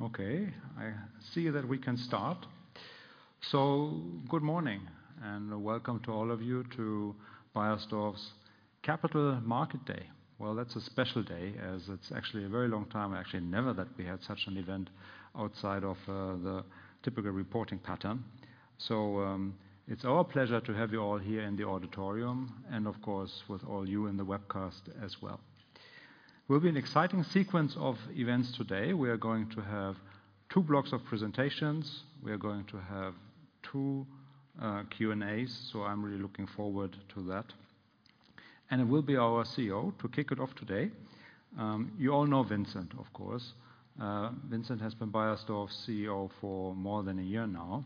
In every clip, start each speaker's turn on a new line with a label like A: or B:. A: Okay, I see that we can start. Good morning, and welcome to all of you to Beiersdorf's Capital Market Day. Well, that's a special day, as it's actually a very long time, actually never that we had such an event outside of the typical reporting pattern. It's our pleasure to have you all here in the auditorium and of course, with all you in the webcast as well. Will be an exciting sequence of events today. We are going to have two blocks of presentations. We are going to have two Q&As, so I'm really looking forward to that. It will be our CEO to kick it off today. You all know Vincent, of course. Vincent has been Beiersdorf's CEO for more than a year now.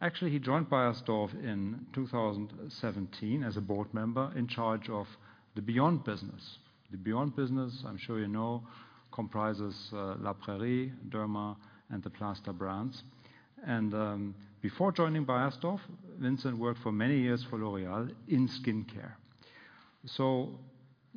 A: Actually, he joined Beiersdorf in 2017 as a board member in charge of the Beyond Business. The Beyond Business, I'm sure you know, comprises La Prairie, Derma and the plaster brands. Before joining Beiersdorf, Vincent worked for many years for L'Oréal in skincare.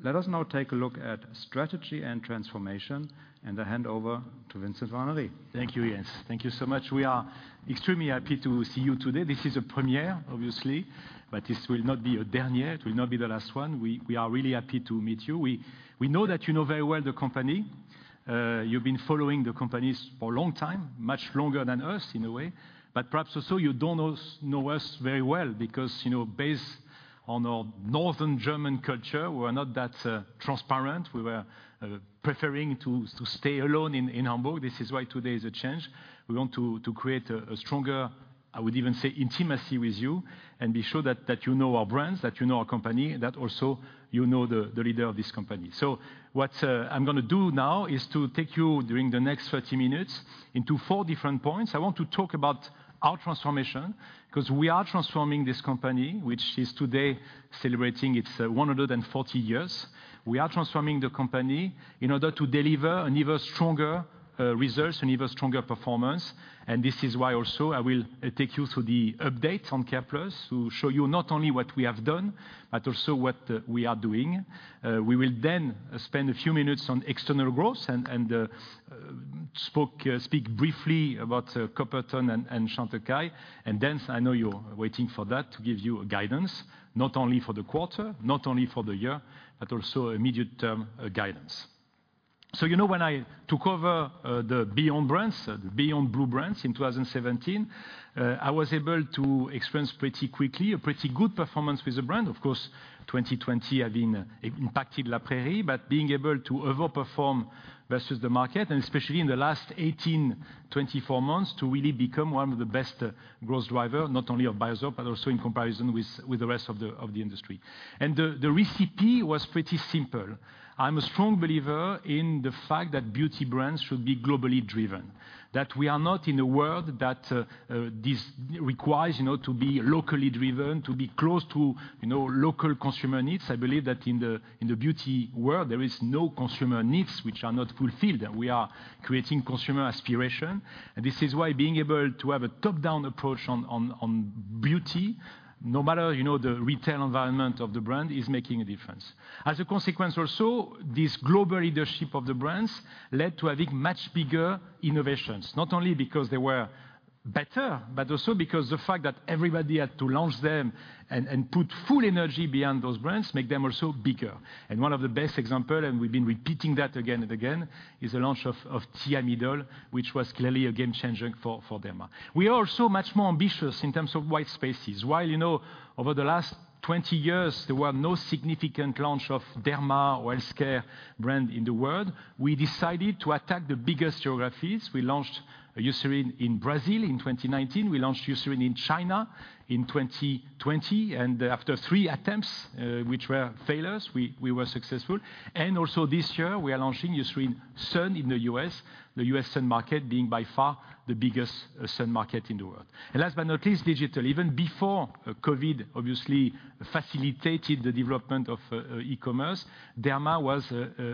A: Let us now take a look at strategy and transformation, and I hand over to Vincent Warnery.
B: Thank you, Jens. Thank you so much. We are extremely happy to see you today. This is a premiere, obviously, but this will not be a dernier. It will not be the last one. We are really happy to meet you. We know that you know very well the company. You've been following the companies for a long time, much longer than us in a way, but perhaps also you don't know know us very well because, you know, based on our northern German culture, we are not that transparent. We were preferring to stay alone in Hamburg. This is why today is a change. We want to create a stronger, I would even say, intimacy with you and be sure that you know our brands, that you know our company, that also you know the leader of this company. What I'm gonna do now is to take you during the next 30 minutes into four different points. I want to talk about our transformation 'cause we are transforming this company, which is today celebrating its 140 years. We are transforming the company in order to deliver an even stronger results and even stronger performance. This is why also I will take you through the update on C.A.R.E.+ to show you not only what we have done, but also what we are doing. We will then spend a few minutes on external growth and speak briefly about Coppertone and Chantecaille. I know you're waiting for that to give you a guidance, not only for the quarter, not only for the year, but also immediate term guidance. You know, when I took over the Beyond brands, the Beyond Blue brands in 2017, I was able to experience pretty quickly a pretty good performance with the brand. Of course, 2020 have been impacted La Prairie, but being able to overperform versus the market and especially in the last 18, 24 months to really become one of the best growth driver, not only of Beiersdorf, but also in comparison with the rest of the industry. The recipe was pretty simple. I'm a strong believer in the fact that beauty brands should be globally driven. That we are not in a world that this requires, you know, to be locally driven, to be close to, you know, local consumer needs. I believe that in the beauty world, there is no consumer needs which are not fulfilled, that we are creating consumer aspiration. This is why being able to have a top-down approach on beauty, no matter, you know, the retail environment of the brand is making a difference. As a consequence also, this global leadership of the brands led to having much bigger innovations, not only because they were better, but also because the fact that everybody had to launch them and put full energy behind those brands make them also bigger. One of the best example, and we've been repeating that again and again, is the launch of Thiamidol, which was clearly a game changer for Derma. We are also much more ambitious in terms of white spaces. While, you know, over the last 20 years, there were no significant launch of Derma or healthcare brand in the world, we decided to attack the biggest geographies. We launched Eucerin in Brazil in 2019. We launched Eucerin in China in 2020. After three attempts, which were failures, we were successful. Also this year, we are launching Eucerin Sun in the U.S., the U.S. sun market being by far the biggest sun market in the world. Last but not least, digital. Even before COVID obviously facilitated the development of e-commerce, Derma was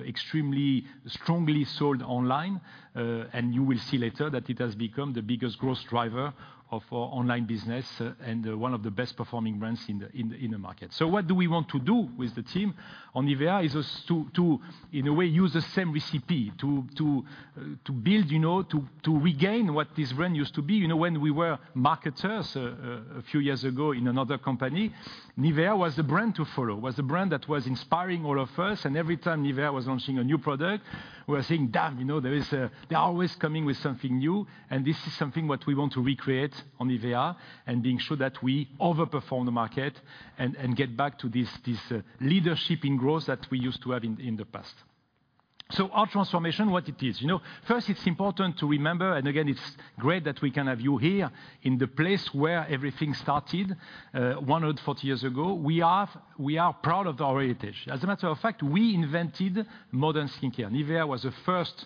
B: extremely strongly sold online, and you will see later that it has become the biggest growth driver of our online business and one of the best performing brands in the market. What do we want to do with the team on NIVEA is just to in a way use the same recipe to build, you know, to regain what this brand used to be. You know, when we were marketers a few years ago in another company, NIVEA was the brand to follow, was the brand that was inspiring all of us. Every time NIVEA was launching a new product, we were saying, "Damn, you know, they're always coming with something new." This is something what we want to recreate on NIVEA and being sure that we overperform the market and get back to this leadership in growth that we used to have in the past. Our transformation, what it is? You know, first it's important to remember, and again, it's great that we can have you here in the place where everything started 140 years ago. We are proud of our heritage. As a matter of fact, we invented modern skincare. NIVEA was the first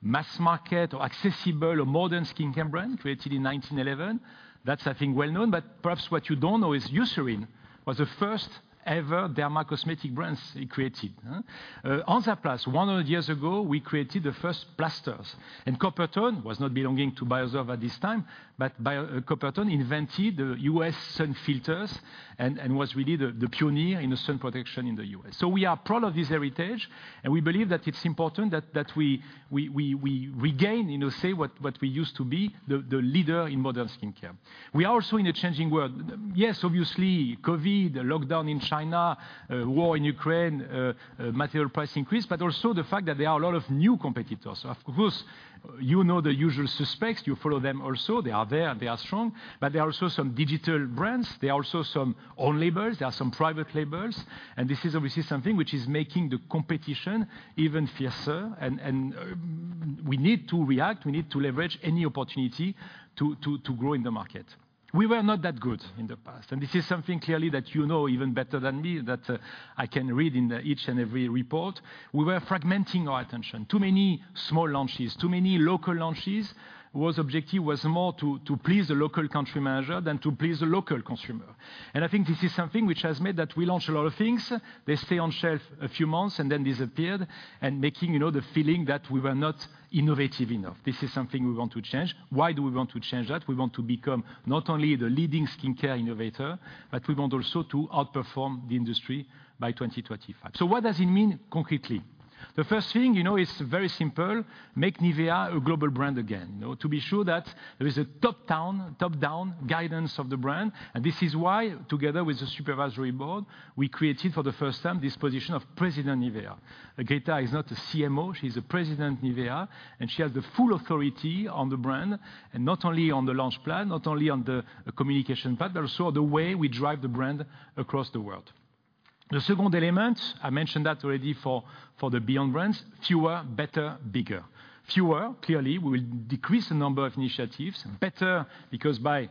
B: mass market or accessible or modern skincare brand created in 1911. That's, I think, well known. Perhaps what you don't know is Eucerin was the first ever dermocosmetic brand he created, huh? Hansaplast, 100 years ago, we created the first plasters. Coppertone was not belonging to Beiersdorf at this time, but Coppertone invented the U.S. sun filters and was really the pioneer in the sun protection in the U.S. We are proud of this heritage, and we believe that it's important that we regain, you know, say what we used to be, the leader in modern skincare. We are also in a changing world. Yes, obviously, COVID, lockdown in China, war in Ukraine, material price increase, but also the fact that there are a lot of new competitors. Of course, you know the usual suspects, you follow them also. They are there and they are strong. There are also some digital brands, there are also some own labels, there are some private labels, and this is obviously something which is making the competition even fiercer and we need to react, we need to leverage any opportunity to grow in the market. We were not that good in the past, and this is something clearly that you know even better than me, I can read in each and every report. We were fragmenting our attention. Too many small launches, too many local launches, whose objective was more to please the local country manager than to please the local consumer. I think this is something which has made that we launch a lot of things, they stay on shelf a few months and then disappeared, and making, you know, the feeling that we were not innovative enough. This is something we want to change. Why do we want to change that? We want to become not only the leading skincare innovator, but we want also to outperform the industry by 2025. What does it mean concretely? The first thing, you know, is very simple, make NIVEA a global brand again. You know, to be sure that there is a top-down guidance of the brand, and this is why, together with the supervisory board, we created for the first time this position of President, NIVEA. Grita is not a CMO, she's the President, NIVEA, and she has the full authority on the brand, and not only on the launch plan, not only on the communication part, but also the way we drive the brand across the world. The second element, I mentioned that already for the beyond brands, fewer, better, bigger. Fewer, clearly, we will decrease the number of initiatives. Better, because by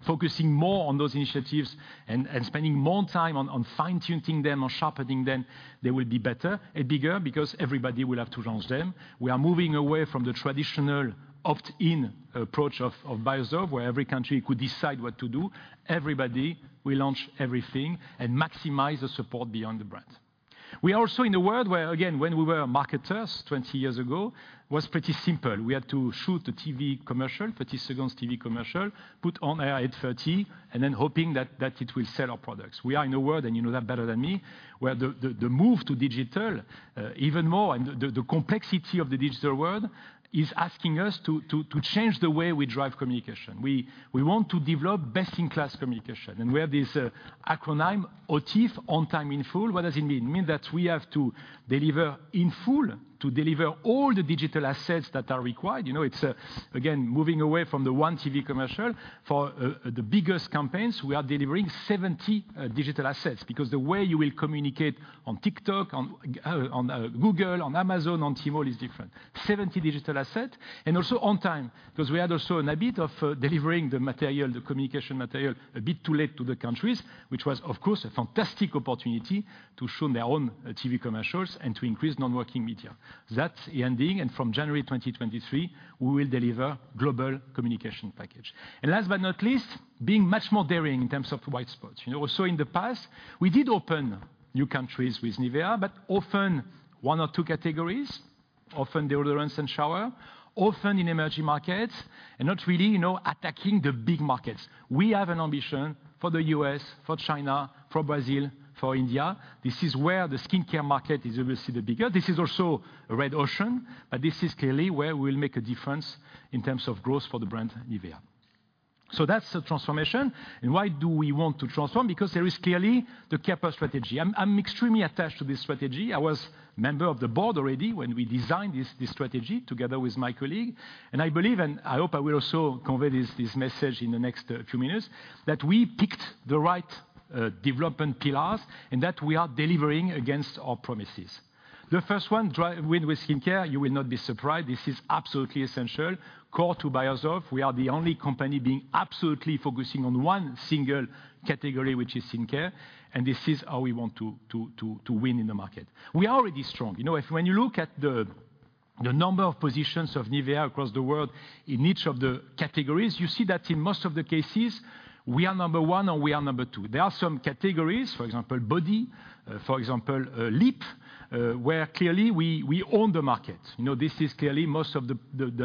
B: focusing more on those initiatives and spending more time on fine-tuning them, on sharpening them, they will be better. Bigger, because everybody will have to launch them. We are moving away from the traditional opt-in approach of Beiersdorf, where every country could decide what to do. Everybody will launch everything and maximize the support beyond the brand. We are also in a world where, again, when we were marketers 20 years ago, was pretty simple. We had to shoot a TV commercial, 30 seconds TV commercial, put on air at 30, and then hoping that it will sell our products. We are in a world, and you know that better than me, where the move to digital even more, and the complexity of the digital world is asking us to change the way we drive communication. We want to develop best-in-class communication, and we have this acronym, OTIF, On Time In Full. What does it mean? It mean that we have to deliver in full to deliver all the digital assets that are required. You know, it's again, moving away from the one TV commercial. For the biggest campaigns, we are delivering 70 digital assets, because the way you will communicate on TikTok, on Google, on Amazon, on Tmall is different. 70 digital asset and also on time, because we had also a habit of delivering the material, the communication material a bit too late to the countries, which was, of course, a fantastic opportunity for them to show their own TV commercials and to increase non-working media. That's ending, and from January 2023, we will deliver global communication package. Last but not least, being much more daring in terms of white space. You know, so in the past, we did open new countries with NIVEA, but often one or two categories, often deodorants and shower, often in emerging markets, and not really, you know, attacking the big markets. We have an ambition for the U.S., for China, for Brazil, for India. This is where the skincare market is obviously the bigger. This is also a red ocean, but this is clearly where we'll make a difference in terms of growth for the brand NIVEA. That's the transformation. Why do we want to transform? Because there is clearly the C.A.R.E.+ strategy. I'm extremely attached to this strategy. I was member of the board already when we designed this strategy together with my colleague. I believe, and I hope I will also convey this message in the next few minutes, that we picked the right development pillars and that we are delivering against our promises. The first one, win with skincare, you will not be surprised. This is absolutely essential. Core to Beiersdorf, we are the only company being absolutely focusing on one single category, which is skincare. This is how we want to win in the market. We are already strong. You know, if when you look at the number of positions of NIVEA across the world in each of the categories, you see that in most of the cases, we are number one or we are number two. There are some categories, for example, body, for example, lip, where clearly we own the market. You know, this is clearly most of the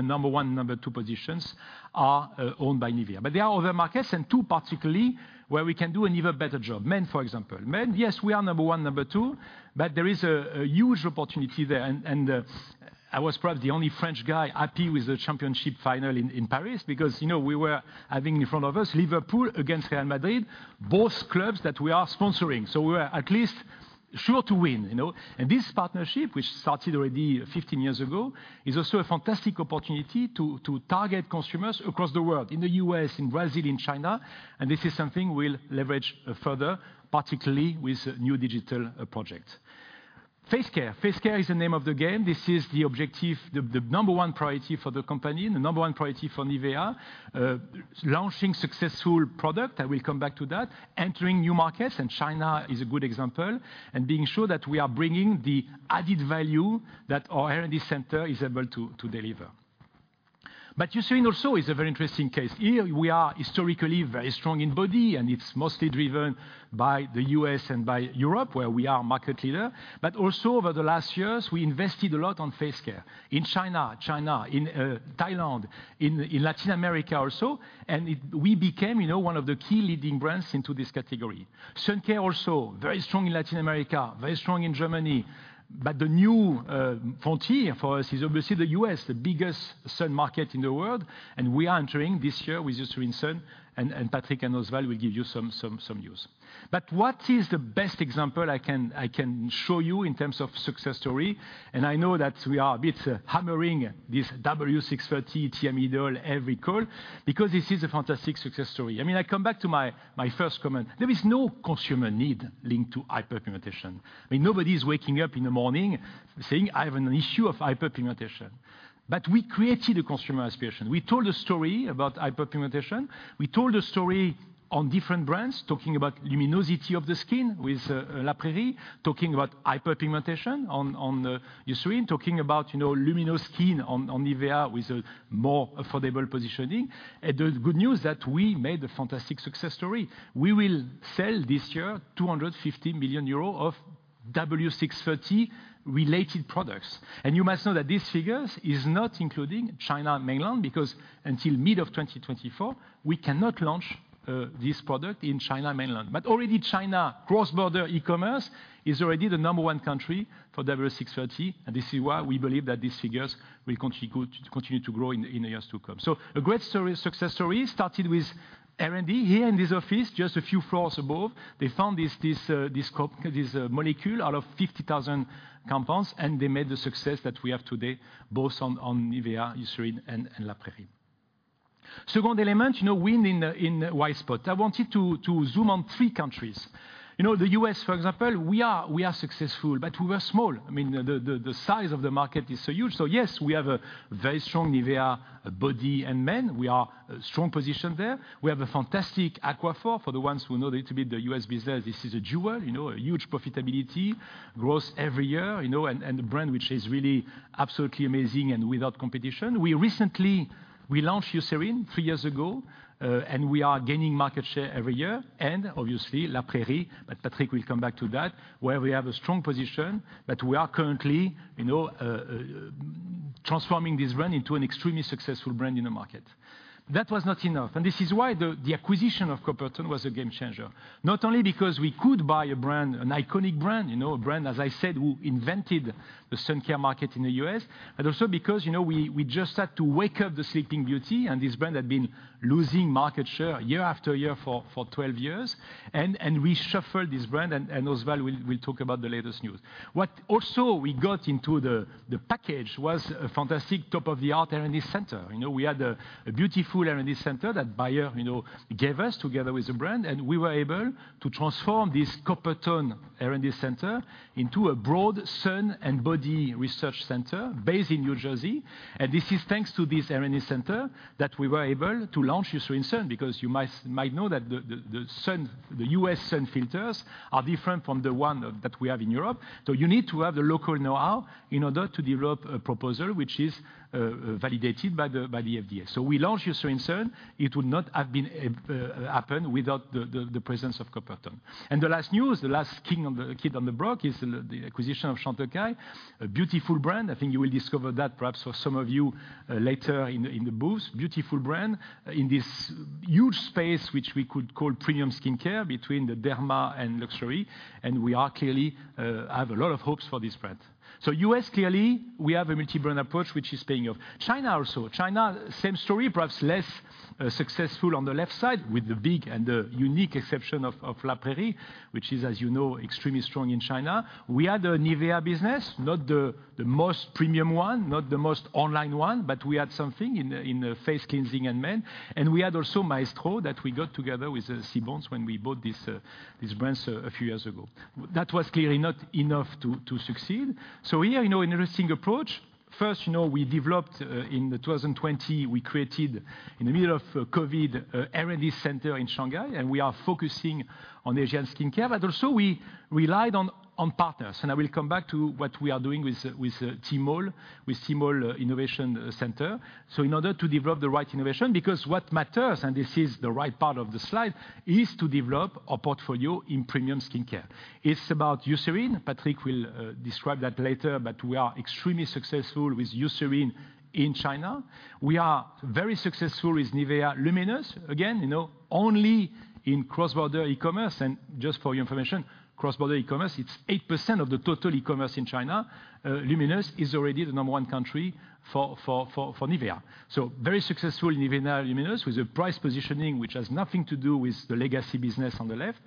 B: number one, number two positions are owned by NIVEA. There are other markets, in two, particularly, where we can do an even better job. Men, for example. MEN, yes, we are number one, number two, but there is a huge opportunity there and I was perhaps the only French guy happy with the championship final in Paris because, you know, we were having in front of us Liverpool against Real Madrid, both clubs that we are sponsoring. We were at least sure to win, you know. This partnership, which started already 15 years ago, is also a fantastic opportunity to target consumers across the world, in the U.S., in Brazil, in China, and this is something we'll leverage further, particularly with new digital project. Face care. Face care is the name of the game. This is the objective, the number one priority for the company, the number one priority for NIVEA. Launching successful product, I will come back to that. Entering new markets, and China is a good example. Being sure that we are bringing the added value that our R&D center is able to deliver. Eucerin also is a very interesting case. Here we are historically very strong in body, and it's mostly driven by the U.S. and by Europe, where we are market leader. Also over the last years, we invested a lot on face care in China, Thailand, in Latin America also. We became, you know, one of the key leading brands into this category. Sun care also very strong in Latin America, very strong in Germany. The new frontier for us is obviously the U.S., the biggest sun market in the world. We are entering this year with Eucerin Sun, and Patrick and Oswald will give you some news. What is the best example I can show you in terms of success story? I know that we are a bit hammering this W630 Thiamidol every call because this is a fantastic success story. I mean, I come back to my first comment. There is no consumer need linked to hyperpigmentation. I mean, nobody is waking up in the morning saying, "I have an issue of hyperpigmentation." We created a consumer aspiration. We told a story about hyperpigmentation. We told a story on different brands, talking about luminosity of the skin with La Prairie, talking about hyperpigmentation on Eucerin, talking about luminous skin on NIVEA with a more affordable positioning. The good news that we made a fantastic success story. We will sell this year 250 million euros of W630-related products. You must know that these figures is not including mainland China because until mid of 2024, we cannot launch this product in mainland China. Already China cross-border e-commerce is the number one country for W630, and this is why we believe that these figures will continue to grow in the years to come. A great story, success story started with R&D here in this office just a few floors above. They found this molecule out of 50,000 compounds, and they made the success that we have today, both on NIVEA, Eucerin, and La Prairie. Second element, you know, win in white space. I wanted to zoom in on three countries. You know, the U.S., for example, we are successful, but we were small. I mean, the size of the market is so huge. Yes, we have a very strong NIVEA Body and Men. We are strong position there. We have a fantastic Aquaphor. For the ones who know a little bit the U.S. business, this is a jewel, you know, a huge profitability, grows every year, you know, and a brand which is really absolutely amazing and without competition. We launched Eucerin three years ago, and we are gaining market share every year, and obviously La Prairie, but Patrick will come back to that, where we have a strong position, but we are currently, you know, transforming this brand into an extremely successful brand in the market. That was not enough, and this is why the acquisition of Coppertone was a game changer. Not only because we could buy a brand, an iconic brand, you know, a brand, as I said, who invented the sun care market in the U.S., and also because, you know, we just had to wake up the sleeping beauty, and this brand had been losing market share year after year for 12 years. We shuffled this brand, and Oswald will talk about the latest news. What also we got into the package was a fantastic top-of-the-art R&D center. You know, we had a beautiful R&D center that Bayer, you know, gave us together with the brand, and we were able to transform this Coppertone R&D center into a broad sun and body research center based in New Jersey. This is thanks to this R&D center that we were able to launch Eucerin Sun because you might know that the sun, the U.S. sun filters are different from the one that we have in Europe. You need to have the local know-how in order to develop a proposal which is validated by the FDA. We launched Eucerin Sun. It would not have happened without the presence of Coppertone. The last news, the last kid on the block is the acquisition of Chantecaille, a beautiful brand. I think you will discover that perhaps for some of you later in the booths. Beautiful brand in this huge space which we could call premium skincare between the derma and luxury, and we are clearly have a lot of hopes for this brand. U.S., clearly, we have a multi-brand approach which is paying off. China also. China, same story, perhaps less successful on the left side with the big and the unique exception of La Prairie, which is, as you know, extremely strong in China. We had a NIVEA business, not the most premium one, not the most online one, but we had something in face cleansing and men. We had also Maestro that we got together with C-BONS when we bought these brands a few years ago. That was clearly not enough to succeed. Here, you know, interesting approach. First, you know, we developed in 2020, we created, in the middle of COVID, a R&D center in Shanghai, and we are focusing on Asian skincare. We also relied on partners, and I will come back to what we are doing with Tmall, with Tmall Innovation Center. In order to develop the right innovation, because what matters, and this is the right part of the slide, is to develop our portfolio in premium skincare. It's about Eucerin. Patrick will describe that later, but we are extremely successful with Eucerin in China. We are very successful with NIVEA LUMINOUS. Again, you know, only in cross-border e-commerce, and just for your information, cross-border e-commerce, it's 8% of the total e-commerce in China. LUMINOUS is already the number one country for NIVEA. Very successful NIVEA LUMINOUS with a price positioning which has nothing to do with the legacy business on the left.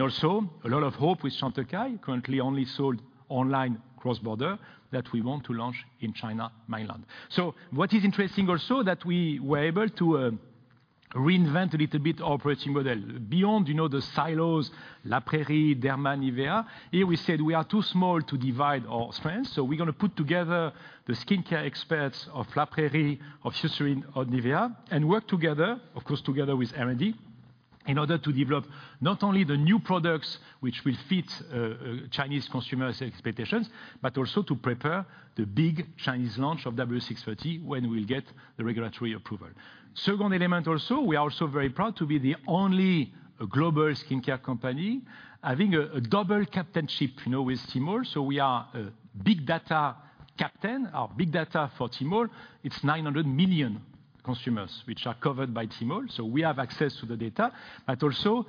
B: Also a lot of hope with Chantecaille, currently only sold online cross-border, that we want to launch in China mainland. What is interesting also that we were able to reinvent a little bit our operating model. Beyond, you know, the silos, La Prairie, Derma, NIVEA, here we said we are too small to divide our strengths, so we're gonna put together the skincare experts of La Prairie, of Eucerin, of NIVEA, and work together, of course, together with R&D. In order to develop not only the new products which will fit Chinese consumers' expectations, but also to prepare the big Chinese launch of W630 when we'll get the regulatory approval. Second element also, we are also very proud to be the only global skincare company having a double captainship, you know, with Tmall. We are a big data captain. Our big data for Tmall, it's 900 million consumers which are covered by Tmall, so we have access to the data. But also,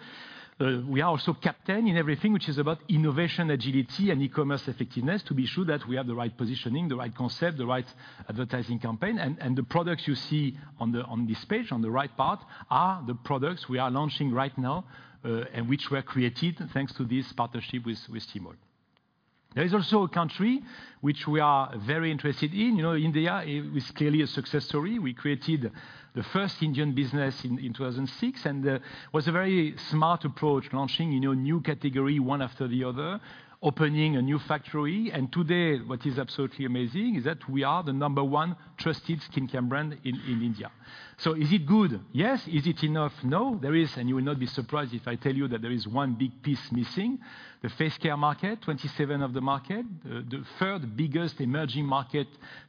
B: we are also captain in everything which is about innovation, agility and e-commerce effectiveness to be sure that we have the right positioning, the right concept, the right advertising campaign. The products you see on this page, on the right part, are the products we are launching right now, and which were created thanks to this partnership with Tmall. There is also a country which we are very interested in. You know, India is clearly a success story. We created the first Indian business in 2006, and was a very smart approach launching, you know, new category, one after the other, opening a new factory. Today, what is absolutely amazing is that we are the number one trusted skincare brand in India. Is it good? Yes. Is it enough? No. There is, and you will not be surprised if I tell you that there is one big piece missing, the face care market, 27% of the market. The third biggest emerging market,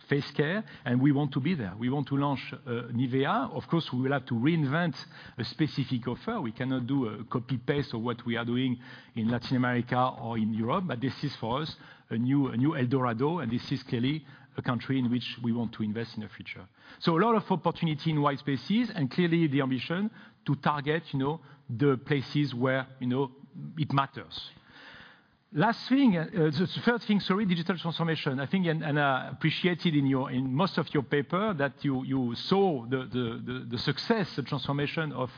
B: face care, and we want to be there. We want to launch NIVEA. Of course, we will have to reinvent a specific offer. We cannot do a copy-paste of what we are doing in Latin America or in Europe, but this is, for us, a new El Dorado, and this is clearly a country in which we want to invest in the future. A lot of opportunity in white spaces and clearly the ambition to target, you know, the places where, you know, it matters. Last thing, the third thing, sorry, digital transformation. I think, and appreciated in most of your paper that you saw the success, the transformation of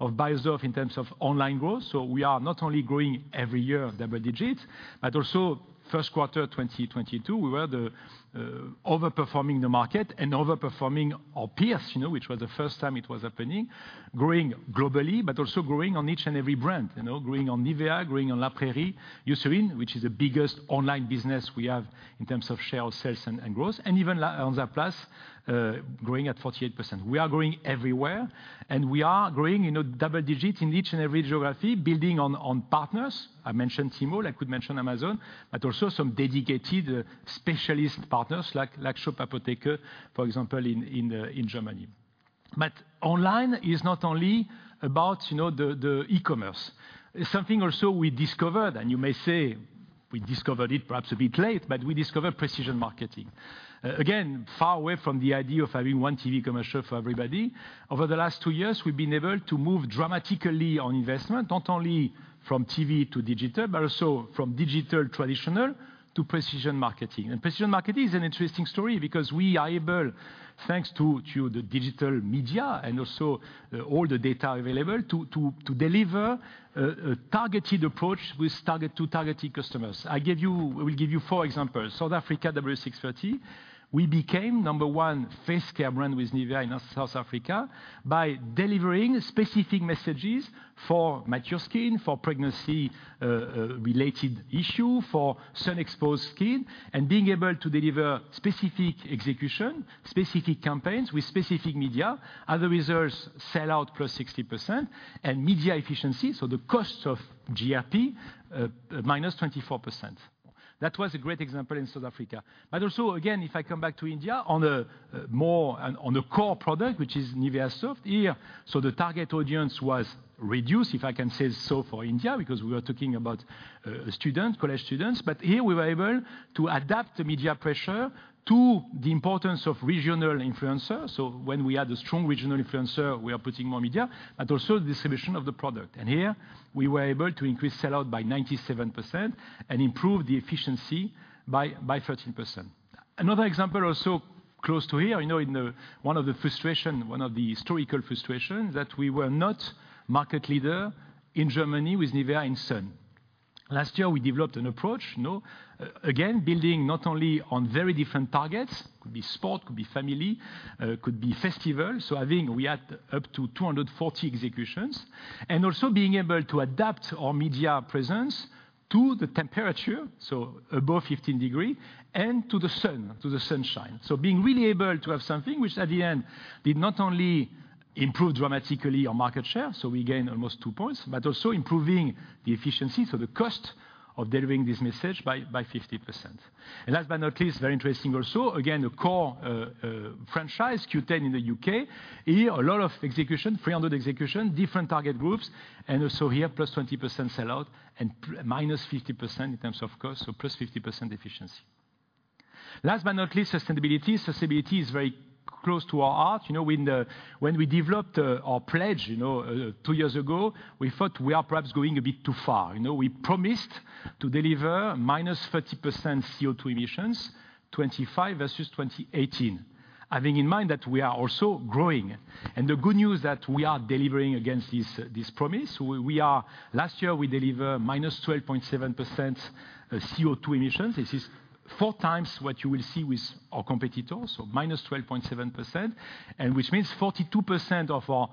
B: Beiersdorf in terms of online growth. We are not only growing every year double digits, but also first quarter 2022, we were overperforming the market and overperforming our peers, you know, which was the first time it was happening, growing globally but also growing on each and every brand. You know, growing on NIVEA, growing on La Prairie, Eucerin, which is the biggest online business we have in terms of share of sales and growth, and even on Hansaplast growing at 48%. We are growing everywhere, and we are growing, you know, double digits in each and every geography, building on partners. I mentioned Tmall, I could mention Amazon, but also some dedicated specialist partners like Shop Apotheke, for example, in Germany. Online is not only about, you know, the e-commerce. Something also we discovered, and you may say we discovered it perhaps a bit late, but we discovered Precision Marketing. Again, far away from the idea of having one TV commercial for everybody. Over the last two years, we've been able to move dramatically on investment, not only from TV to digital, but also from traditional digital to Precision Marketing. Precision Marketing is an interesting story because we are able, thanks to the digital media and also all the data available, to deliver a targeted approach to targeted customers. We give you four examples. South Africa, W630, we became number one face care brand with NIVEA in South Africa by delivering specific messages for mature skin, for pregnancy related issue, for sun-exposed skin, and being able to deliver specific execution, specific campaigns with specific media. Other results, sell-out +60% and media efficiency, so the cost of GRP -24%. That was a great example in South Africa. Also, again, if I come back to India on a core product, which is NIVEA Soft, here, so the target audience was reduced, if I can say so for India, because we are talking about students, college students. Here we were able to adapt the media pressure to the importance of regional influencers. So when we had a strong regional influencer, we are putting more media, but also the distribution of the product. Here we were able to increase sell-out by 97% and improve the efficiency by 13%. Another example also close to here, you know, one of the historical frustrations that we were not market leader in Germany with NIVEA and Sun. Last year, we developed an approach, you know, again, building not only on very different targets, could be sport, could be family, could be festival. I think we had up to 240 executions. Also being able to adapt our media presence to the temperature, above 15 degrees, and to the sun, to the sunshine. Being really able to have something which at the end did not only improve dramatically our market share, we gain almost 2 points, but also improving the efficiency, the cost of delivering this message by 50%. Last but not least, very interesting also, again, a core franchise, Q10 in the U.K. Here, a lot of execution, 300 execution, different target groups, and also here, +20% sell-out and -50% in terms of cost, so +50% efficiency. Last but not least, sustainability. Sustainability is very close to our heart. You know, when we developed our pledge, you know, two years ago, we thought we are perhaps going a bit too far. You know, we promised to deliver -30% CO₂ emissions, 2025 versus 2018. Having in mind that we are also growing. The good news that we are delivering against this promise. Last year, we deliver -12.7% CO₂ emissions. This is 4x what you will see with our competitors, so -12.7%, and which means 42% of our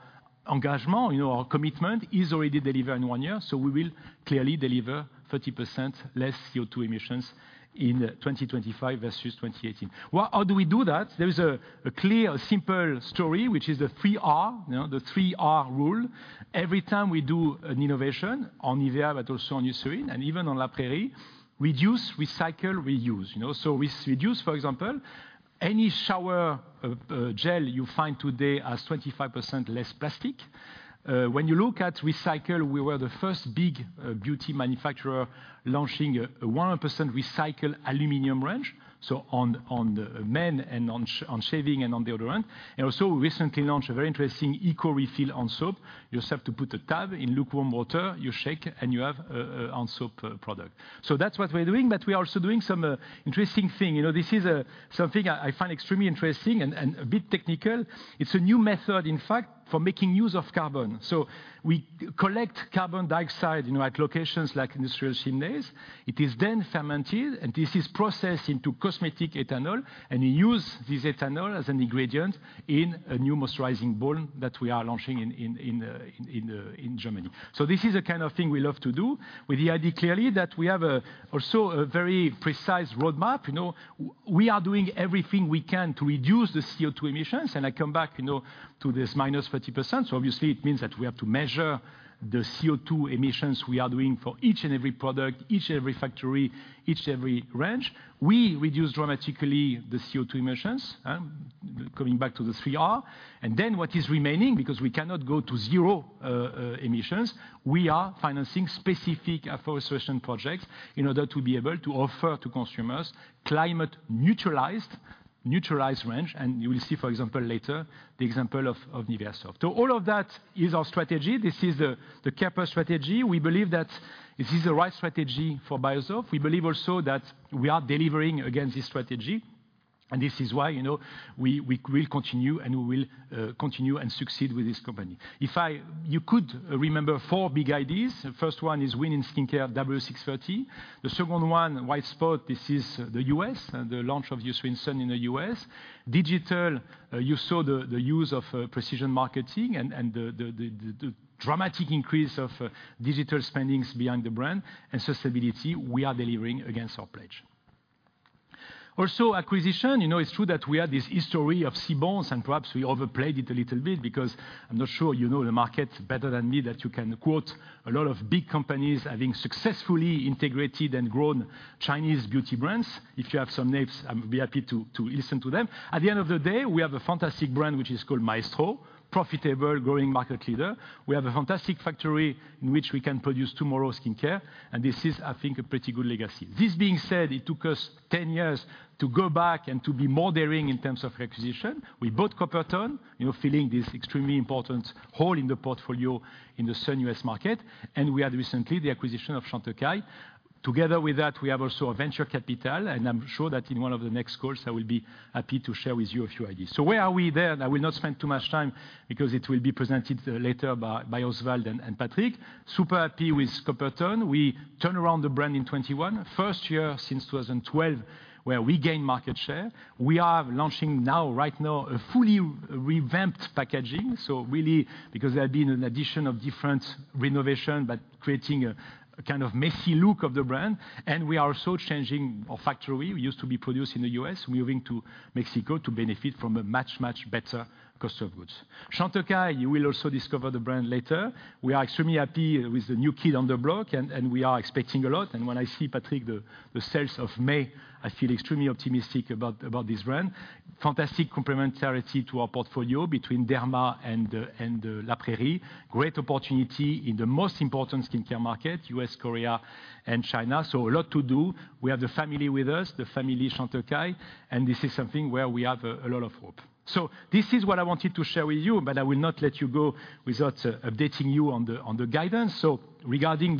B: engagement, you know, our commitment is already delivered in one year. We will clearly deliver 30% less CO₂ emissions in 2025 versus 2018. Well, how do we do that? There is a clear simple story, which is the 3R, you know, the 3R rule. Every time we do an innovation on NIVEA, but also on Eucerin, and even on La Prairie, reduce, recycle, reuse. You know, so with reduce, for example, any shower gel you find today has 25% less plastic. When you look at recycle, we were the first big beauty manufacturer launching a 100% recycled aluminum range. So on MEN and on shaving and on deodorant. Also recently launched a very interesting eco-refill on soap. You just have to put a tab in lukewarm water, you shake, and you have a hand soap product. That's what we're doing, but we are also doing some interesting thing. You know, this is something I find extremely interesting and a bit technical. It's a new method, in fact, for making use of carbon. We collect carbon dioxide, you know, at locations like industrial chimneys. It is then fermented, and this is processed into cosmetic ethanol, and we use this ethanol as an ingredient in a new moisturizing balm that we are launching in Germany. This is the kind of thing we love to do. With the idea clearly that we have also a very precise roadmap, you know. We are doing everything we can to reduce the CO₂ emissions, and I come back, you know, to this -30%. Obviously it means that we have to measure the CO₂ emissions we are doing for each and every product, each and every factory, each and every range. We reduce dramatically the CO₂ emissions, coming back to the 3R. Then what is remaining, because we cannot go to zero emissions, we are financing specific afforestation projects in order to be able to offer to consumers climate neutralized range, and you will see, for example, later, the example of NIVEA Soft. All of that is our strategy. This is the C.A.R.E.+ strategy. We believe that this is the right strategy for Beiersdorf. We believe also that we are delivering against this strategy, and this is why, you know, we will continue and succeed with this company. You could remember four big ideas. First one is win in skincare W630. The second one, white space. This is the U.S., the launch of Eucerin Sun in the U.S. Digital, you saw the use of Precision Marketing and the dramatic increase of digital spending behind the brand. Sustainability, we are delivering against our pledge. Also, acquisition, you know, it's true that we had this history of C-BONS, and perhaps we overplayed it a little bit because I'm not sure you know the market better than me, that you can quote a lot of big companies having successfully integrated and grown Chinese beauty brands. If you have some names, I'm happy to listen to them. At the end of the day, we have a fantastic brand, which is called Maestro, profitable, growing market leader. We have a fantastic factory in which we can produce tomorrow's skincare, and this is, I think, a pretty good legacy. This being said, it took us 10 years to go back and to be more daring in terms of acquisition. We bought Coppertone, you know, filling this extremely important hole in the portfolio in the sun U.S. market, and we had recently the acquisition of Chantecaille. Together with that, we have also a venture capital, and I'm sure that in one of the next calls, I will be happy to share with you a few ideas. Where are we there? I will not spend too much time because it will be presented later by Oswald and Patrick. Super happy with Coppertone. We turn around the brand in 2021. First year since 2012 where we gain market share. We are launching now, right now, a fully revamped packaging. Really because there had been an addition of different renovation, but creating a kind of messy look of the brand. We are also changing our factory. We used to be produced in the U.S., moving to Mexico to benefit from a much better cost of goods. Chantecaille, you will also discover the brand later. We are extremely happy with the new kid on the block, and we are expecting a lot. When I see Patrick, the sales of May, I feel extremely optimistic about this brand. Fantastic complementarity to our portfolio between Derma and La Prairie. Great opportunity in the most important skincare market, U.S., Korea, and China. A lot to do. We have the family with us, the family Chantecaille, and this is something where we have a lot of hope. This is what I wanted to share with you, but I will not let you go without updating you on the guidance. Regarding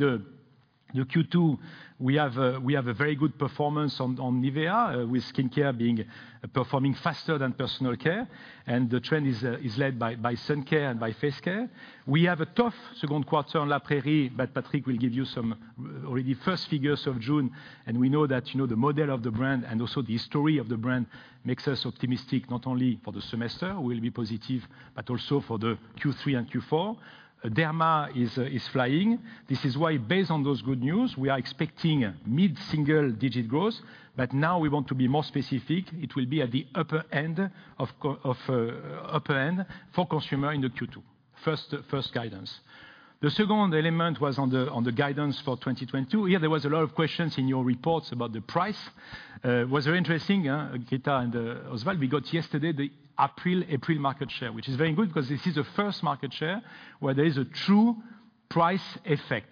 B: the Q2, we have a very good performance on NIVEA with skincare performing faster than personal care, and the trend is led by sun care and by face care. We have a tough second quarter on La Prairie, but Patrick will give you some already first figures of June. We know that, you know, the model of the brand and also the history of the brand makes us optimistic, not only for the semester, we'll be positive, but also for the Q3 and Q4. Derma is flying. This is why, based on those good news, we are expecting mid-single digit growth. Now we want to be more specific. It will be at the upper end for consumer in the Q2. First guidance. The second element was on the guidance for 2022. Here, there was a lot of questions in your reports about the price. Was very interesting, Grita and Oswald. We got yesterday the April market share, which is very good 'cause this is the first market share where there is a true price effect,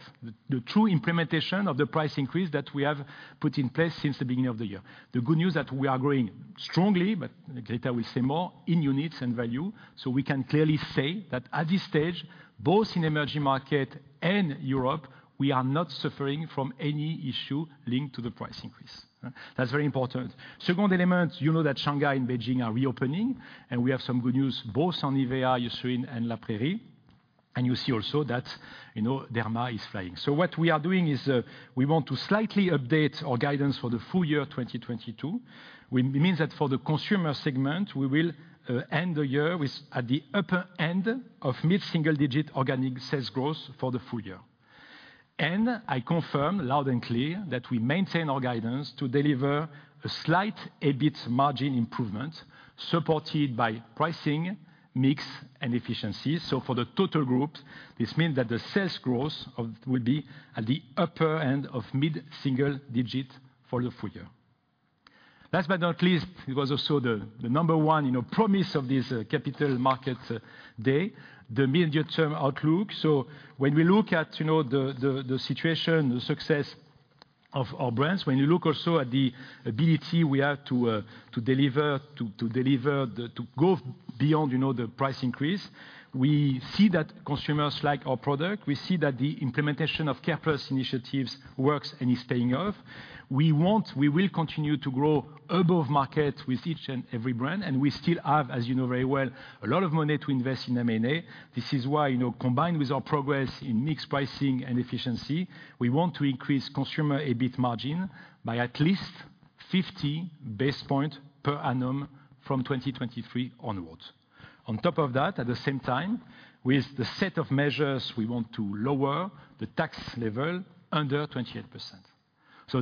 B: the true implementation of the price increase that we have put in place since the beginning of the year. The good news that we are growing strongly, but Grita will say more, in units and value. We can clearly say that at this stage, both in emerging market and Europe, we are not suffering from any issue linked to the price increase. That's very important. Second element, you know that Shanghai and Beijing are reopening, and we have some good news both on NIVEA, Eucerin, and La Prairie. You see also that, you know, Derma is flying. What we are doing is, we want to slightly update our guidance for the full year 2022, which means that for the consumer segment, we will end the year at the upper end of mid-single digit organic sales growth for the full year. I confirm loud and clear that we maintain our guidance to deliver a slight EBIT margin improvement supported by pricing, mix, and efficiency. For the total group, this means that the sales growth will be at the upper end of mid-single digit for the full year. Last but not least, it was also the number one, you know, promise of this capital market day, the medium term outlook. When we look at, you know, the situation, the success of our brands, when you look also at the ability we have to deliver to go beyond, you know, the price increase, we see that consumers like our product. We see that the implementation of C.A.R.E.+ initiatives works and is paying off. We want, we will continue to grow above market with each and every brand, and we still have, as you know very well, a lot of money to invest in M&A. This is why, you know, combined with our progress in mix pricing and efficiency, we want to increase consumer EBIT margin by at least 50 basis points per annum from 2023 onwards. On top of that, at the same time, with the set of measures, we want to lower the tax level under 28%.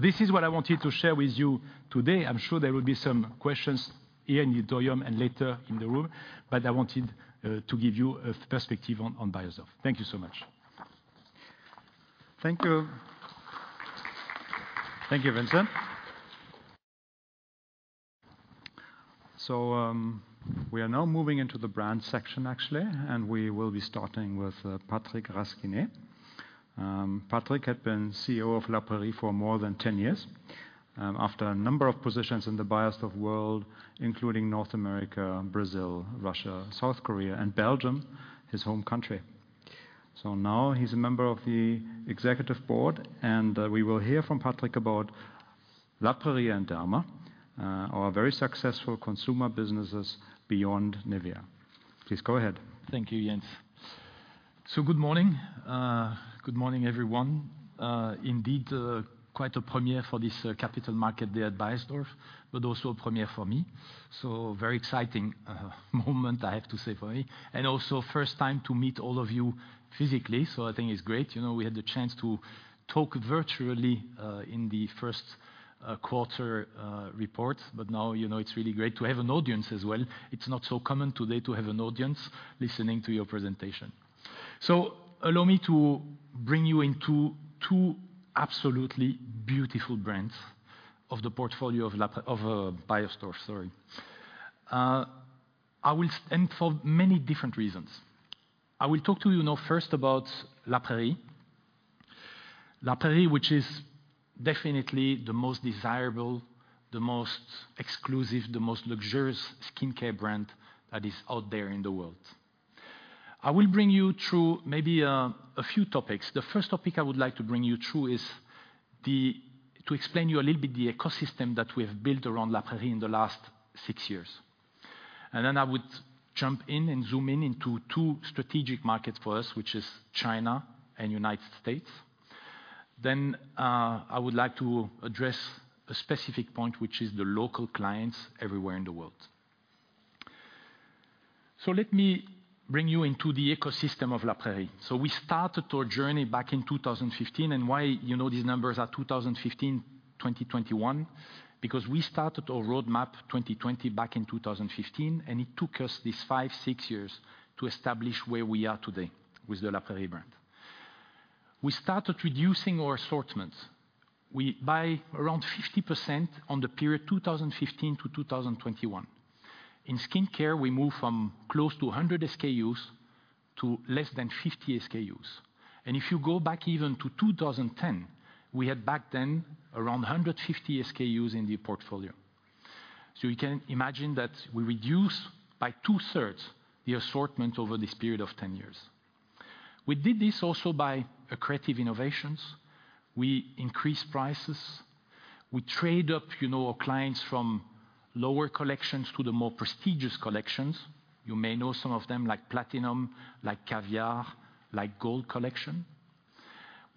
B: This is what I wanted to share with you today. I'm sure there will be some questions here in the auditorium and later in the room, but I wanted to give you a perspective on Beiersdorf. Thank you so much.
A: Thank you. Thank you, Vincent. We are now moving into the brand section, actually, and we will be starting with Patrick Rasquinet. Patrick had been CEO of La Prairie for more than 10 years, after a number of positions in the Beiersdorf world, including North America, Brazil, Russia, South Korea, and Belgium, his home country. Now he is a member of the executive board, and we will hear from Patrick about La Prairie and Derma, our very successful consumer businesses beyond NIVEA. Please go ahead.
C: Thank you, Jens. Good morning. Good morning, everyone. Indeed, quite a premiere for this capital market day at Beiersdorf, but also a premiere for me, so very exciting moment I have to say for me. Also first time to meet all of you physically, so I think it's great. You know, we had the chance to talk virtually in the first quarter report, but now, you know, it's really great to have an audience as well. It's not so common today to have an audience listening to your presentation. Allow me to bring you into two absolutely beautiful brands of the portfolio of Beiersdorf, sorry. For many different reasons. I will talk to you now first about La Prairie. La Prairie, which is definitely the most desirable, the most exclusive, the most luxurious skincare brand that is out there in the world. I will bring you through maybe, a few topics. The first topic I would like to bring you through is to explain you a little bit the ecosystem that we have built around La Prairie in the last six years. I would jump in and zoom in into two strategic markets for us, which is China and United States. I would like to address a specific point, which is the local clients everywhere in the world. Let me bring you into the ecosystem of La Prairie. We started our journey back in 2015, and why you know these numbers are 2015, 2021, because we started our roadmap 2020 back in 2015, and it took us these five, six years to establish where we are today with the La Prairie brand. We started reducing our assortments by around 50% on the period 2015-2021. In skincare, we moved from close to 100 SKUs to less than 50 SKUs. If you go back even to 2010, we had back then around 150 SKUs in the portfolio. You can imagine that we reduced by two-thirds the assortment over this period of 10 years. We did this also by creating innovations. We increased prices. We trade up, you know, our clients from lower collections to the more prestigious collections. You may know some of them, like Platinum, like Caviar, like Gold Collection.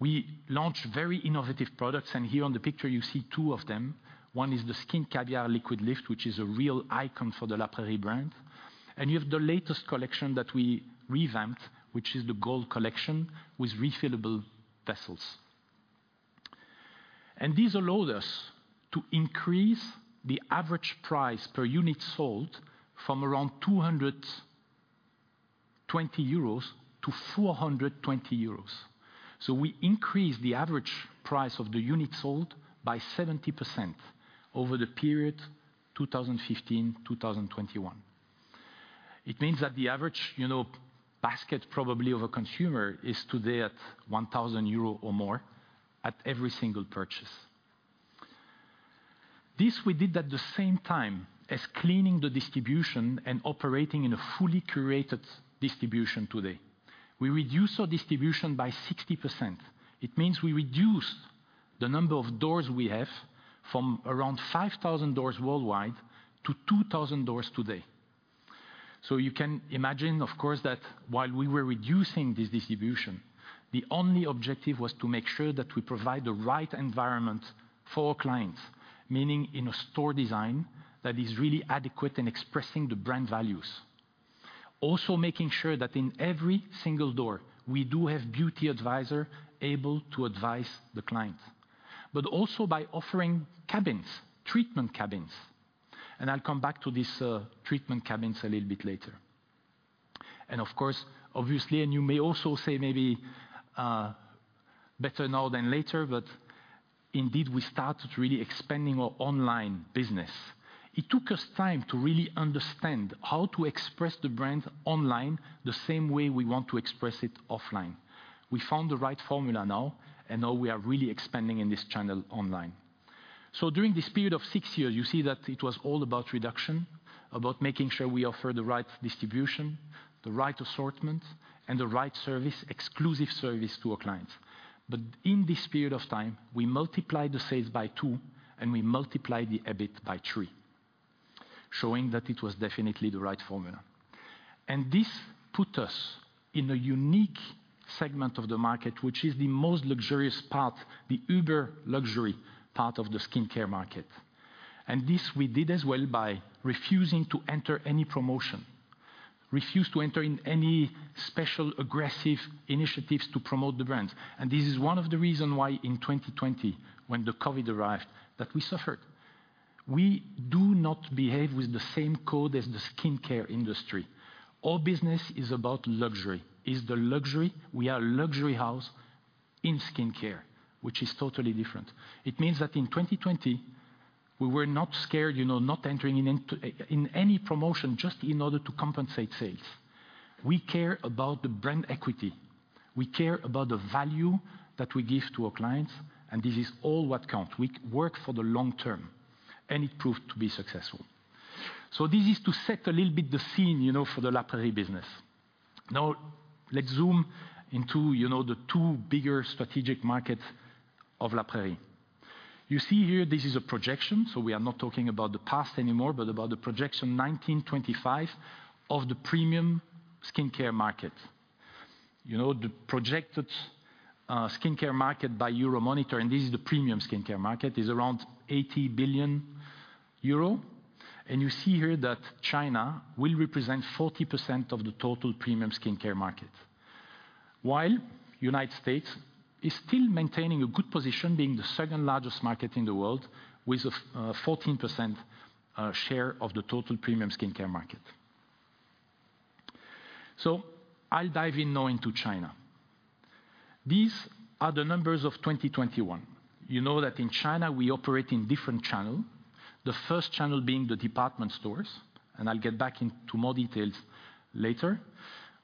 C: We launched very innovative products, and here on the picture, you see two of them. One is the Skin Caviar Liquid Lift, which is a real icon for the La Prairie brand. You have the latest collection that we revamped, which is the Gold Collection, with refillable vessels. This allowed us to increase the average price per unit sold from around 220 euros to 420 euros. We increased the average price of the units sold by 70% over the period 2015-2021. It means that the average, you know, basket probably of a consumer is today at 1,000 euro or more at every single purchase. This we did at the same time as cleaning the distribution and operating in a fully curated distribution today. We reduced our distribution by 60%. It means we reduced the number of doors we have from around 5,000 doors worldwide to 2,000 doors today. You can imagine, of course, that while we were reducing this distribution, the only objective was to make sure that we provide the right environment for our clients, meaning in a store design that is really adequate in expressing the brand values. Also making sure that in every single door, we do have beauty advisor able to advise the client, but also by offering cabins, treatment cabins, and I'll come back to these, treatment cabins a little bit later. Of course, obviously, and you may also say maybe, better now than later, but indeed, we started really expanding our online business. It took us time to really understand how to express the brand online the same way we want to express it offline. We found the right formula now, and now we are really expanding in this channel online. During this period of six years, you see that it was all about reduction, about making sure we offer the right distribution, the right assortment, and the right service, exclusive service to our clients. In this period of time, we multiplied the sales by two, and we multiplied the EBIT by three, showing that it was definitely the right formula. This put us in a unique segment of the market, which is the most luxurious part, the uber-luxury part of the skincare market. This we did as well by refusing to enter any promotion, refused to enter in any special aggressive initiatives to promote the brand. This is one of the reason why in 2020, when the COVID arrived, that we suffered. We do not behave with the same code as the skincare industry. Our business is about luxury. It's the luxury. We are a luxury house in skincare, which is totally different. It means that in 2020 we were not scared, you know, not entering in any promotion just in order to compensate sales. We care about the brand equity. We care about the value that we give to our clients, and this is all what count. We work for the long term, and it proved to be successful. This is to set a little bit the scene, you know, for the La Prairie business. Now let's zoom into, you know, the two bigger strategic markets of La Prairie. You see here this is a projection. We are not talking about the past anymore, but about the projection 1925 of the premium skincare market. You know, the projected skincare market by Euromonitor, and this is the premium skincare market, is around 80 billion euro. You see here that China will represent 40% of the total premium skincare market, while United States is still maintaining a good position, being the second-largest market in the world with a 14% share of the total premium skincare market. I'll dive in now into China. These are the numbers of 2021. You know that in China we operate in different channel, the first channel being the department stores, and I'll get back into more details later,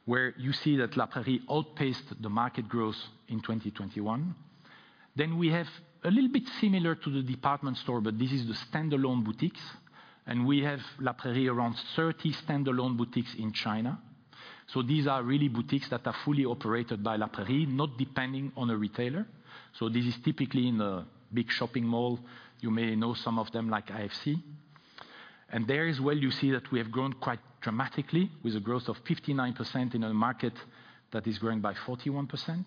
C: where you see that La Prairie outpaced the market growth in 2021. We have a little bit similar to the department store, but this is the standalone boutiques, and we have La Prairie around 30 standalone boutiques in China. These are really boutiques that are fully operated by La Prairie, not depending on a retailer. This is typically in a big shopping mall. You may know some of them like IFC. There as well you see that we have grown quite dramatically with a growth of 59% in a market that is growing by 41%.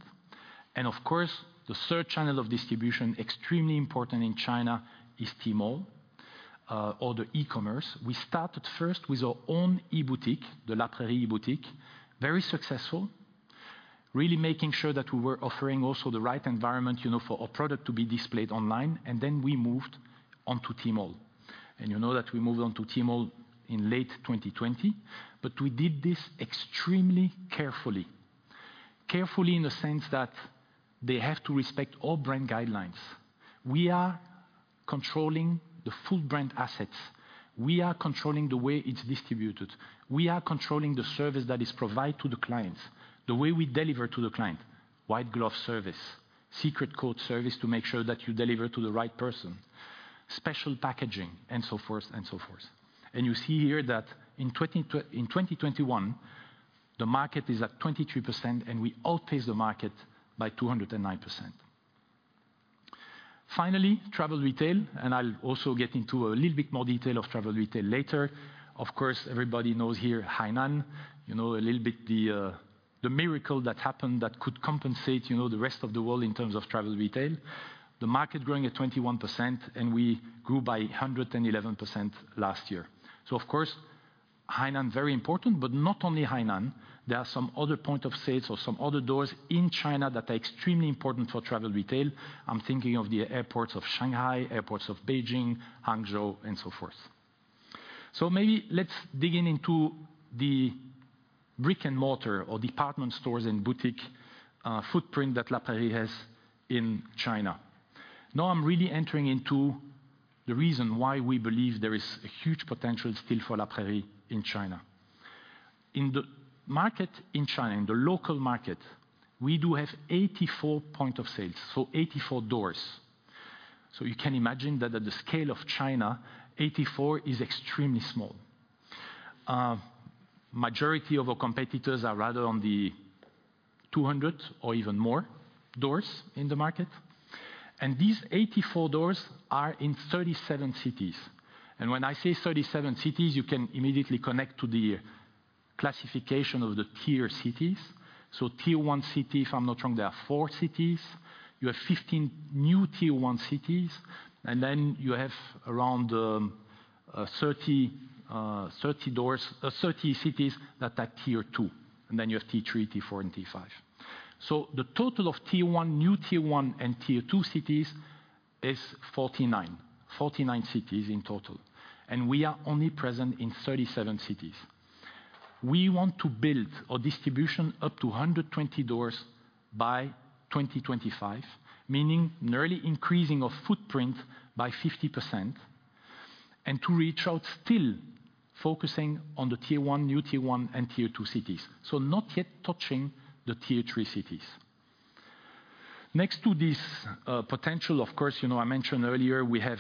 C: Of course, the third channel of distribution extremely important in China is Tmall or the e-commerce. We started first with our own e-boutique, the La Prairie e-boutique. Very successful, really making sure that we were offering also the right environment, you know, for our product to be displayed online. Then we moved on to Tmall. You know that we moved on to Tmall in late 2020, but we did this extremely carefully. Carefully in the sense that they have to respect all brand guidelines. We are controlling the full brand assets. We are controlling the way it's distributed. We are controlling the service that is provided to the clients, the way we deliver to the client, white glove service, secret code service to make sure that you deliver to the right person, special packaging, and so forth and so forth. You see here that in 2021, the market is at 23%, and we outpace the market by 209%. Finally, travel retail, and I'll also get into a little bit more detail of travel retail later. Of course, everybody knows here Hainan, you know, a little bit the miracle that happened that could compensate, you know, the rest of the world in terms of travel retail. The market growing at 21%, and we grew by 111% last year. Of course, Hainan very important, but not only Hainan, there are some other points of sale or some other doors in China that are extremely important for travel retail. I'm thinking of the airports of Shanghai, airports of Beijing, Hangzhou, and so forth. Maybe let's dig into the brick-and-mortar or department stores and boutiques footprint that La Prairie has in China. Now I'm really entering into the reason why we believe there is a huge potential still for La Prairie in China. In the market in China, in the local market, we do have 84 points of sale, so 84 doors. You can imagine that at the scale of China, 84 is extremely small. Majority of our competitors are rather on the 200 or even more doors in the market, and these 84 doors are in 37 cities. When I say 37 cities, you can immediately connect to the classification of the tier cities. Tier one cities, if I'm not wrong, there are four cities. You have 15 new tier one cities, and then you have around 30 cities that are tier two, and then you have tier three, tier four, and tier five. The total of tier one, new tier one, and tier two cities is 49. 49 cities in total, and we are only present in 37 cities. We want to build our distribution up to 120 doors by 2025, meaning nearly increasing our footprint by 50%, and to reach out still focusing on the tier one, new tier one, and tier two cities, so not yet touching the tier three cities. Next to this potential, of course, you know I mentioned earlier we have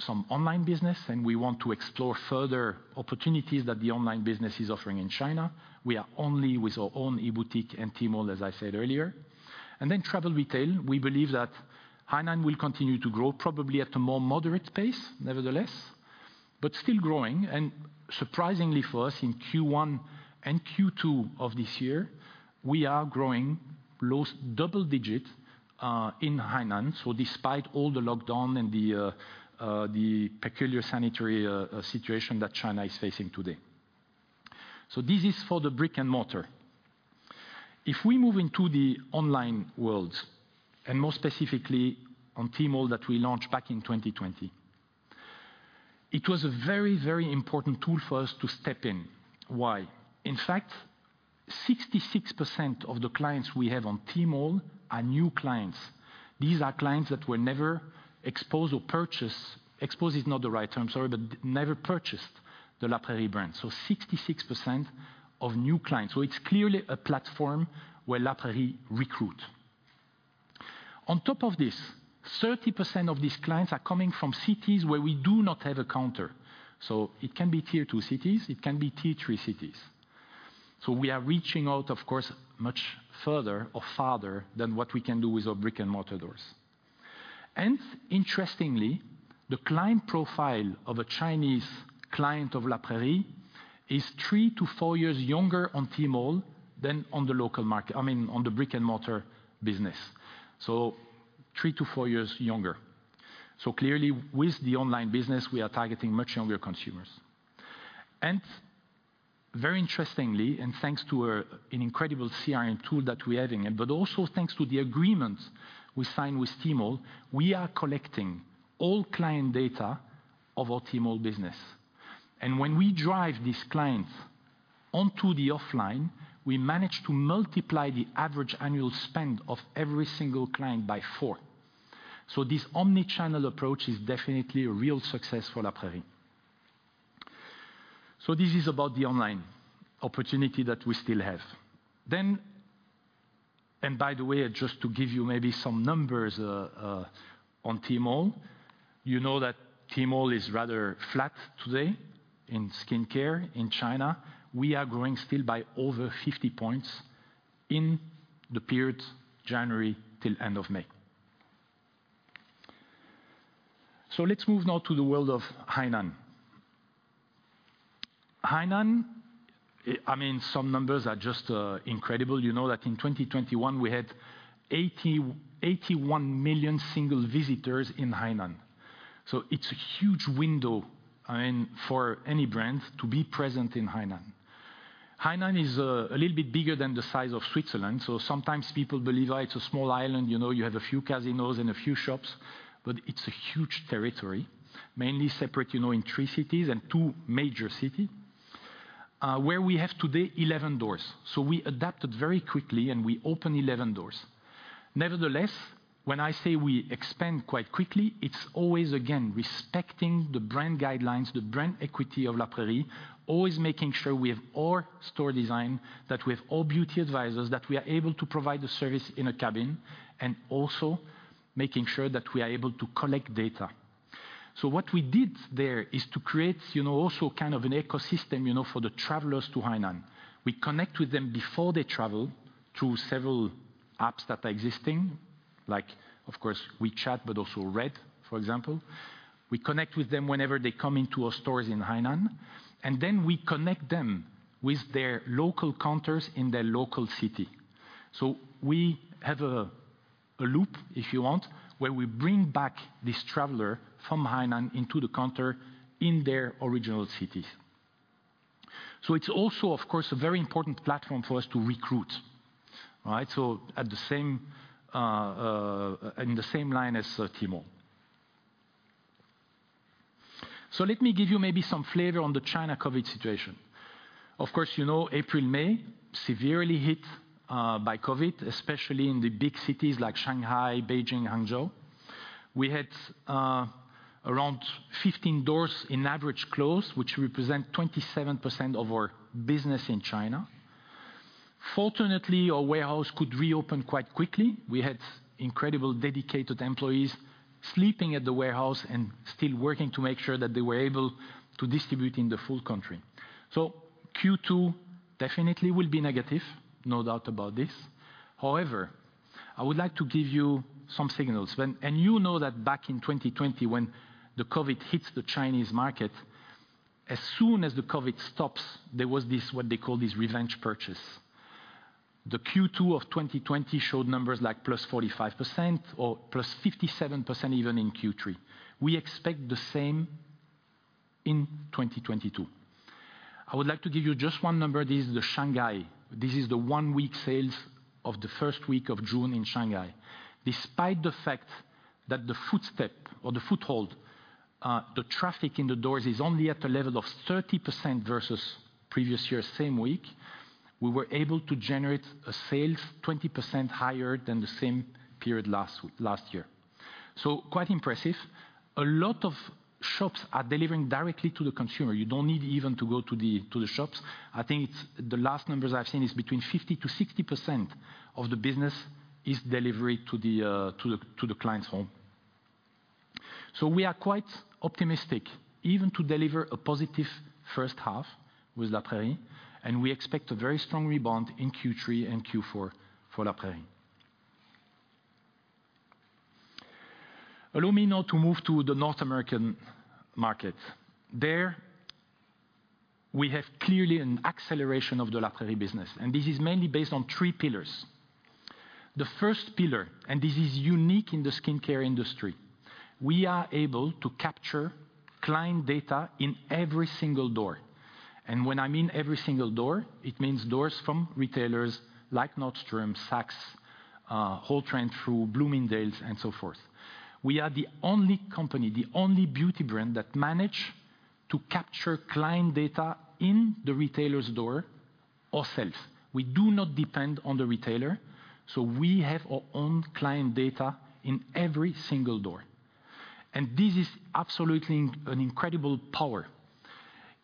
C: some online business, and we want to explore further opportunities that the online business is offering in China. We are only with our own e-boutique and Tmall, as I said earlier. Travel retail, we believe that Hainan will continue to grow probably at a more moderate pace, nevertheless, but still growing. Surprisingly for us, in Q1 and Q2 of this year, we are growing close double digits in Hainan. Despite all the lockdown and the peculiar sanitary situation that China is facing today. This is for the brick and mortar. If we move into the online world, and more specifically on Tmall that we launched back in 2020, it was a very, very important tool for us to step in. Why? In fact, 66% of the clients we have on Tmall are new clients. These are clients that were never exposed or purchased. Existing is not the right term, sorry, but never purchased the La Prairie brand, so 66% of new clients. It's clearly a platform where La Prairie recruit. On top of this, 30% of these clients are coming from cities where we do not have a counter, so it can be tier two cities, it can be tier three cities. We are reaching out, of course, much further or farther than what we can do with our brick and mortar doors. Interestingly, the client profile of a Chinese client of La Prairie is three to four years younger on Tmall than on the local market, I mean, on the brick and mortar business. Three to four years younger. Clearly, with the online business, we are targeting much younger consumers. Very interestingly, thanks to an incredible CRM tool that we're having, but also thanks to the agreement we signed with Tmall, we are collecting all client data of our Tmall business. When we drive these clients onto the offline, we manage to multiply the average annual spend of every single client by four. This omni-channel approach is definitely a real success for La Prairie. This is about the online opportunity that we still have. By the way, just to give you maybe some numbers on Tmall, you know that Tmall is rather flat today in skincare in China. We are growing still by over 50 points in the period January till end of May. Let's move now to the world of Hainan. Hainan, I mean, some numbers are just incredible. You know that in 2021 we had 81 million single visitors in Hainan. It's a huge window, I mean, for any brand to be present in Hainan. Hainan is a little bit bigger than the size of Switzerland, so sometimes people believe, oh, it's a small island, you know, you have a few casinos and a few shops, but it's a huge territory, mainly separated, you know, into three cities and two major cities, where we have today 11 doors. We adapted very quickly, and we opened 11 doors. Nevertheless, when I say we expand quite quickly, it's always, again, respecting the brand guidelines, the brand equity of La Prairie, always making sure we have all store design, that we have all beauty advisors, that we are able to provide the service in a cabin, and also making sure that we are able to collect data. What we did there is to create, you know, also kind of an ecosystem, you know, for the travelers to Hainan. We connect with them before they travel through several apps that are existing, like of course, WeChat, but also RED, for example. We connect with them whenever they come into our stores in Hainan, and then we connect them with their local counters in their local city. We have a loop, if you want, where we bring back this traveler from Hainan into the counter in their original cities. It's also, of course, a very important platform for us to recruit. All right? At the same, I mean, the same line as Tmall. Let me give you maybe some flavor on the China COVID situation. Of course, you know April, May, severely hit by COVID, especially in the big cities like Shanghai, Beijing, Hangzhou. We had around 15 doors on average closed, which represent 27% of our business in China. Fortunately, our warehouse could reopen quite quickly. We had incredible dedicated employees sleeping at the warehouse and still working to make sure that they were able to distribute in the full country. Q2 definitely will be negative, no doubt about this. However, I would like to give you some signals. You know that back in 2020 when the COVID hit the Chinese market, as soon as the COVID stops, there was this, what they call this revenge purchase. The Q2 of 2020 showed numbers like +45% or +57% even in Q3. We expect the same in 2022. I would like to give you just one number. This is the Shanghai. This is the one-week sales of the first week of June in Shanghai. Despite the fact that the traffic in the stores is only at the level of 30% versus previous year same week, we were able to generate a sales 20% higher than the same period last year. Quite impressive. A lot of shops are delivering directly to the consumer. You don't need even to go to the shops. I think it's the last numbers I've seen is between 50%-60% of the business is delivery to the client's home. We are quite optimistic even to deliver a positive first half with La Prairie, and we expect a very strong rebound in Q3 and Q4 for La Prairie. Allow me now to move to the North American market. There we have clearly an acceleration of the La Prairie business, and this is mainly based on three pillars. The first pillar, and this is unique in the skincare industry, we are able to capture client data in every single door. When I mean every single door, it means doors from retailers like Nordstrom, Saks, Holt Renfrew through Bloomingdale's and so forth. We are the only company, the only beauty brand that manage to capture client data in the retailer's door ourselves. We do not depend on the retailer, so we have our own client data in every single door. This is absolutely an incredible power.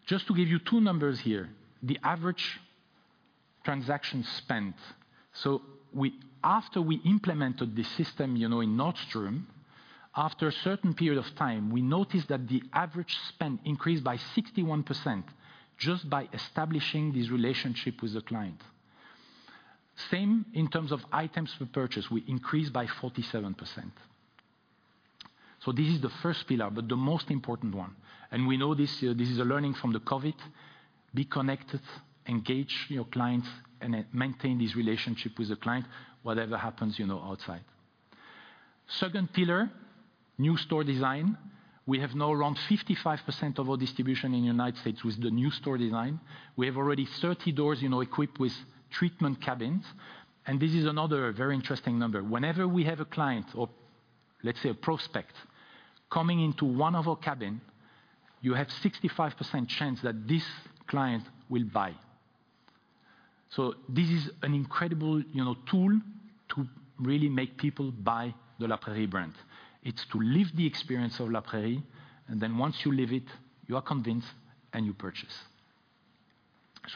C: Just to give you two numbers here, the average transaction spent. After we implemented the system, you know, in Nordstrom, after a certain period of time, we noticed that the average spend increased by 61% just by establishing this relationship with the client. Same in terms of items for purchase, we increased by 47%. This is the first pillar, but the most important one, and we know this is a learning from the COVID, be connected, engage your clients, and maintain this relationship with the client, whatever happens, you know, outside. Second pillar, new store design. We have now around 55% of our distribution in the United States with the new store design. We have already 30 doors, you know, equipped with treatment cabins. This is another very interesting number. Whenever we have a client or let's say a prospect coming into one of our cabin, you have 65% chance that this client will buy. This is an incredible, you know, tool to really make people buy the La Prairie brand. It's to live the experience of La Prairie, and then once you live it, you are convinced, and you purchase.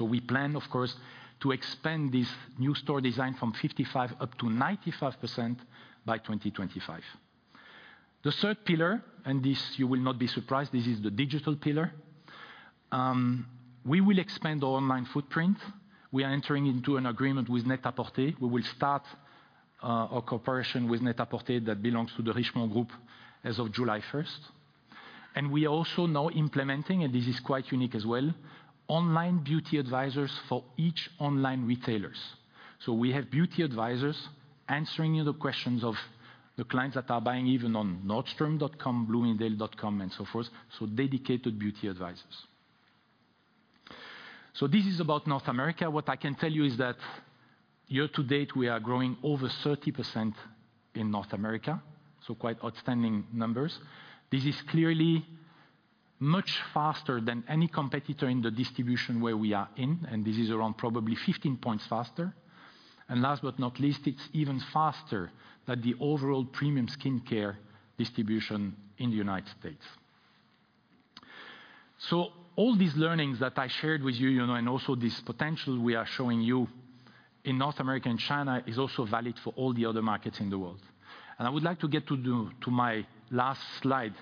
C: We plan, of course, to expand this new store design from 55% up to 95% by 2025. The third pillar, this you will not be surprised, this is the digital pillar. We will expand our online footprint. We are entering into an agreement with NET-A-PORTER. We will start our cooperation with NET-A-PORTER that belongs to the Richemont Group as of July 1st. We also now implementing, and this is quite unique as well, online beauty advisors for each online retailers. We have beauty advisors answering the questions of the clients that are buying even on nordstrom.com, bloomingdale.com, and so forth. Dedicated beauty advisors. This is about North America. What I can tell you is that year to date, we are growing over 30% in North America, so quite outstanding numbers. This is clearly much faster than any competitor in the distribution where we are in, and this is around probably 15 points faster. Last but not least, it's even faster than the overall premium skincare distribution in the United States. All these learnings that I shared with you know, and also this potential we are showing you in North America and China is also valid for all the other markets in the world. I would like to get to my last slide,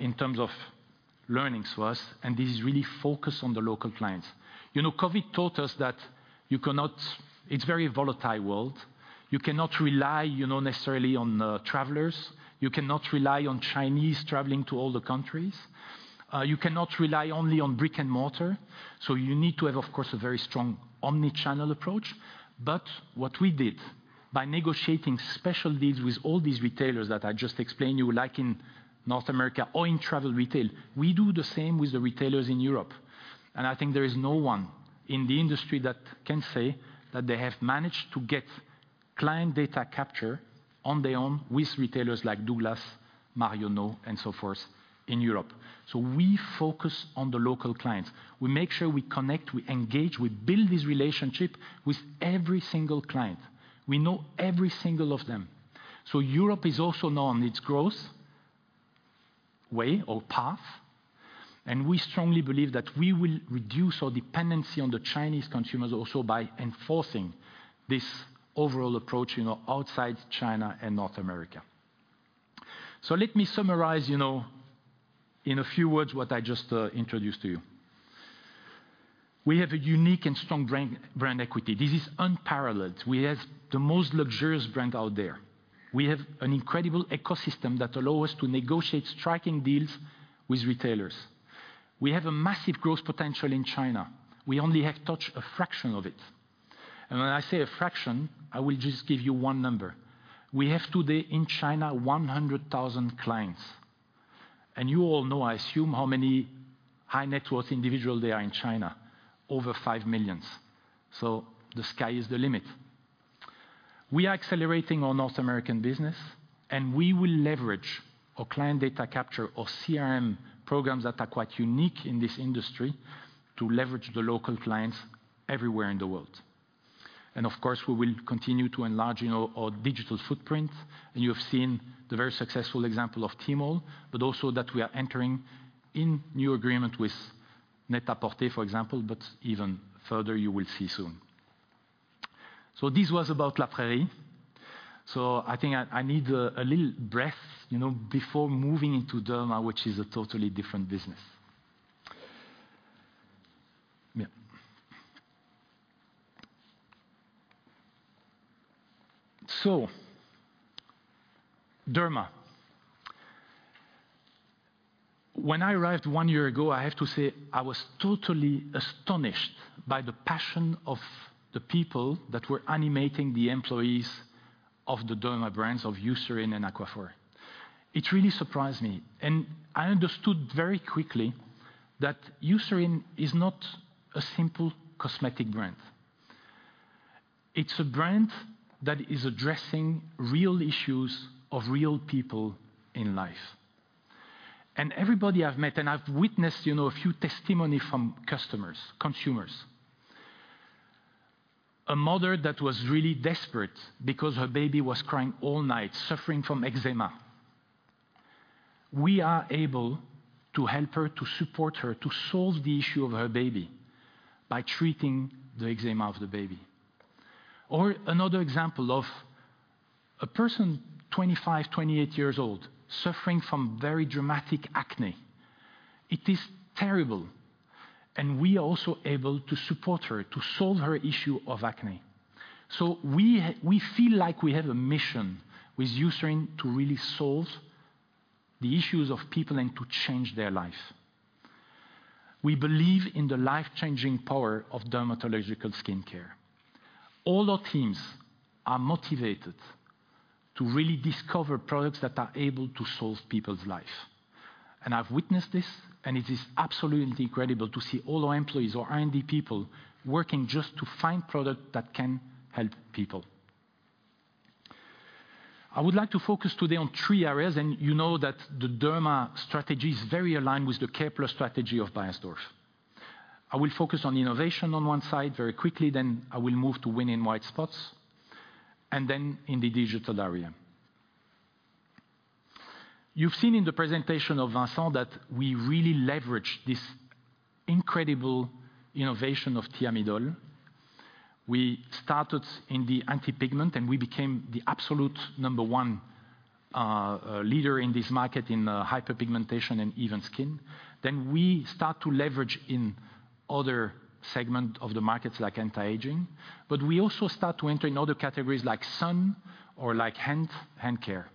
C: in terms of learnings for us, and this is really focused on the local clients. You know, COVID taught us that it's a very volatile world. You cannot rely, you know, necessarily on travelers. You cannot rely on Chinese traveling to all the countries. You cannot rely only on brick and mortar. You need to have, of course, a very strong omni-channel approach. What we did by negotiating special deals with all these retailers that I just explained to you, like in North America or in travel retail, we do the same with the retailers in Europe. I think there is no one in the industry that can say that they have managed to get client data capture on their own with retailers like Douglas, Marionnaud, and so forth in Europe. We focus on the local clients. We make sure we connect, we engage, we build this relationship with every single client. We know every single of them. Europe is also now on its growth way or path. We strongly believe that we will reduce our dependency on the Chinese consumers also by enforcing this overall approach, you know, outside China and North America. Let me summarize, you know, in a few words what I just introduced to you. We have a unique and strong brand equity. This is unparalleled. We have the most luxurious brand out there. We have an incredible ecosystem that allow us to negotiate striking deals with retailers. We have a massive growth potential in China. We only have touched a fraction of it. When I say a fraction, I will just give you one number. We have today in China 100,000 clients, and you all know, I assume, how many high net worth individual there are in China, over 5 million. The sky is the limit. We are accelerating our North American business, and we will leverage our client data capture or CRM programs that are quite unique in this industry to leverage the local clients everywhere in the world. Of course, we will continue to enlarge, you know, our digital footprint. You have seen the very successful example of Tmall, but also that we are entering into a new agreement with NET-A-PORTER, for example, but even further, you will see soon. This was about La Prairie. I think I need a little breath, you know, before moving into Derma, which is a totally different business. Yeah. Derma. When I arrived one year ago, I have to say I was totally astonished by the passion of the people that were animating the employees of the Derma brands of Eucerin and Aquaphor. It really surprised me, and I understood very quickly that Eucerin is not a simple cosmetic brand. It's a brand that is addressing real issues of real people in life. Everybody I've met, and I've witnessed, you know, a few testimonies from customers, consumers. A mother that was really desperate because her baby was crying all night, suffering from eczema. We are able to help her, to support her, to solve the issue of her baby by treating the eczema of the baby. Another example of a person 25, 28 years old suffering from very dramatic acne. It is terrible, and we are also able to support her to solve her issue of acne. We feel like we have a mission with Eucerin to really solve the issues of people and to change their life. We believe in the life-changing power of dermatological skincare. All our teams are motivated to really discover products that are able to solve people's life. I've witnessed this, and it is absolutely incredible to see all our employees, our R&D people working just to find product that can help people. I would like to focus today on three areas, and you know that the Derma strategy is very aligned with the C.A.R.E.+ strategy of Beiersdorf. I will focus on innovation on one side very quickly, then I will move to win in white spots, and then in the digital area. You've seen in the presentation of Vincent that we really leverage this incredible innovation of Thiamidol. We started in the anti-pigmentation, and we became the absolute number one leader in this market in hyperpigmentation and even skin. We start to leverage in other segment of the markets like anti-aging, but we also start to enter in other categories like sun or like hand care.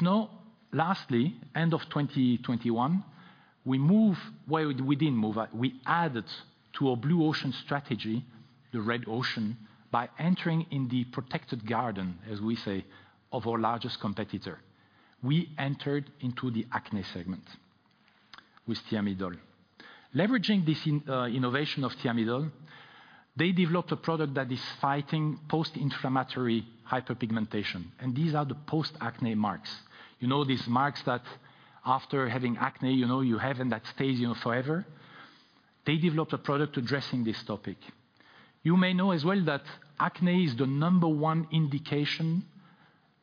C: Now lastly, end of 2021, Well, we didn't move. We added to our blue ocean strategy, the red ocean, by entering in the protected garden, as we say, of our largest competitor. We entered into the acne segment with Thiamidol. Leveraging this in innovation of Thiamidol, they developed a product that is fighting post-inflammatory hyperpigmentation, and these are the post-acne marks. You know, these marks that after having acne, you know, you have in that stage, you know, forever. They developed a product addressing this topic. You may know as well that acne is the number one indication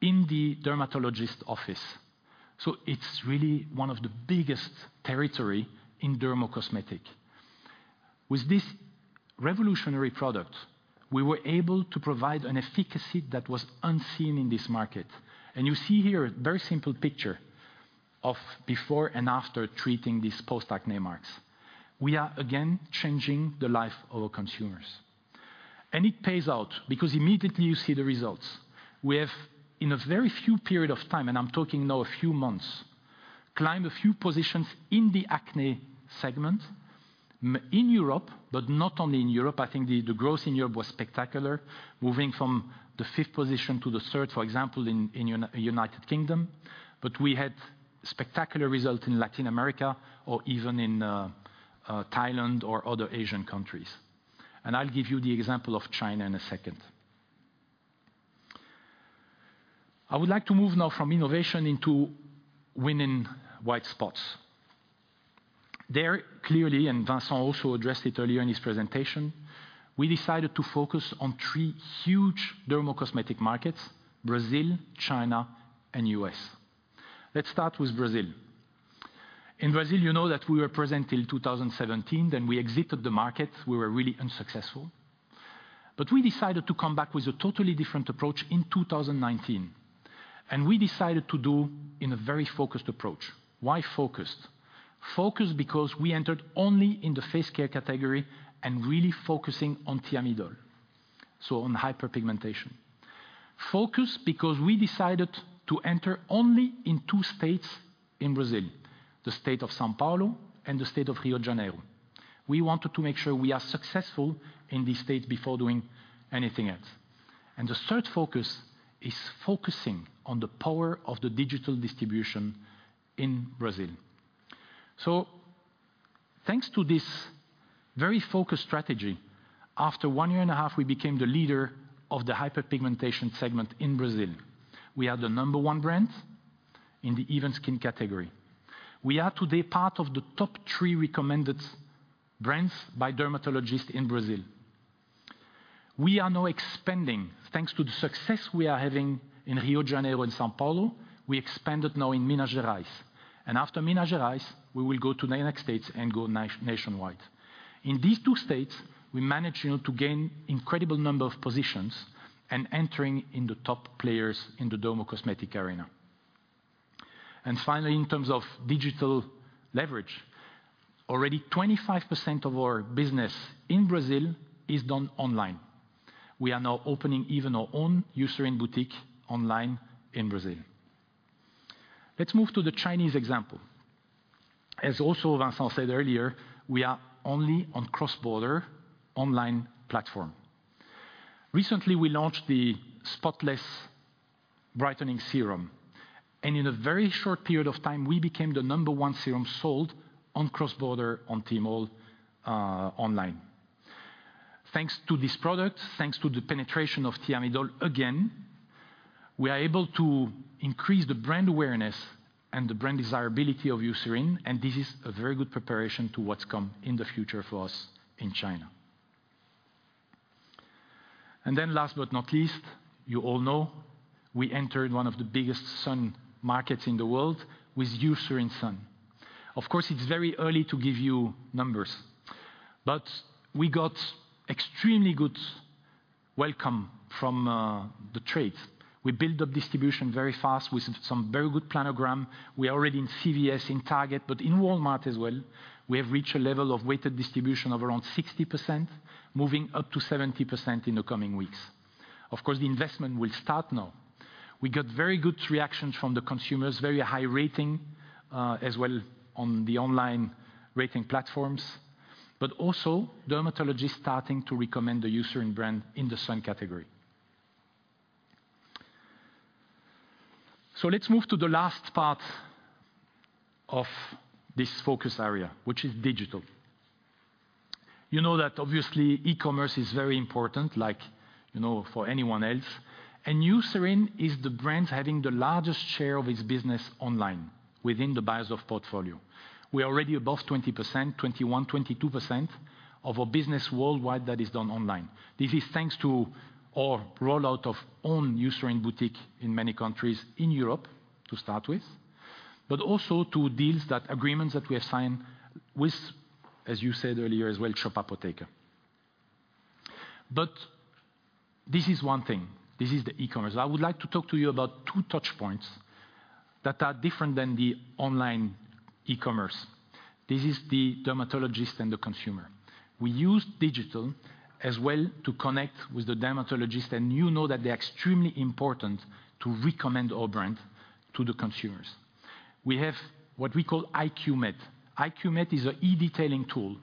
C: in the dermatologist office, so it's really one of the biggest territory in dermocosmetic. With this revolutionary product, we were able to provide an efficacy that was unseen in this market. You see here a very simple picture of before and after treating these post-acne marks. We are again changing the life of our consumers, and it pays out because immediately you see the results. We have in a very short period of time, and I'm talking now a few months, climb a few positions in the acne segment in Europe, but not only in Europe. I think the growth in Europe was spectacular, moving from the fifth position to the third, for example, in United Kingdom. We had spectacular results in Latin America or even in Thailand or other Asian countries. I'll give you the example of China in a second. I would like to move now from innovation into winning in white spaces. There clearly, Vincent also addressed it earlier in his presentation, we decided to focus on three huge dermocosmetic markets, Brazil, China, and U.S. Let's start with Brazil. In Brazil, you know that we were present till 2017, then we exited the market. We were really unsuccessful. We decided to come back with a totally different approach in 2019, and we decided to do in a very focused approach. Why focused? Focused because we entered only in the face care category and really focusing on Thiamidol, so on hyperpigmentation. Focused because we decided to enter only in two states in Brazil, the state of São Paulo and the state of Rio de Janeiro. We wanted to make sure we are successful in these states before doing anything else. The third focus is focusing on the power of the digital distribution in Brazil. Thanks to this very focused strategy, after one year and a half, we became the leader of the hyperpigmentation segment in Brazil. We are the number one brand in the even skin category. We are today part of the top three recommended brands by dermatologists in Brazil. We are now expanding. Thanks to the success we are having in Rio de Janeiro and São Paulo, we expanded now in Minas Gerais. After Minas Gerais, we will go to the United States and go nationwide. In these two states, we managed, you know, to gain incredible number of positions and entering in the top players in the dermocosmetic arena. Finally, in terms of digital leverage, already 25% of our business in Brazil is done online. We are now opening even our own Eucerin boutique online in Brazil. Let's move to the Chinese example. As also Vincent said earlier, we are only on cross-border online platform. Recently, we launched the Spotless Brightening Serum, and in a very short period of time, we became the number one serum sold on cross-border on Tmall, online. Thanks to this product, thanks to the penetration of Thiamidol, again, we are able to increase the brand awareness and the brand desirability of Eucerin, and this is a very good preparation to what's come in the future for us in China. Last but not least, you all know we entered one of the biggest sun markets in the world with Eucerin Sun. Of course, it's very early to give you numbers, but we got extremely good welcome from the trades. We build up distribution very fast with some very good planogram. We are already in CVS, in Target, but in Walmart as well. We have reached a level of weighted distribution of around 60%, moving up to 70% in the coming weeks. Of course, the investment will start now. We got very good reactions from the consumers, very high rating, as well on the online rating platforms, but also dermatologists starting to recommend the Eucerin brand in the sun category. Let's move to the last part of this focus area, which is digital. You know that obviously e-commerce is very important, like, you know, for anyone else, and Eucerin is the brand having the largest share of its business online within the Beiersdorf portfolio. We're already above 20%, 21%, 22% of our business worldwide that is done online. This is thanks to our rollout of own Eucerin boutique in many countries in Europe to start with, but also to agreements that we have signed with, as you said earlier as well, Shop Apotheke. This is one thing. This is the e-commerce. I would like to talk to you about two touch points that are different than the online e-commerce. This is the dermatologist and the consumer. We use digital as well to connect with the dermatologist, and you know that they're extremely important to recommend our brand to the consumers. We have what we call IQMED. IQMED is an e-detailing tool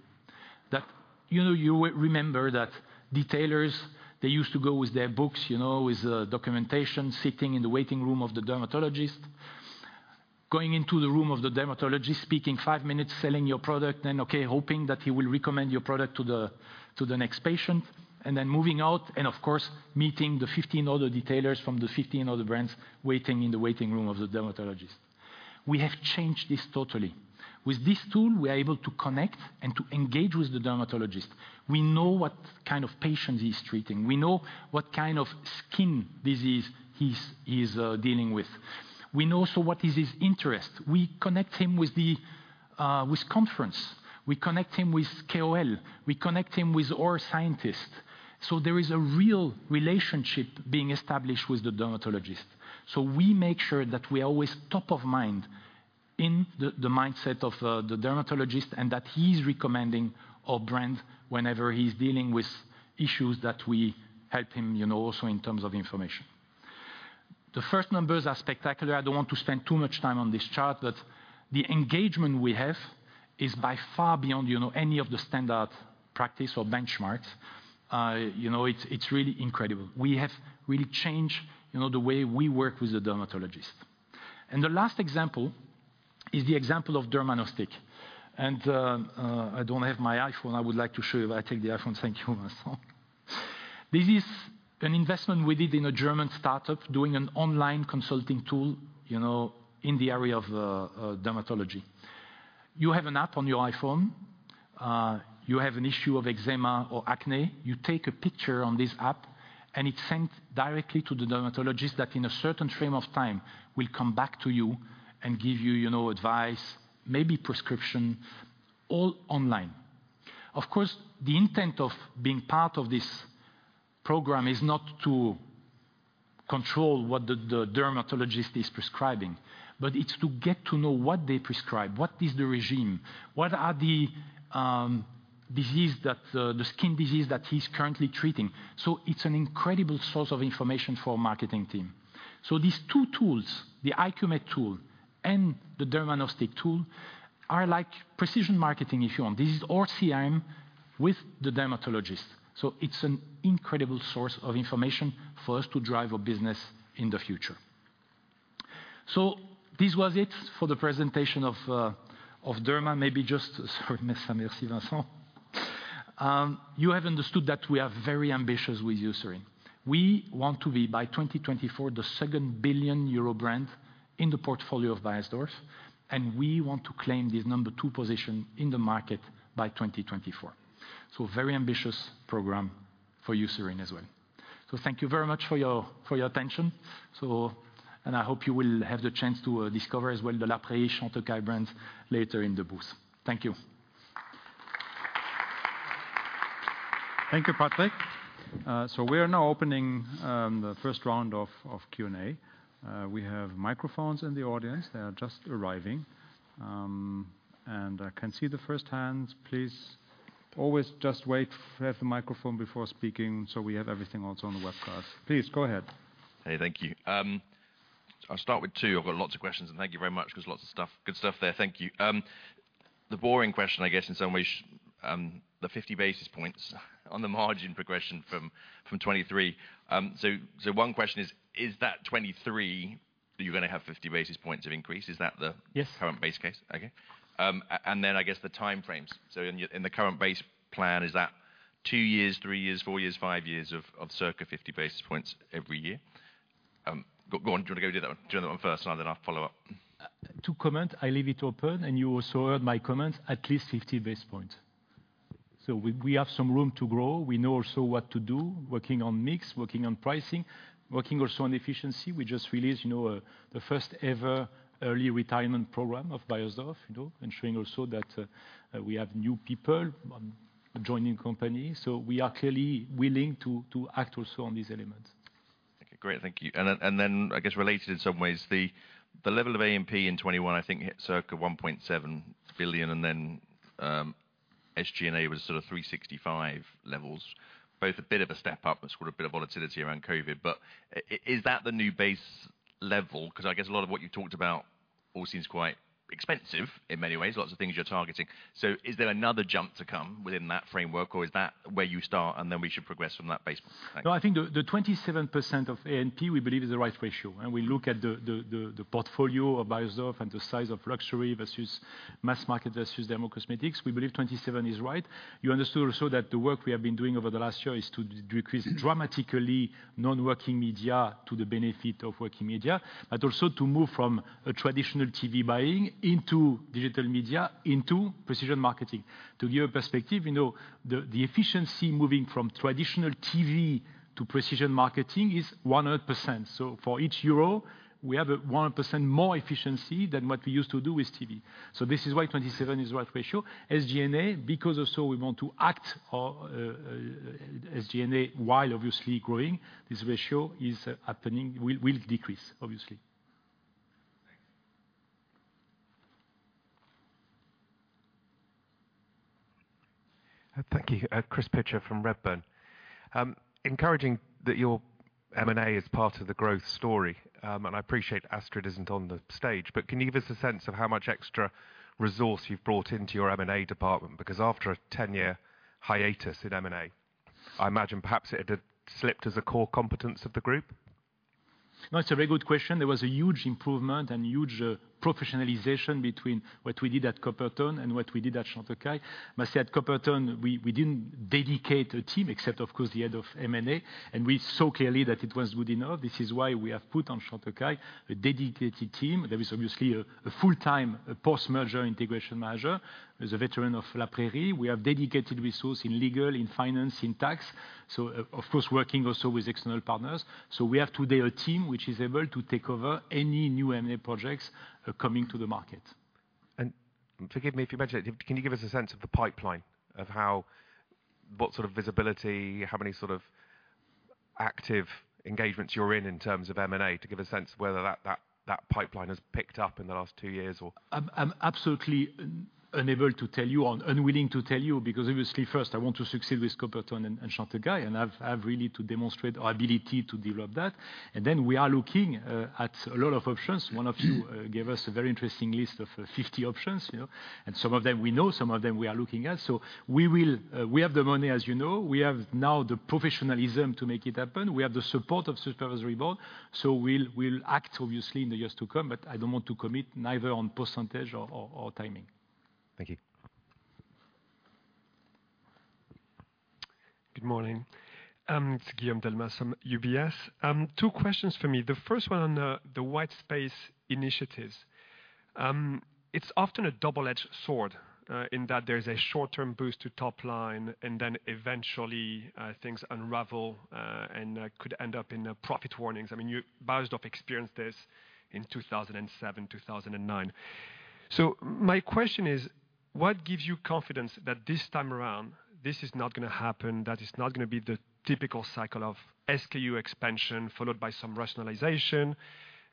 C: that... You know, you will remember that detailers, they used to go with their books, you know, with documentation, sitting in the waiting room of the dermatologist, going into the room of the dermatologist, speaking five minutes, selling your product, then okay, hoping that he will recommend your product to the next patient, and then moving out, and of course, meeting the 15 other detailers from the 15 other brands waiting in the waiting room of the dermatologist. We have changed this totally. With this tool, we are able to connect and to engage with the dermatologist. We know what kind of patients he's treating. We know what kind of skin disease he's dealing with. We know also what is his interest. We connect him with the conference. We connect him with KOL. We connect him with our scientists. There is a real relationship being established with the dermatologist. We make sure that we are always top of mind in the mindset of the dermatologist and that he's recommending our brand whenever he's dealing with issues that we help him, you know, also in terms of information. The first numbers are spectacular. I don't want to spend too much time on this chart, but the engagement we have is by far beyond, you know, any of the standard practice or benchmarks. You know, it's really incredible. We have really changed, you know, the way we work with the dermatologist. The last example is of Dermanostic. I don't have my iPhone. I would like to show you. I take the iPhone. Thank you, Vincent. This is an investment we did in a German startup doing an online consulting tool, you know, in the area of dermatology. You have an app on your iPhone. You have an issue of eczema or acne. You take a picture on this app, and it's sent directly to the dermatologist that, in a certain frame of time, will come back to you and give you know, advice, maybe prescription, all online. Of course, the intent of being part of this program is not to control what the dermatologist is prescribing, but it's to get to know what they prescribe, what is the regimen, what are the skin disease that he's currently treating. It's an incredible source of information for our marketing team. These two tools, the IQMED tool and the Dermanostic tool, are like Precision Marketing if you want. This is ORC with the dermatologist. It's an incredible source of information for us to drive our business in the future. This was it for the presentation of Derma. Maybe just sort of you have understood that we are very ambitious with Eucerin. We want to be, by 2024, the second 1 billion euro brand in the portfolio of Beiersdorf, and we want to claim the number two position in the market by 2024. Very ambitious program for Eucerin as well. Thank you very much for your attention. I hope you will have the chance to discover as well the La Prairie, Chantecaille brands later in the booth. Thank you.
A: Thank you, Patrick. We are now opening the first round of Q&A. We have microphones in the audience. They are just arriving. I can see the first hands. Please always just wait, have the microphone before speaking, so we have everything also on the webcast. Please, go ahead.
D: Hey, thank you. I'll start with two. I've got lots of questions, and thank you very much 'cause lots of stuff, good stuff there. Thank you. The boring question I guess in some ways, the 50 basis points on the margin progression from 2023. So one question is that 2023 that you're gonna have 50 basis points of increase? Is that the
B: Yes
D: Current base case? Okay. I guess the time frames. In the current base plan, is that two years, three years, four years, five years of circa 50 basis points every year? Go on. Do you wanna go do that one? Do that one first, and then I'll follow up.
B: To comment, I leave it open, and you also heard my comments, at least 50 basis points. We have some room to grow. We know also what to do, working on mix, working on pricing, working also on efficiency. We just released, you know, the first ever early retirement program of Beiersdorf, you know, ensuring also that we have new people joining company. We are clearly willing to act also on these elements.
D: Okay, great. Thank you. I guess related in some ways, the level of A&P in 2021 I think hit circa 1.7 billion, and then SG&A was sort of 365 million levels. Both a bit of a step up and sort of a bit of volatility around COVID. Is that the new base level? 'Cause I guess a lot of what you talked about all seems quite expensive in many ways, lots of things you're targeting. Is there another jump to come within that framework, or is that where you start and then we should progress from that base? Thanks.
B: No, I think the 27% of A&P, we believe, is the right ratio. We look at the portfolio of Beiersdorf and the size of luxury versus mass market versus dermocosmetics. We believe 27% is right. You understood also that the work we have been doing over the last year is to decrease dramatically non-working media to the benefit of working media, but also to move from a traditional TV buying into digital media, into Precision Marketing. To give a perspective, you know, the efficiency moving from traditional TV to Precision Marketing is 100%. For each euro, we have 100% more efficiency than what we used to do with TV. This is why 27% is the right ratio. SG&A, because also we want to act on our SG&A while obviously growing, this ratio will decrease, obviously.
D: Thanks.
E: Thank you. Chris Pitcher from Redburn. Encouraging that your M&A is part of the growth story, and I appreciate Astrid isn't on the stage, but can you give us a sense of how much extra resource you've brought into your M&A department? Because after a 10-year hiatus in M&A, I imagine perhaps it had slipped as a core competence of the group.
B: No, it's a very good question. There was a huge improvement and huge professionalization between what we did at Coppertone and what we did at Chantecaille. I must say at Coppertone, we didn't dedicate a team except, of course, the head of M&A, and we saw clearly that it was good enough. This is why we have put on Chantecaille a dedicated team. There is obviously a full-time post-merger integration manager, who's a veteran of La Prairie. We have dedicated resource in legal, in finance, in tax. Of course, working also with external partners. We have today a team which is able to take over any new M&A projects coming to the market.
E: Forgive me if you mentioned it. Can you give us a sense of the pipeline, of what sort of visibility, how many sort of active engagements you're in terms of M&A, to give a sense of whether that pipeline has picked up in the last two years or?
B: I'm absolutely unable to tell you or unwilling to tell you, because obviously, first I want to succeed with Coppertone and Chantecaille, and I've really to demonstrate our ability to develop that. Then we are looking at a lot of options. One of you gave us a very interesting list of 50 options, you know. Some of them we know, some of them we are looking at. We have the money, as you know. We have now the professionalism to make it happen. We have the support of supervisory board. We'll act obviously in the years to come, but I don't want to commit neither on percentage or timing.
E: Thank you.
F: Good morning. It's Guillaume Delmas from UBS. Two questions for me. The first one on the white space initiatives. It's often a double-edged sword in that there's a short-term boost to top line, and then eventually things unravel and could end up in a profit warnings. I mean, Beiersdorf experienced this in 2007, 2009. My question is, what gives you confidence that this time around this is not gonna happen, that it's not gonna be the typical cycle of SKU expansion followed by some rationalization,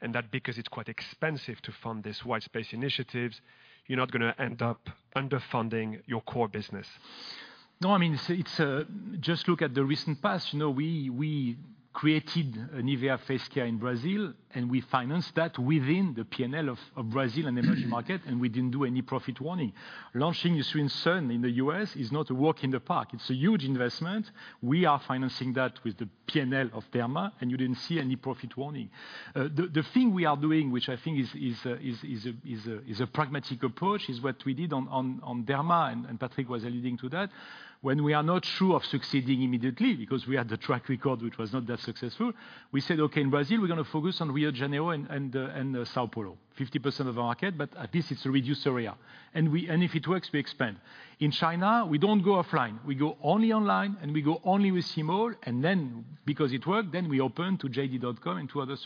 F: and that because it's quite expensive to fund this white space initiatives, you're not gonna end up underfunding your core business?
B: No, I mean, it's. Just look at the recent past. You know, we created NIVEA face care in Brazil, and we financed that within the P&L of Brazil and emerging market, and we didn't do any profit warning. Launching Eucerin Sun in the U.S. is not a walk in the park. It's a huge investment. We are financing that with the P&L of Derma, and you didn't see any profit warning. The thing we are doing, which I think is a pragmatic approach, is what we did on Derma, and Patrick was alluding to that. When we are not sure of succeeding immediately, because we had the track record, which was not that successful, we said, "Okay, in Brazil, we're gonna focus on Rio de Janeiro and São Paulo, 50% of the market, but at least it's a reduced area. If it works, we expand." In China, we don't go offline. We go only online, and we go only with Tmall, and then because it worked, we open to jd.com and to other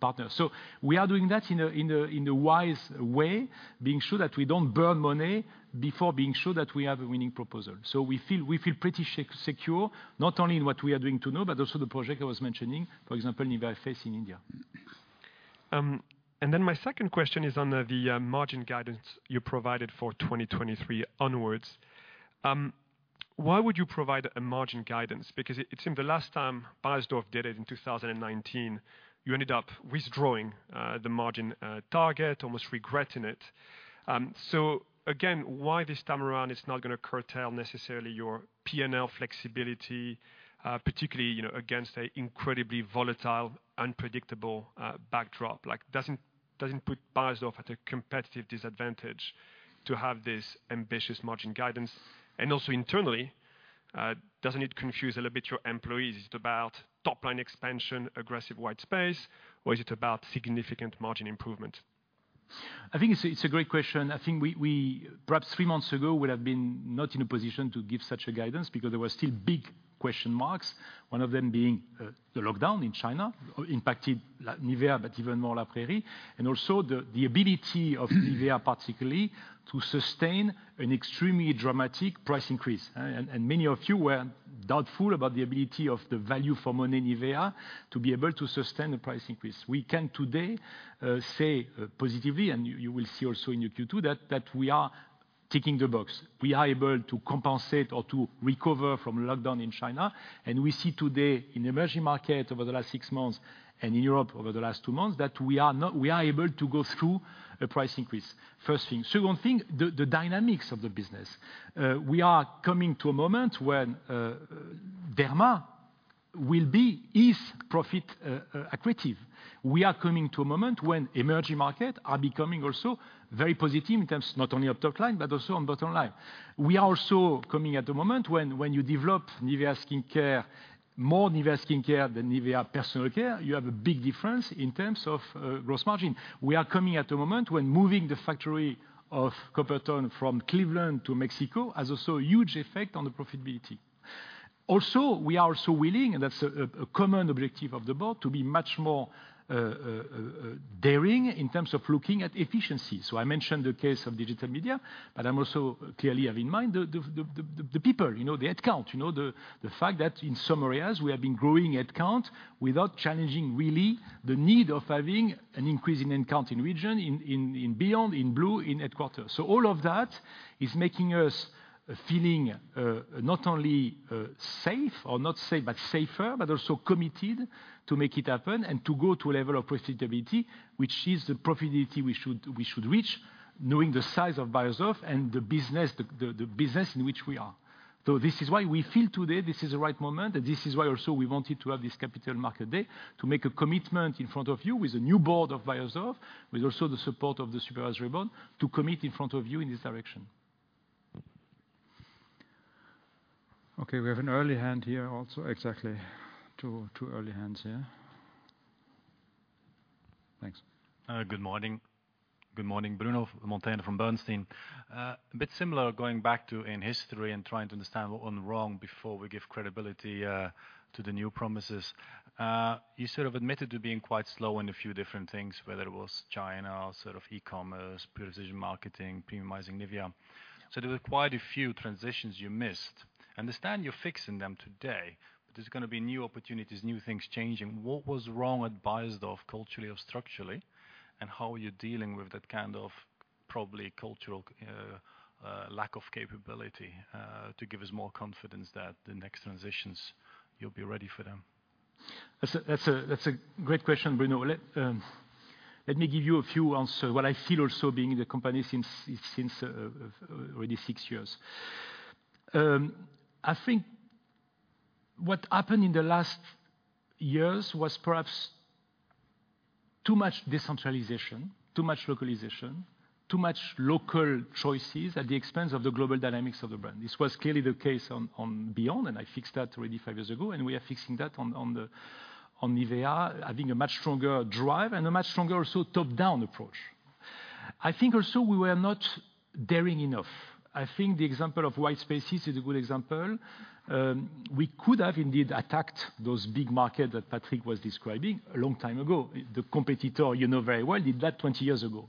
B: partners. We are doing that in a wise way, being sure that we don't burn money before being sure that we have a winning proposal. We feel pretty secure, not only in what we are doing now, but also the project I was mentioning, for example, NIVEA face in India.
F: My second question is on the margin guidance you provided for 2023 onwards. Why would you provide a margin guidance? Because it seemed the last time Beiersdorf did it in 2019, you ended up withdrawing the margin target, almost regretting it. Again, why this time around it's not gonna curtail necessarily your P&L flexibility, particularly, you know, against an incredibly volatile, unpredictable backdrop? Like, doesn't it put Beiersdorf at a competitive disadvantage to have this ambitious margin guidance? Also internally, doesn't it confuse a little bit your employees? Is it about top-line expansion, aggressive white space, or is it about significant margin improvement?
B: I think it's a great question. I think we perhaps three months ago would have been not in a position to give such a guidance because there were still big question marks. One of them being, the lockdown in China impacted NIVEA, but even more La Prairie. Also the ability of NIVEA particularly to sustain an extremely dramatic price increase. Many of you were doubtful about the ability of the value for money NIVEA to be able to sustain a price increase. We can today say positively, and you will see also in your Q2, that we are ticking the box. We are able to compensate or to recover from lockdown in China. We see today in emerging market over the last six months and in Europe over the last two months, that we are able to go through a price increase, first thing. Second thing, the dynamics of the business. We are coming to a moment when Derma is profit accretive. We are coming to a moment when emerging market are becoming also very positive in terms not only of top line, but also on bottom line. We are also coming at the moment when you develop NIVEA skincare, more NIVEA skincare than NIVEA personal care, you have a big difference in terms of gross margin. We are coming at a moment when moving the factory of Coppertone from Cleveland to Mexico has also a huge effect on the profitability. We are so willing, and that's a common objective of the board, to be much more daring in terms of looking at efficiency. I mentioned the case of digital media, but I'm also clearly having in mind the people, you know, the head count. You know, the fact that in some areas we have been growing head count without challenging really the need of having an increase in head count in region, in Beyond Blue, in headquarters. All of that is making us feel not only safe or not safe, but safer, but also committed to make it happen and to go to a level of profitability, which is the profitability we should reach knowing the size of Beiersdorf and the business in which we are. This is why we feel today this is the right moment, and this is why also we wanted to have this capital market day to make a commitment in front of you with a new board of Beiersdorf, with also the support of the supervisory board, to commit in front of you in this direction.
A: Okay, we have an early hand here also. Exactly. Two early hands here. Thanks.
G: Good morning. Good morning. Bruno Monteyne from Bernstein. A bit similar going back in history and trying to understand what went wrong before we give credibility to the new promises. You sort of admitted to being quite slow in a few different things, whether it was China or sort of e-commerce, Precision Marketing, premiumizing NIVEA. There were quite a few transitions you missed. Understand you're fixing them today, but there's gonna be new opportunities, new things changing. What was wrong at Beiersdorf, culturally or structurally, and how are you dealing with that kind of probably cultural lack of capability to give us more confidence that the next transitions you'll be ready for them?
B: That's a great question, Bruno. Let me give you a few answers. What I feel also being in the company since already six years. I think what happened in the last years was perhaps too much decentralization, too much localization, too much local choices at the expense of the global dynamics of the brand. This was clearly the case on Beyond, and I fixed that already five years ago, and we are fixing that on NIVEA, having a much stronger drive and a much stronger also top-down approach. I think also we were not daring enough. I think the example of white spaces is a good example. We could have indeed attacked those big market that Patrick was describing a long time ago. The competitor, you know very well, did that 20 years ago.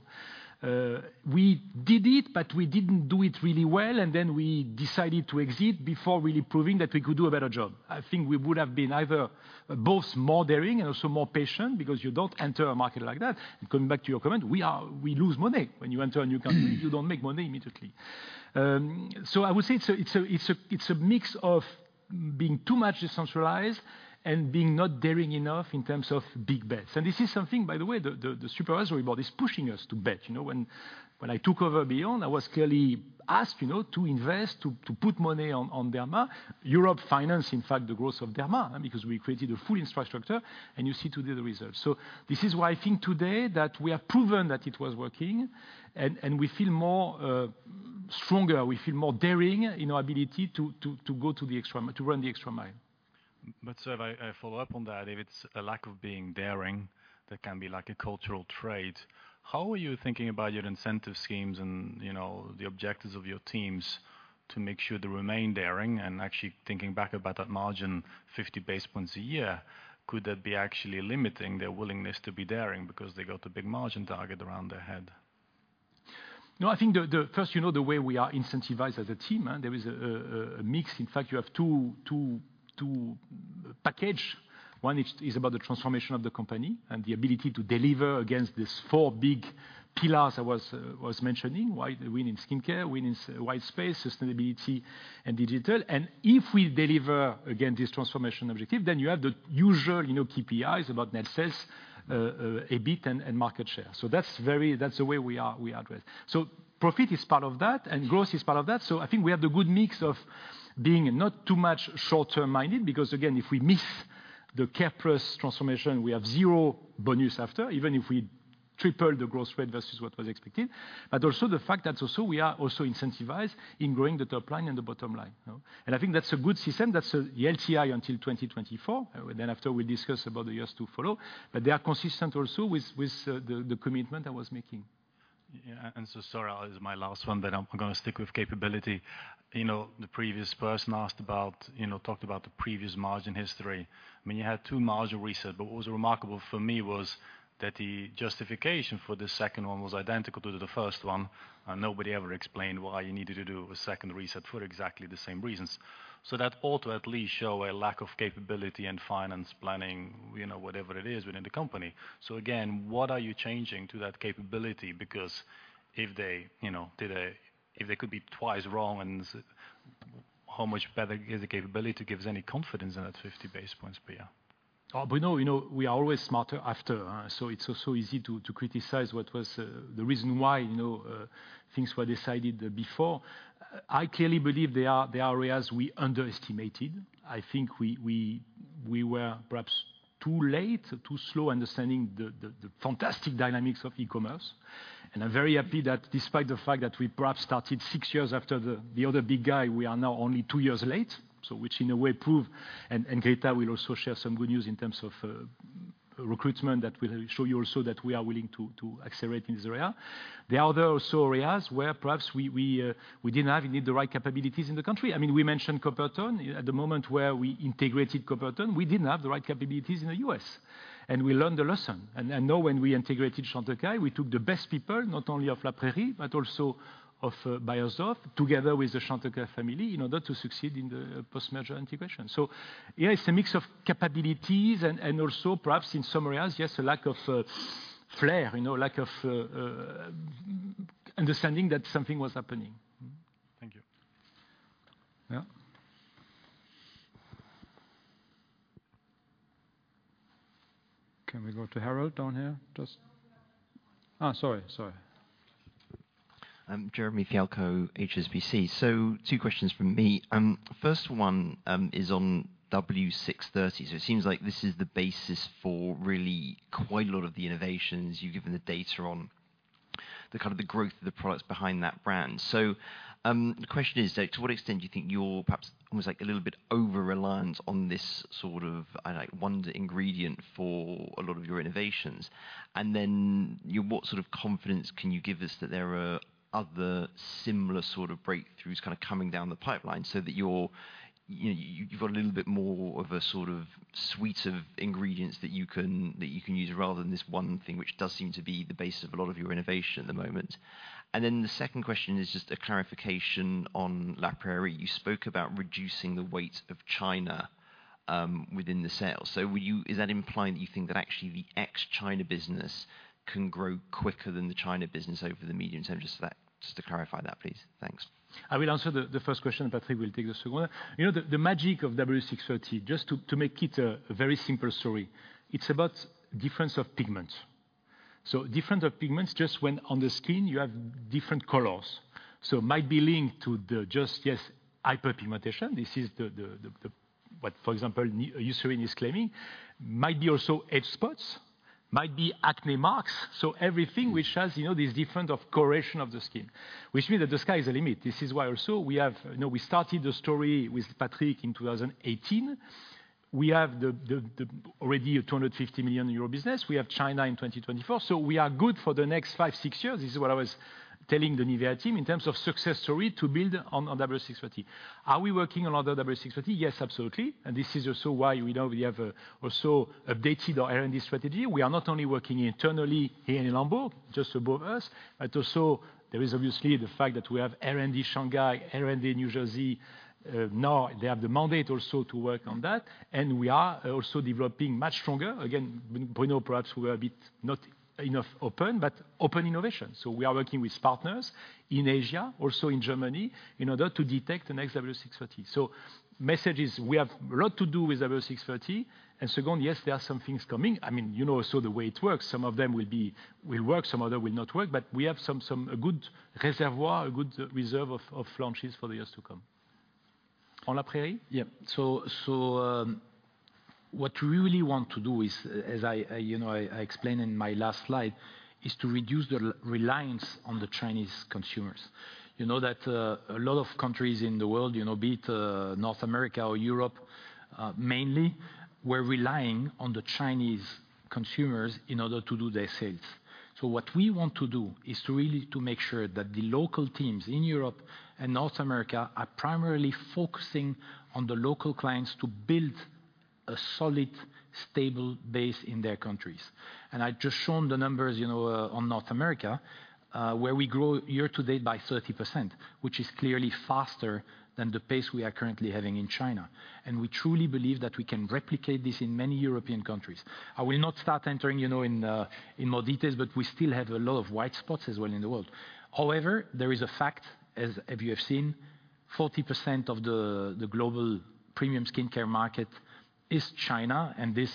B: We did it, but we didn't do it really well, and then we decided to exit before really proving that we could do a better job. I think we would have been either both more daring and also more patient because you don't enter a market like that. Coming back to your comment, we lose money when you enter a new country, you don't make money immediately. So I would say it's a mix of being too much decentralized and being not daring enough in terms of big bets. This is something, by the way, the supervisory board is pushing us to bet. You know, when I took over Beyond, I was clearly asked, you know, to invest, to put money on Derma. Europe financed, in fact, the growth of Derma because we created a full infrastructure, and you see today the results. This is why I think today that we have proven that it was working and we feel more stronger, we feel more daring in our ability to run the extra mile.
G: Sir, if I follow up on that. If it's a lack of being daring, that can be like a cultural trait, how are you thinking about your incentive schemes and, you know, the objectives of your teams to make sure they remain daring? Actually thinking back about that margin, 50 basis points a year, could that be actually limiting their willingness to be daring because they got a big margin target around their head?
B: No, I think first, you know, the way we are incentivized as a team, there is a mix. In fact, you have two packages. One is about the transformation of the company and the ability to deliver against these four big pillars I was mentioning, to win in skincare, win in white space, sustainability and digital. If we deliver against this transformation objective, then you have the usual, you know, KPIs about net sales, EBIT and market share. That's the way we address. Profit is part of that, and growth is part of that. I think we have the good mix of being not too much short-term minded, because again, if we miss the C.A.R.E.+ transformation, we have zero bonus after, even if we triple the growth rate versus what was expected. Also the fact that we are incentivized in growing the top line and the bottom line. I think that's a good system. That's the LTI until 2024. After we discuss about the years to follow. They are consistent also with the commitment I was making.
G: Yeah. Sorry, this is my last one, but I'm gonna stick with capability. You know, the previous person asked about, you know, talked about the previous margin history. I mean, you had two margin resets, but what was remarkable for me was that the justification for the second one was identical to the first one, and nobody ever explained why you needed to do a second reset for exactly the same reasons. That ought to at least show a lack of capability and finance planning, you know, whatever it is within the company. Again, what are you changing to that capability? Because if they, you know, if they could be twice wrong, and how much better is the capability to give us any confidence in that 50 basis points per year?
B: Bruno, you know, we are always smarter after, so it's also easy to criticize what was the reason why, you know, things were decided before. I clearly believe there are areas we underestimated. I think we were perhaps too late or too slow understanding the fantastic dynamics of e-commerce. I'm very happy that despite the fact that we perhaps started six years after the other big guy, we are now only two years late. Which in a way prove, Grita will also share some good news in terms of recruitment that will show you also that we are willing to accelerate in this area. There are other areas where perhaps we didn't have indeed the right capabilities in the country. I mean, we mentioned Coppertone. At the moment where we integrated Coppertone, we didn't have the right capabilities in the U.S., and we learned the lesson. Now when we integrated Chantecaille, we took the best people, not only of La Prairie, but also of Beiersdorf, together with the Chantecaille family in order to succeed in the post-merger integration. Yeah, it's a mix of capabilities and also perhaps in some areas, yes, a lack of flair, you know, lack of understanding that something was happening.
G: Thank you.
A: Can we go to Harold down here?
H: No.
A: Sorry.
I: Jeremy Fialko, HSBC. Two questions from me. First one is on W630. It seems like this is the basis for really quite a lot of the innovations you've given the data on the kind of the growth of the products behind that brand. The question is, to what extent do you think you're perhaps almost like a little bit over-reliance on this sort of, I don't know, one ingredient for a lot of your innovations? What sort of confidence can you give us that there are other similar sort of breakthroughs kind of coming down the pipeline so that you've got a little bit more of a sort of suite of ingredients that you can use rather than this one thing which does seem to be the base of a lot of your innovation at the moment. The second question is just a clarification on La Prairie. You spoke about reducing the weight of China within the sales. Is that implying that you think that actually the ex-China business can grow quicker than the China business over the medium term? Just to clarify that, please. Thanks.
B: I will answer the first question. Patrick will take the second one. You know, the magic of W630, just to make it a very simple story, it's about difference of pigments. So different pigments just when on the screen you have different colors. So might be linked to just, yes, hyperpigmentation. This is the what, for example, Eucerin is claiming. Might be also age spots, might be acne marks. So everything which has, you know, these different of coloration of the skin, which means that the sky is the limit. This is why also we have. You know, we started the story with Patrick in 2018. We have the already a 250 million euro business. We have China in 2024, so we are good for the next five, six years. This is what I was telling the NIVEA team in terms of success story to build on W630. Are we working on other W630? Yes, absolutely. This is also why we now have also updated our R&D strategy. We are not only working internally here in Hamburg, just above us, but also there is obviously the fact that we have R&D Shanghai, R&D New Jersey. Now they have the mandate also to work on that, and we are also developing much stronger. Again, we know perhaps we are a bit not enough open, but open innovation. We are working with partners in Asia, also in Germany, in order to detect the next W630. Message is, we have a lot to do with W630. Second, yes, there are some things coming. I mean, you know also the way it works, some of them will work, some other will not work. We have some, a good reservoir, a good reserve of launches for the years to come. On La Prairie?
C: Yeah. So what we really want to do is, as I, you know, explained in my last slide, is to reduce the reliance on the Chinese consumers. You know that a lot of countries in the world, you know, be it North America or Europe mainly were relying on the Chinese consumers in order to do their sales. What we want to do is to really make sure that the local teams in Europe and North America are primarily focusing on the local clients to build a solid, stable base in their countries. I've just shown the numbers, you know, on North America where we grow year to date by 30%, which is clearly faster than the pace we are currently having in China. We truly believe that we can replicate this in many European countries. I will not go into more details, you know, but we still have a lot of white spots as well in the world. However, there is a fact, as you have seen, 40% of the global premium skincare market is China, and this,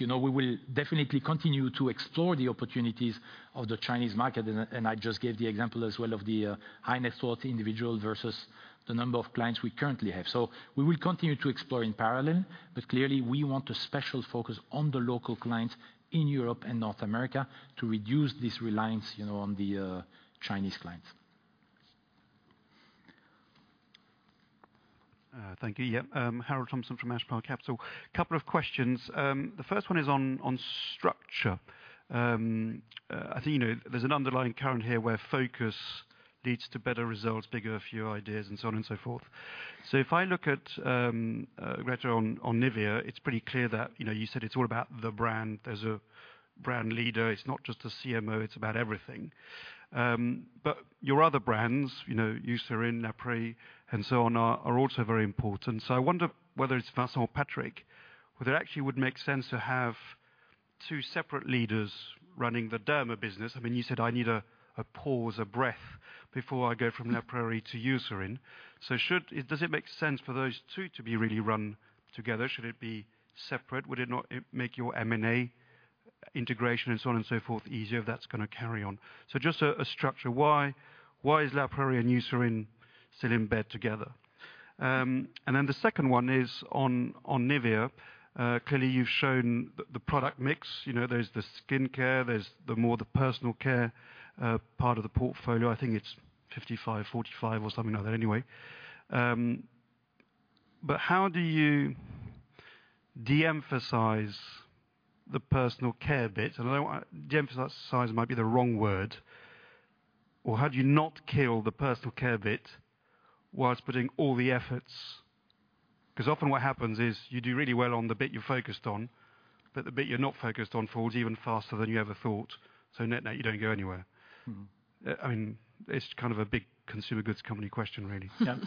C: you know, we will definitely continue to explore the opportunities of the Chinese market. I just gave the example as well of the high-net-worth individual versus the number of clients we currently have. We will continue to explore in parallel, but clearly we want a special focus on the local clients in Europe and North America to reduce this reliance, you know, on the Chinese clients.
J: Thank you. Yeah. Harold Thompson from Ash Park Capital. Couple of questions. The first one is on structure. I think, you know, there's an underlying current here where focus leads to better results, bigger, fewer ideas and so on and so forth. If I look at Grita on NIVEA, it's pretty clear that, you know, you said it's all about the brand. There's a brand leader, it's not just a CMO, it's about everything. Your other brands, you know, Eucerin, La Prairie, and so on are also very important. I wonder whether it's Vincent or Patrick, whether it actually would make sense to have two separate leaders running the Derma business. I mean, you said, "I need a pause, a breath before I go from La Prairie to Eucerin." Does it make sense for those two to be really run together? Should it be separate? Would it not make your M&A integration and so on and so forth easier if that's gonna carry on? Just a structure. Why is La Prairie and Eucerin still in bed together? The second one is on NIVEA. Clearly you've shown the product mix. You know, there's the skincare, there's the more personal care part of the portfolio. I think it's 55%, 45% or something like that anyway. But how do you de-emphasize the personal care bit? I know de-emphasize might be the wrong word. Or how do you not kill the personal care bit whilst putting all the efforts? 'Cause often what happens is you do really well on the bit you're focused on, but the bit you're not focused on falls even faster than you ever thought. Net-net, you don't go anywhere.
B: Mm-hmm.
J: I mean, it's kind of a big consumer goods company question really.
B: Yeah.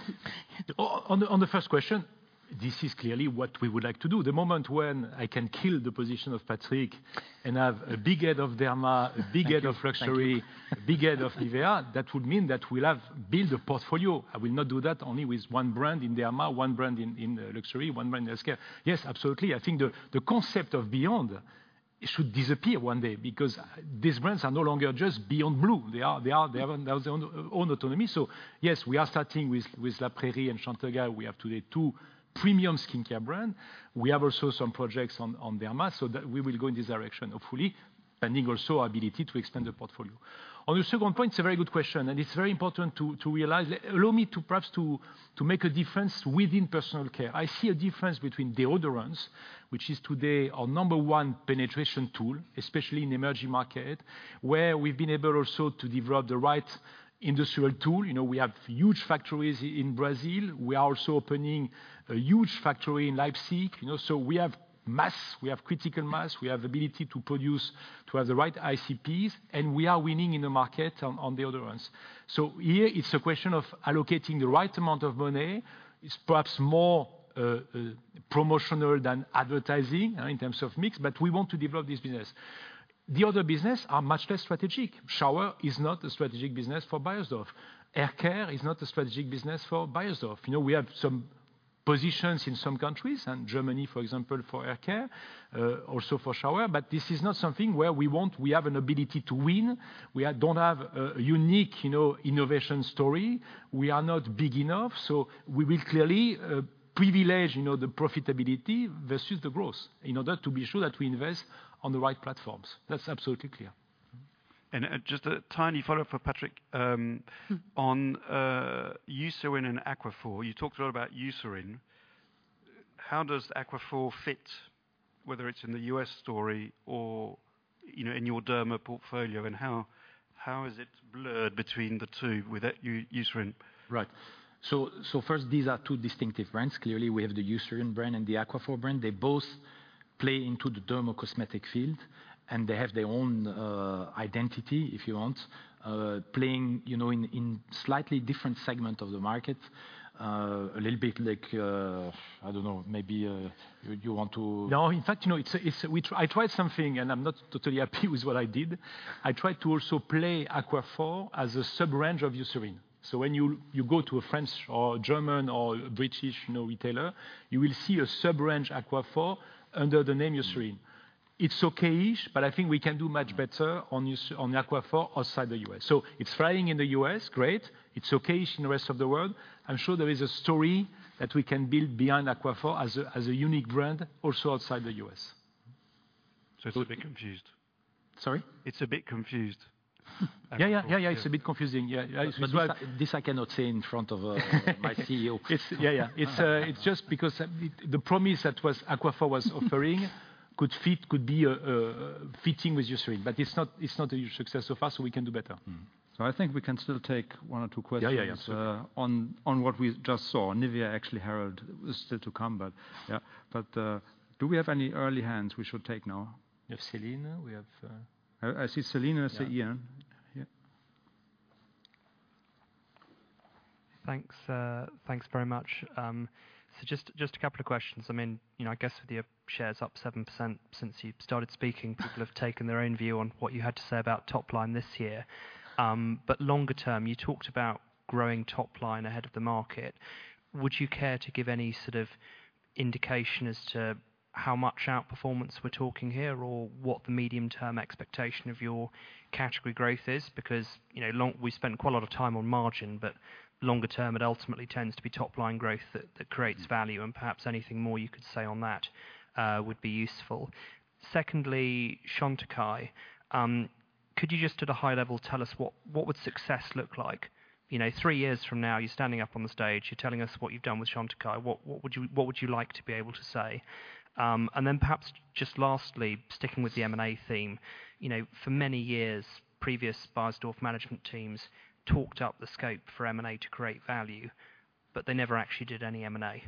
B: On the first question, this is clearly what we would like to do. The moment when I can fill the position of Patrick and have a big head of Derma, a big head of luxury.
C: Thank you.
B: A big head of NIVEA, that would mean that we'll have built a portfolio. I will not do that only with one brand in derma, one brand in luxury, one brand in skincare. Yes, absolutely. I think the concept of Beyond should disappear one day because these brands are no longer just Beyond Blue. They are. They have their own autonomy. Yes, we are starting with La Prairie and Chantecaille. We have today two premium skincare brand. We have also some projects on derma, so that we will go in this direction hopefully, depending also our ability to extend the portfolio. On the second point, it's a very good question, and it's very important to realize. Allow me to perhaps make a difference within personal care. I see a difference between deodorants, which is today our number one penetration tool, especially in emerging market, where we've been able also to develop the right industrial tool. You know, we have huge factories in Brazil. We are also opening a huge factory in Leipzig, you know. We have mass, we have critical mass, we have ability to produce, to have the right ICPs, and we are winning in the market on deodorants. Here it's a question of allocating the right amount of money. It's perhaps more promotional than advertising in terms of mix, but we want to develop this business. The other business are much less strategic. Shower is not a strategic business for Beiersdorf. Hair care is not a strategic business for Beiersdorf. You know, we have some. Positions in some countries, and Germany for example, for hair care, also for shower. This is not something where we want. We have an ability to win. We don't have a unique, you know, innovation story. We are not big enough. We will clearly privilege, you know, the profitability versus the growth in order to be sure that we invest on the right platforms. That's absolutely clear.
J: Just a tiny follow-up for Patrick on Eucerin and Aquaphor. You talked a lot about Eucerin. How does Aquaphor fit, whether it's in the U.S. story or, you know, in your derma portfolio? How is it blurred between the two with Eucerin?
C: Right. First, these are two distinctive brands. Clearly, we have the Eucerin brand and the Aquaphor brand. They both play into the dermocosmetic field, and they have their own identity, if you want, playing, you know, in slightly different segment of the market. A little bit like, I don't know, maybe, you want to.
B: No, in fact, you know, it's. I tried something, and I'm not totally happy with what I did. I tried to also play Aquaphor as a sub-range of Eucerin. When you go to a French or German or British, you know, retailer, you will see a sub-range Aquaphor under the name Eucerin. It's okay-ish, but I think we can do much better on Aquaphor outside the U.S. It's flying in the U.S., great. It's okay-ish in the rest of the world. I'm sure there is a story that we can build behind Aquaphor as a unique brand also outside the U.S.
J: It's a bit confused.
C: Sorry?
J: It's a bit confused.
B: Yeah. It's a bit confusing. Yeah.
C: This I cannot say in front of my CEO.
B: It's just because the promise that Aquaphor was offering could be fitting with Eucerin, but it's not a huge success so far, so we can do better.
C: Mm-hmm.
A: I think we can still take one or two questions.
B: Yeah, yeah.
A: on what we just saw. NIVEA actually, Harold, is still to come, but yeah. Do we have any early hands we should take now?
B: We have Celine.
A: I see Celine. I see Ian. Yeah.
K: Thanks, thanks very much. A couple of questions. I mean, you know, I guess with your shares up 7% since you've started speaking, people have taken their own view on what you had to say about top line this year. Longer term, you talked about growing top line ahead of the market. Would you care to give any sort of indication as to how much outperformance we're talking here or what the medium-term expectation of your category growth is? Because, you know, we spent quite a lot of time on margin, but longer term, it ultimately tends to be top line growth that creates value and perhaps anything more you could say on that would be useful. Secondly, Chantecaille, could you just at a high level tell us what would success look like? You know, three years from now, you're standing up on the stage, you're telling us what you've done with Chantecaille, what would you like to be able to say? Then perhaps just lastly, sticking with the M&A theme, you know, for many years, previous Beiersdorf management teams talked up the scope for M&A to create value, but they never actually did any M&A.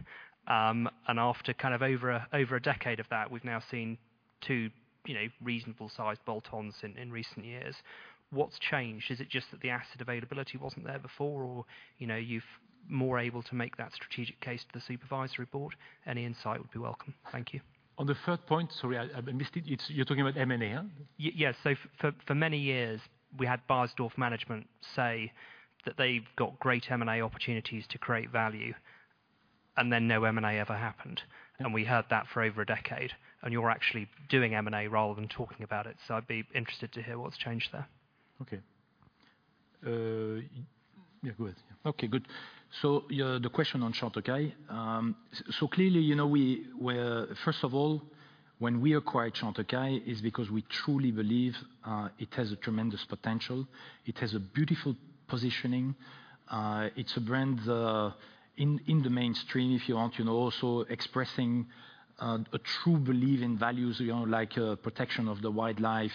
K: After kind of over a decade of that, we've now seen two, you know, reasonable-sized bolt-ons in recent years. What's changed? Is it just that the asset availability wasn't there before? Or, you know, you're more able to make that strategic case to the supervisory board? Any insight would be welcome. Thank you.
C: On the third point, sorry, I missed it. You're talking about M&A, huh?
K: Yes. For many years, we had Beiersdorf management say that they've got great M&A opportunities to create value and then no M&A ever happened. We heard that for over a decade, and you're actually doing M&A rather than talking about it. I'd be interested to hear what's changed there.
C: The question on Chantecaille. Clearly, you know, first of all, when we acquired Chantecaille is because we truly believe it has a tremendous potential. It has a beautiful positioning. It's a brand in the mainstream, if you want, you know, also expressing a true belief in values, you know, like protection of the wildlife,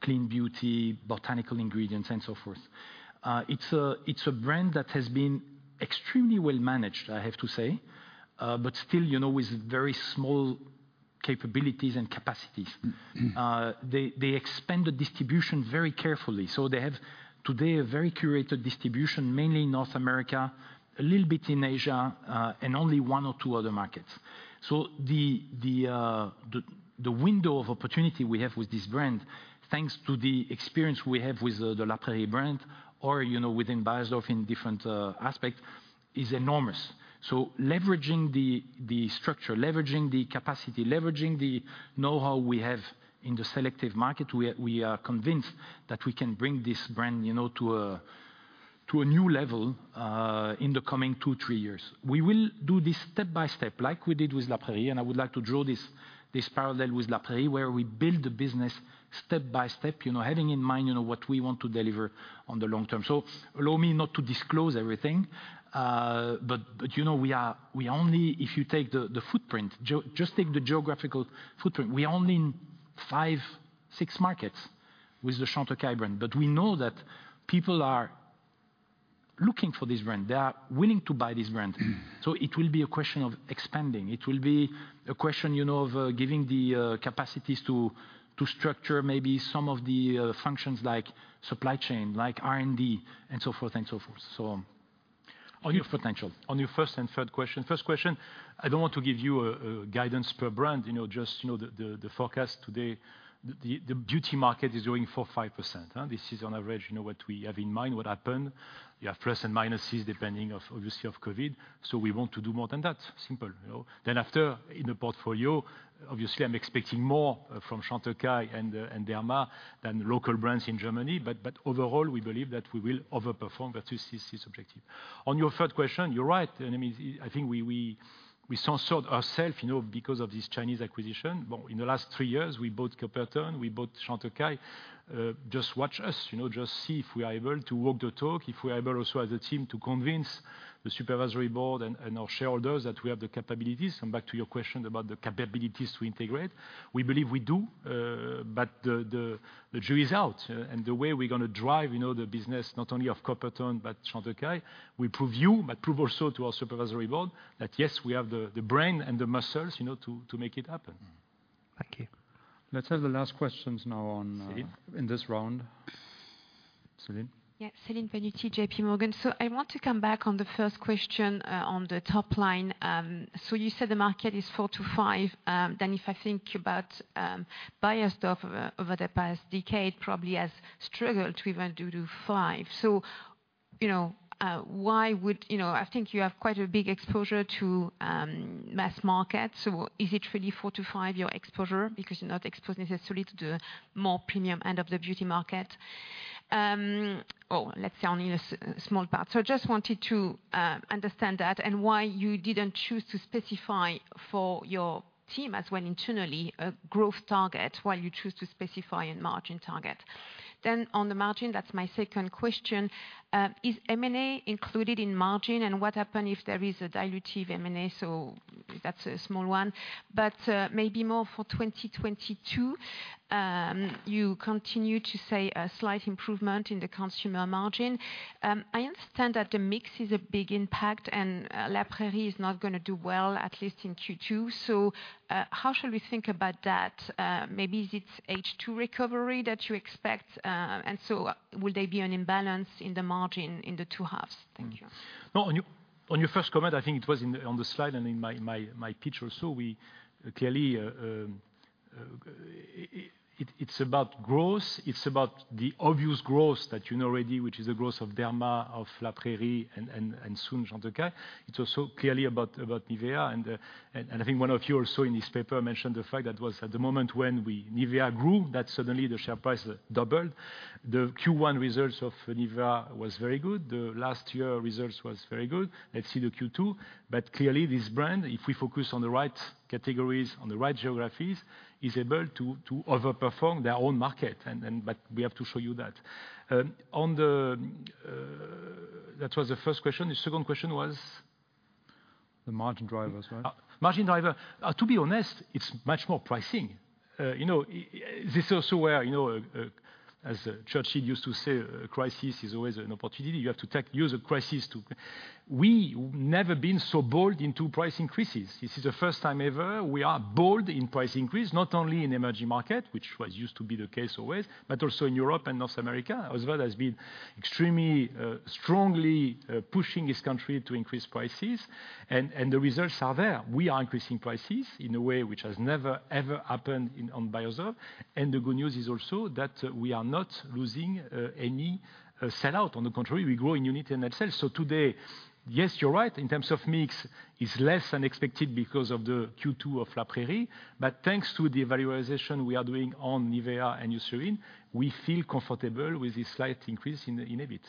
C: clean beauty, botanical ingredients, and so forth. It's a brand that has been extremely well managed, I have to say, but still, you know, with very small capabilities and capacities.
B: Mm-hmm.
C: They expand the distribution very carefully. They have today a very curated distribution, mainly in North America, a little bit in Asia, and only one or two other markets. The window of opportunity we have with this brand, thanks to the experience we have with the La Prairie brand or, you know, within Beiersdorf in different aspects, is enormous. Leveraging the structure, leveraging the capacity, leveraging the know-how we have in the selective market, we are convinced that we can bring this brand, you know, to a new level in the coming two, three years. We will do this step by step, like we did with La Prairie, and I would like to draw this parallel with La Prairie, where we build the business step by step, you know, having in mind, you know, what we want to deliver on the long term. Allow me not to disclose everything, but you know, we are only, if you take the footprint, just take the geographical footprint. We're only in five, six markets with the Chantecaille brand, but we know that people are looking for this brand. They are willing to buy this brand.
B: Mm-hmm.
C: It will be a question of expanding. It will be a question, you know, of giving the capacities to structure maybe some of the functions like supply chain, like R&D, and so forth. A lot of potential.
B: On your first and third question. First question, I don't want to give you guidance per brand, you know, just the forecast today. The beauty market is growing 4%, 5%. This is on average, you know, what we have in mind what happened. You have pluses and minuses depending on, obviously, COVID. We want to do more than that. Simple, you know? After, in the portfolio, obviously, I'm expecting more from Chantecaille and Derma than local brands in Germany. Overall, we believe that we will overperform the two CCUs objective. On your third question, you're right. I mean, I think we censored ourselves, you know, because of this Chinese acquisition. Well, in the last three years, we bought Coppertone, we bought Chantecaille. Just watch us, you know. Just see if we are able to walk the talk, if we are able also as a team to convince the supervisory board and our shareholders that we have the capabilities. Come back to your question about the capabilities to integrate. We believe we do, but the jury's out. The way we're gonna drive, you know, the business not only of Coppertone, but Chantecaille, we'll prove it to you, but also prove to our supervisory board that, yes, we have the brain and the muscles, you know, to make it happen.
K: Thank you.
A: Let's have the last questions now on.
B: Celine
A: in this round. Celine?
L: Yeah, Celine Pannuti, JPMorgan. I want to come back on the first question, on the top line. You said the market is 4%-5%. If I think about Beiersdorf over the past decade, it probably has struggled to even do 2%-5%. You know, I think you have quite a big exposure to mass market. Is it really 4%-5%, your exposure? Because you're not exposed necessarily to the more premium end of the beauty market. Let's say only in a small part. I just wanted to understand that, and why you didn't choose to specify for your team as when internally a growth target, while you choose to specify a margin target. On the margin, that's my second question. Is M&A included in margin? What happens if there is a dilutive M&A? That's a small one. Maybe more for 2022, you continue to say a slight improvement in the consumer margin. I understand that the mix is a big impact, and La Prairie is not gonna do well, at least in Q2. How shall we think about that? Maybe is it H2 recovery that you expect? Will there be an imbalance in the margin in the two halves? Thank you.
B: No, on your first comment, I think it was on the slide and in my picture. We clearly, it's about growth. It's about the obvious growth that you know already, which is the growth of Derma, of La Prairie, and soon Chantecaille. It's also clearly about NIVEA. I think one of you also in this paper mentioned the fact that was at the moment when we, NIVEA grew, that suddenly the share price doubled. The Q1 results of NIVEA was very good. The last year results was very good. Let's see the Q2. Clearly, this brand, if we focus on the right categories, on the right geographies, is able to overperform their own market. We have to show you that. That was the first question. The second question was?
C: The margin drivers, right?
B: Margin driver. To be honest, it's much more pricing. You know, this also where, you know, as Churchill used to say, a crisis is always an opportunity. You have to use a crisis. We never been so bold into price increases. This is the first time ever we are bold in price increase, not only in emerging market, which was used to be the case always, but also in Europe and North America. Oswald has been extremely strongly pushing his country to increase prices. The results are there. We are increasing prices in a way which has never, ever happened in, on Beiersdorf. The good news is also that we are not losing any sellout. On the contrary, we grow in unit and itself. Today, yes, you're right, in terms of mix, it's less than expected because of the Q2 of La Prairie. Thanks to the valorization we are doing on NIVEA and Eucerin, we feel comfortable with this slight increase in EBIT.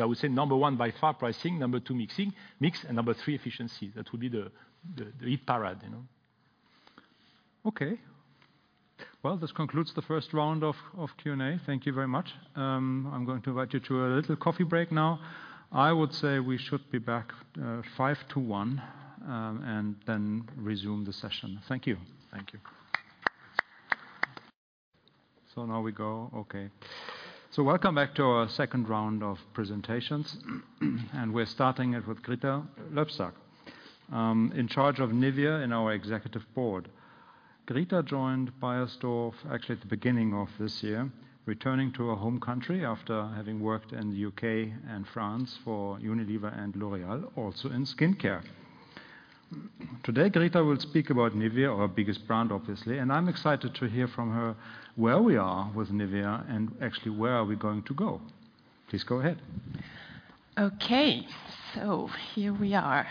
B: I would say number one, by far pricing, number two, mix, and number three, efficiency. That would be the key triad, you know?
A: Okay. Well, this concludes the first round of Q&A. Thank you very much. I'm going to invite you to a little coffee break now. I would say we should be back five to one and then resume the session. Thank you.
B: Thank you.
A: Now we go. Okay. Welcome back to our second round of presentations. We're starting it with Grita Loebsack, in charge of NIVEA in our executive board. Grita joined Beiersdorf actually at the beginning of this year, returning to her home country after having worked in the U.K. and France for Unilever and L'Oréal, also in skincare. Today, Grita will speak about NIVEA, our biggest brand, obviously, and I'm excited to hear from her where we are with NIVEA and actually where are we going to go. Please go ahead.
M: Okay. So here we are.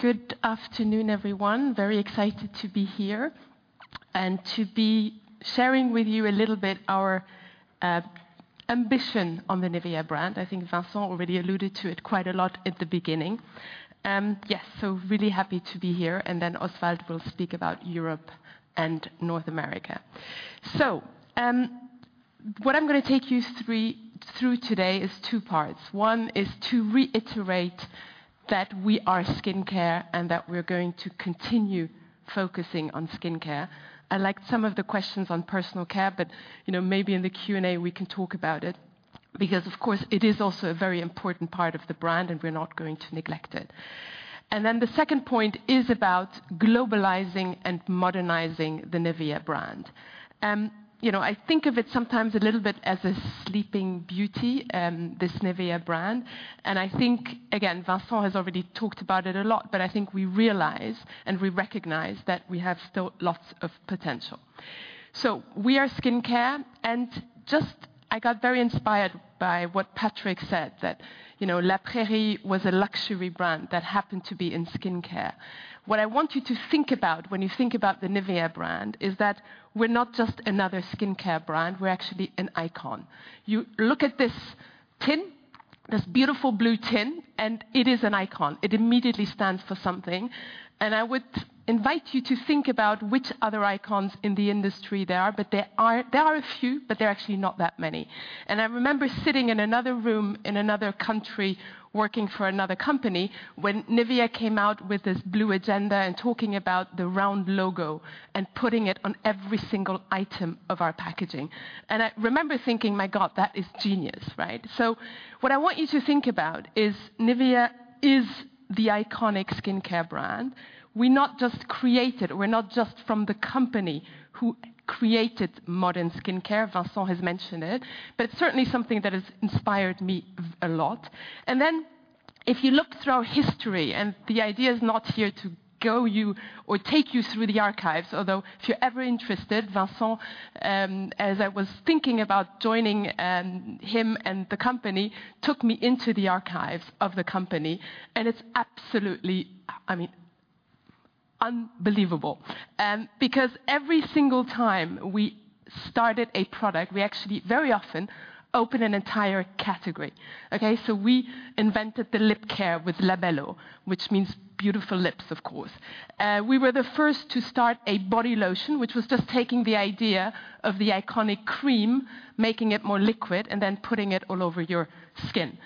M: Good afternoon, everyone. Very excited to be here and to be sharing with you a little bit our ambition on the NIVEA brand. I think Vincent already alluded to it quite a lot at the beginning. Yes, really happy to be here. Oswald will speak about Europe and North America. What I'm gonna take you through today is two parts. One is to reiterate that we are skincare and that we're going to continue focusing on skincare. I liked some of the questions on personal care, but, you know, maybe in the Q&A we can talk about it because, of course, it is also a very important part of the brand and we're not going to neglect it. The second point is about globalizing and modernizing the NIVEA brand. You know, I think of it sometimes a little bit as a sleeping beauty, this NIVEA brand. I think, again, Vincent has already talked about it a lot, but I think we realize and we recognize that we have still lots of potential. We are skincare, and just I got very inspired by what Patrick said, that, you know, La Prairie was a luxury brand that happened to be in skincare. What I want you to think about when you think about the NIVEA brand is that we're not just another skincare brand, we're actually an icon. You look at this tin, this beautiful blue tin, and it is an icon. It immediately stands for something. I would invite you to think about which other icons in the industry there are, but there are a few, but they're actually not that many. I remember sitting in another room in another country working for another company when NIVEA came out with this blue agenda and talking about the round logo and putting it on every single item of our packaging. I remember thinking, "My God, that is genius," right? What I want you to think about is NIVEA is the iconic skincare brand. We're not just created, we're not just from the company who created modern skincare, Vincent has mentioned it, but certainly something that has inspired me a lot. Then if you look through our history, and the idea is not here to go through or take you through the archives, although if you're ever interested, Vincent, as I was thinking about joining, him and the company, took me into the archives of the company and it's absolutely, I mean, unbelievable. Because every single time we started a product, we actually very often open an entire category. Okay? We invented the lip care with Labello, which means beautiful lips, of course. We were the first to start a body lotion, which was just taking the idea of the iconic cream, making it more liquid, and then putting it all over your skin.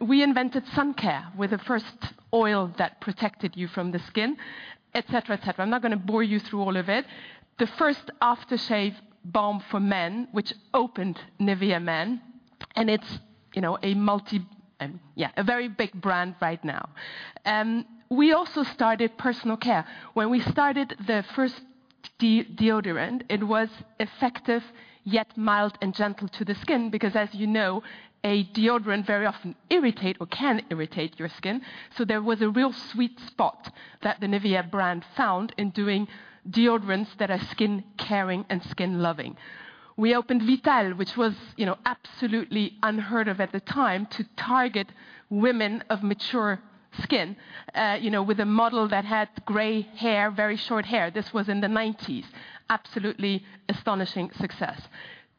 M: We invented sun care with the first oil that protected you from the sun, et cetera, et cetera. I'm not gonna bore you through all of it. The first aftershave balm for men, which opened NIVEA MEN, and it's, you know, a very big brand right now. We also started personal care. When we started the first deodorant, it was effective, yet mild and gentle to the skin because as you know, a deodorant very often irritate or can irritate your skin. There was a real sweet spot that the NIVEA brand found in doing deodorants that are skin-caring and skin-loving. We opened Vital, which was, you know, absolutely unheard of at the time to target women of mature skin, you know, with a model that had gray hair, very short hair. This was in the 1990s. Absolutely astonishing success.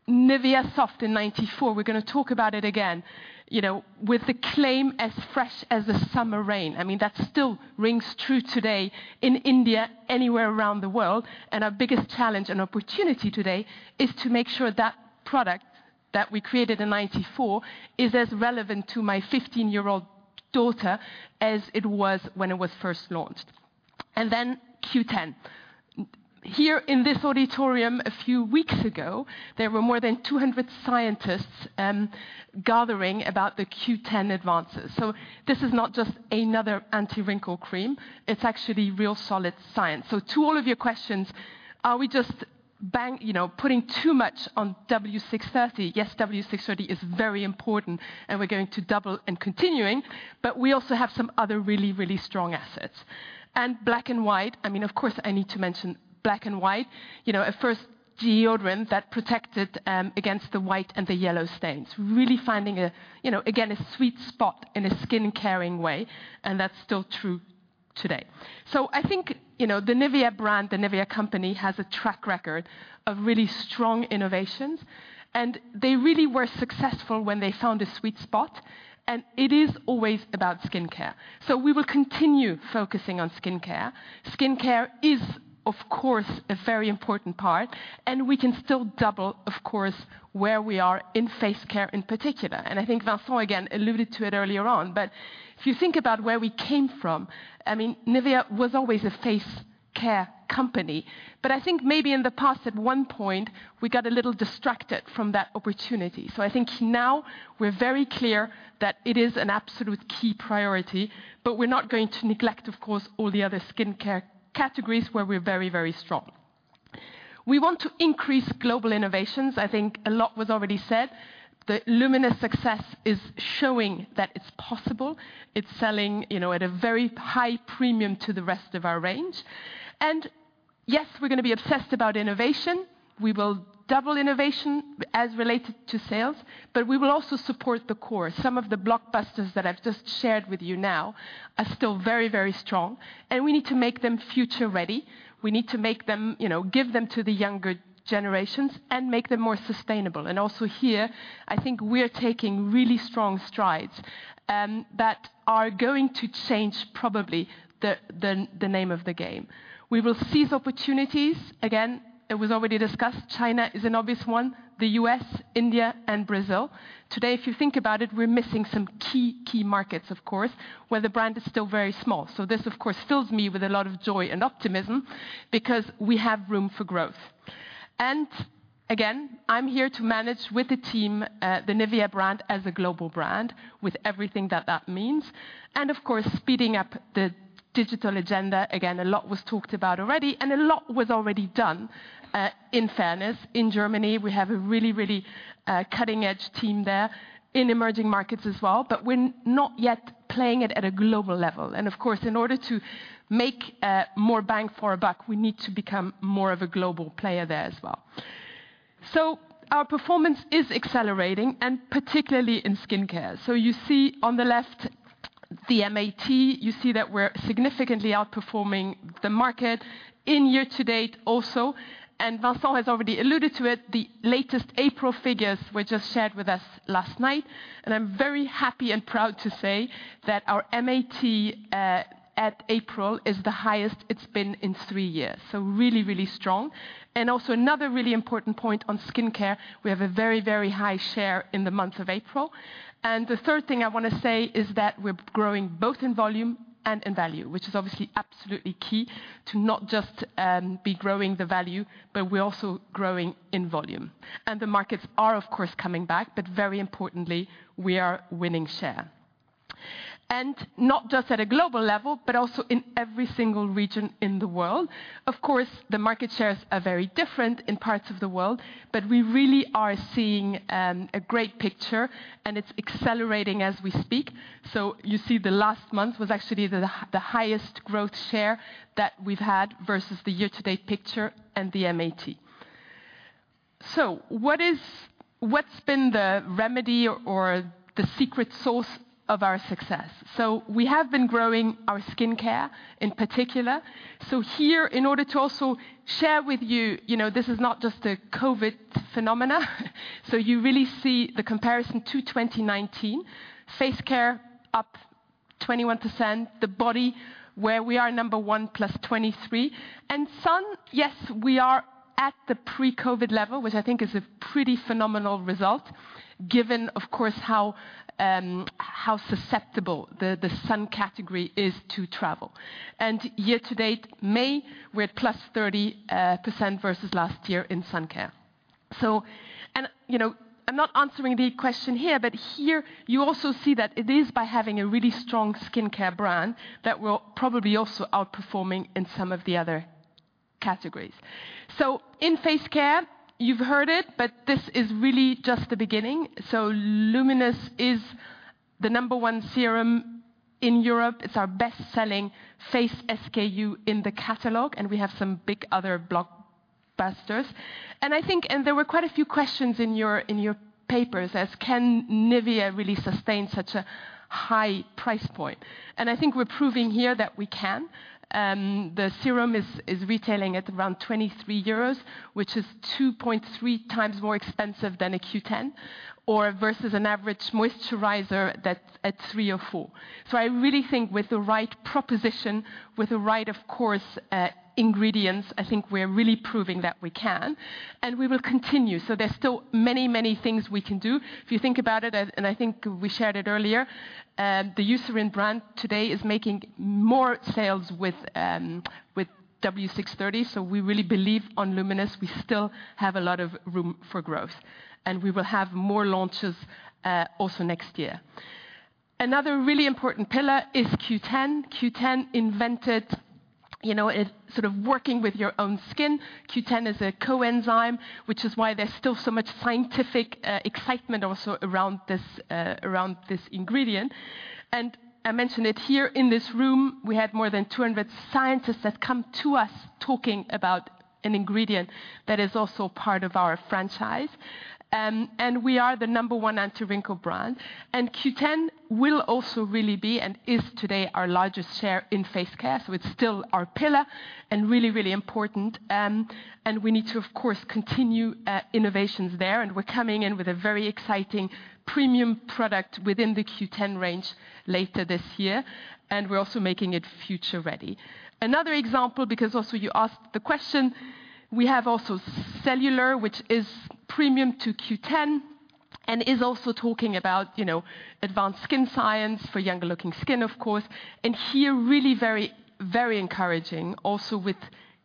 M: NIVEA Soft in 1994, we're gonna talk about it again, you know, with the claim, "As fresh as the summer rain." I mean, that still rings true today in India, anywhere around the world, and our biggest challenge and opportunity today is to make sure that product that we created in 1994 is as relevant to my 15-year-old daughter as it was when it was first launched. Then Q10. Here in this auditorium a few weeks ago, there were more than 200 scientists gathering about the Q10 advances. This is not just another anti-wrinkle cream, it's actually real solid science. To all of your questions, are we just putting too much on W630? Yes, W630 is very important and we're going to double and continuing, but we also have some other really, really strong assets. Black & White, I mean, of course, I need to mention Black & White. You know, a first deodorant that protected against the white and the yellow stains. Really finding a, you know, again, a sweet spot in a skin-caring way, and that's still true today. I think, you know, the NIVEA brand, the NIVEA company, has a track record of really strong innovations, and they really were successful when they found a sweet spot, and it is always about skincare. We will continue focusing on skincare. Skincare is, of course, a very important part, and we can still double, of course, where we are in face care in particular. I think Vincent, again, alluded to it earlier on. If you think about where we came from, I mean, NIVEA was always a face care company, but I think maybe in the past at one point we got a little distracted from that opportunity. I think now we're very clear that it is an absolute key priority, but we're not going to neglect, of course, all the other skincare categories where we're very, very strong. We want to increase global innovations. I think a lot was already said. The LUMINOUS success is showing that it's possible. It's selling, you know, at a very high premium to the rest of our range. Yes, we're gonna be obsessed about innovation. We will double innovation as related to sales, but we will also support the core. Some of the blockbusters that I've just shared with you now are still very, very strong, and we need to make them future-ready. We need to make them, you know, give them to the younger generations and make them more sustainable. Also here, I think we're taking really strong strides that are going to change probably the name of the game. We will seize opportunities. Again, it was already discussed, China is an obvious one, the U.S., India, and Brazil. Today, if you think about it, we're missing some key markets, of course, where the brand is still very small. So this, of course, fills me with a lot of joy and optimism because we have room for growth. Again, I'm here to manage with the team the NIVEA brand as a global brand with everything that that means. Of course, speeding up the digital agenda, again, a lot was talked about already, and a lot was already done, in fairness. In Germany, we have a really cutting-edge team there, in emerging markets as well, but we're not yet playing it at a global level. Of course, in order to make more bang for our buck, we need to become more of a global player there as well. Our performance is accelerating, and particularly in skincare. You see on the left the MAT. You see that we're significantly outperforming the market in year-to-date also. Vincent has already alluded to it. The latest April figures were just shared with us last night, and I'm very happy and proud to say that our MAT at April is the highest it's been in three years. Really strong. Also another really important point on skincare, we have a very high share in the month of April. The third thing I wanna say is that we're growing both in volume and in value, which is obviously absolutely key to not just be growing the value, but we're also growing in volume. The markets are of course coming back, but very importantly, we are winning share. Not just at a global level, but also in every single region in the world. Of course, the market shares are very different in parts of the world, but we really are seeing a great picture and it's accelerating as we speak. You see the last month was actually the highest growth share that we've had versus the year-to-date picture and the MAT. What's been the remedy or the secret sauce of our success? We have been growing our skincare in particular. Here, in order to also share with you know, this is not just a COVID phenomenon, so you really see the comparison to 2019. Face care up 21%, the body, where we are number one, +23%. Sun, yes, we are at the pre-COVID level, which I think is a pretty phenomenal result given, of course, how susceptible the sun category is to travel. Year to date, May, we're at +30% versus last year in sun care. You know, I'm not answering the question here, but here you also see that it is by having a really strong skincare brand that we're probably also outperforming in some of the other categories. In face care, you've heard it, but this is really just the beginning. LUMINOUS is the number one serum in Europe. It's our best-selling face SKU in the catalog, and we have some big other blockbusters. I think there were quite a few questions in your papers as, "Can NIVEA really sustain such a high price point?" I think we're proving here that we can. The serum is retailing at around 23 euros, which is 2.3x more expensive than a Q10, or versus an average moisturizer that's at 3 or 4. I really think with the right proposition, with the right, of course, ingredients, I think we're really proving that we can. We will continue, so there's still many, many things we can do. If you think about it, I think we shared it earlier, the Eucerin brand today is making more sales with W630. We really believe on LUMINOUS, we still have a lot of room for growth. We will have more launches also next year. Another really important pillar is Q10. Q10 invented it sort of working with your own skin. Q10 is a coenzyme, which is why there's still so much scientific excitement also around this ingredient. I mention it here in this room, we had more than 200 scientists that come to us talking about an ingredient that is also part of our franchise. We are the number one anti-wrinkle brand. Q10 will also really be, and is today, our largest share in face care. It's still our pillar, and really, really important. We need to, of course, continue innovations there, and we're coming in with a very exciting premium product within the Q10 range later this year, and we're also making it future-ready. Another example, because also you asked the question, we have also Cellular, which is premium to Q10, and is also talking about advanced skin science for younger-looking skin, of course. Here, really very encouraging also with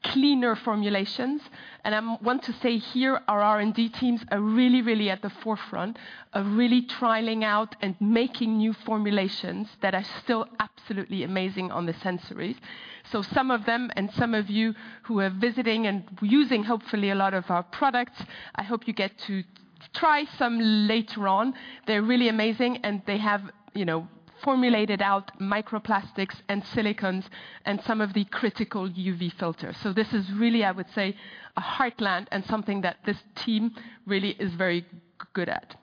M: cleaner formulations. I want to say here, our R&D teams are really at the forefront of trialing out and making new formulations that are still absolutely amazing on the sensory. Some of them, and some of you who are visiting and using, hopefully, a lot of our products, I hope you get to try some later on. They're really amazing, and they have, you know, formulated out microplastics and silicones and some of the critical UV filters. This is really, I would say, a heartland and something that this team really is very good at.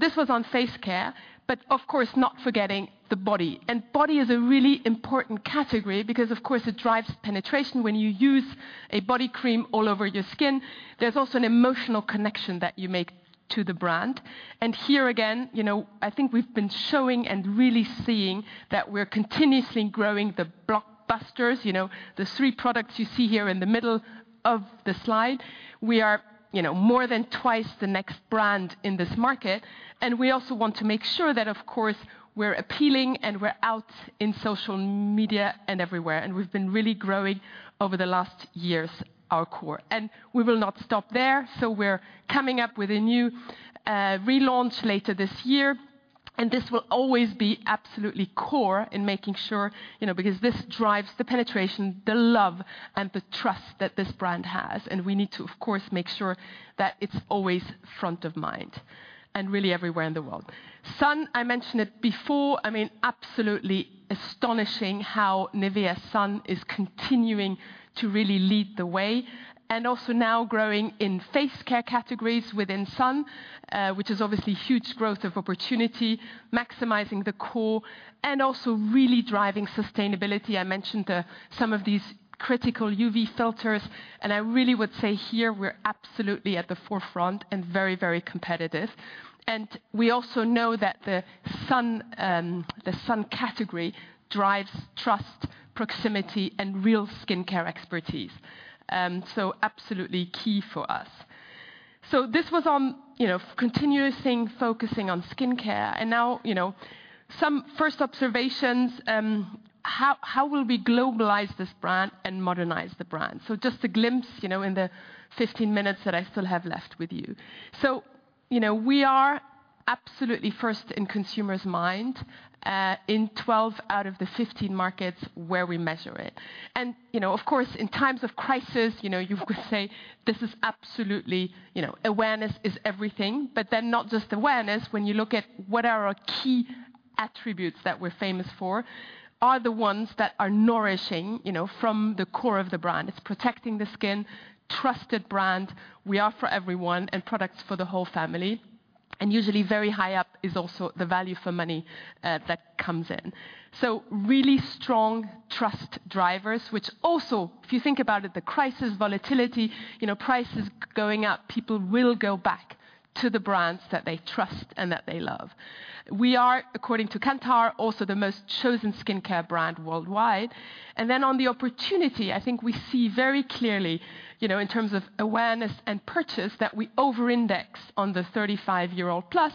M: This was on face care, but of course not forgetting the body. Body is a really important category because, of course, it drives penetration. When you use a body cream all over your skin, there's also an emotional connection that you make to the brand. Here again, you know, I think we've been showing and really seeing that we're continuously growing the blockbusters. You know, the three products you see here in the middle of the slide, we are, you know, more than twice the next brand in this market. We also want to make sure that, of course, we're appealing and we're out in social media and everywhere. We've been really growing over the last years our core. We will not stop there, so we're coming up with a new relaunch later this year. This will always be absolutely core in making sure, you know, because this drives the penetration, the love, and the trust that this brand has. We need to, of course, make sure that it's always front of mind and really everywhere in the world. Sun, I mentioned it before. I mean, absolutely astonishing how NIVEA Sun is continuing to really lead the way. Also now growing in face care categories within sun, which is obviously huge growth of opportunity, maximizing the core, and also really driving sustainability. I mentioned some of these critical UV filters, and I really would say here we're absolutely at the forefront and very, very competitive. We also know that the sun, the sun category drives trust, proximity, and real skincare expertise. Absolutely key for us. This was on, you know, continuous thing, focusing on skincare. Now, you know, some first observations, how will we globalize this brand and modernize the brand? Just a glimpse, you know, in the 15 minutes that I still have left with you. You know, we are absolutely first in consumer's mind, in 12 out of the 15 markets where we measure it. You know, of course, in times of crisis, you know, you could say this is absolutely, you know, awareness is everything. Not just awareness, when you look at what are our key attributes that we're famous for, are the ones that are nourishing, you know, from the core of the brand. It's protecting the skin, trusted brand. We are for everyone and products for the whole family, and usually very high up is also the value for money, that comes in. So really strong trust drivers, which also, if you think about it, the crisis volatility, you know, prices going up, people will go back to the brands that they trust and that they love. We are, according to Kantar, also the most chosen skincare brand worldwide. On the opportunity, I think we see very clearly, you know, in terms of awareness and purchase, that we over-index on the 35-year-old plus.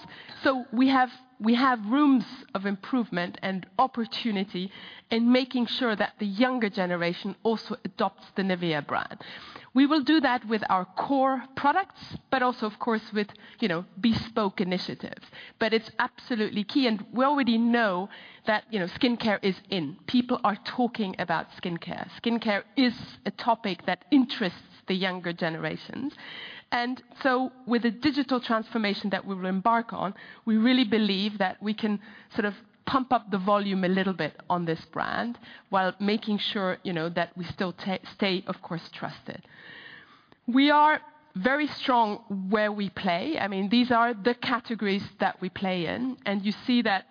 M: We have room for improvement and opportunity in making sure that the younger generation also adopts the NIVEA brand. We will do that with our core products, but also of course with, you know, bespoke initiatives. It's absolutely key, and we already know that, you know, skincare is in. People are talking about skincare. Skincare is a topic that interests the younger generations. With the digital transformation that we will embark on, we really believe that we can sort of pump up the volume a little bit on this brand while making sure, you know, that we still stay, of course, trusted. We are very strong where we play. I mean, these are the categories that we play in, and you see that,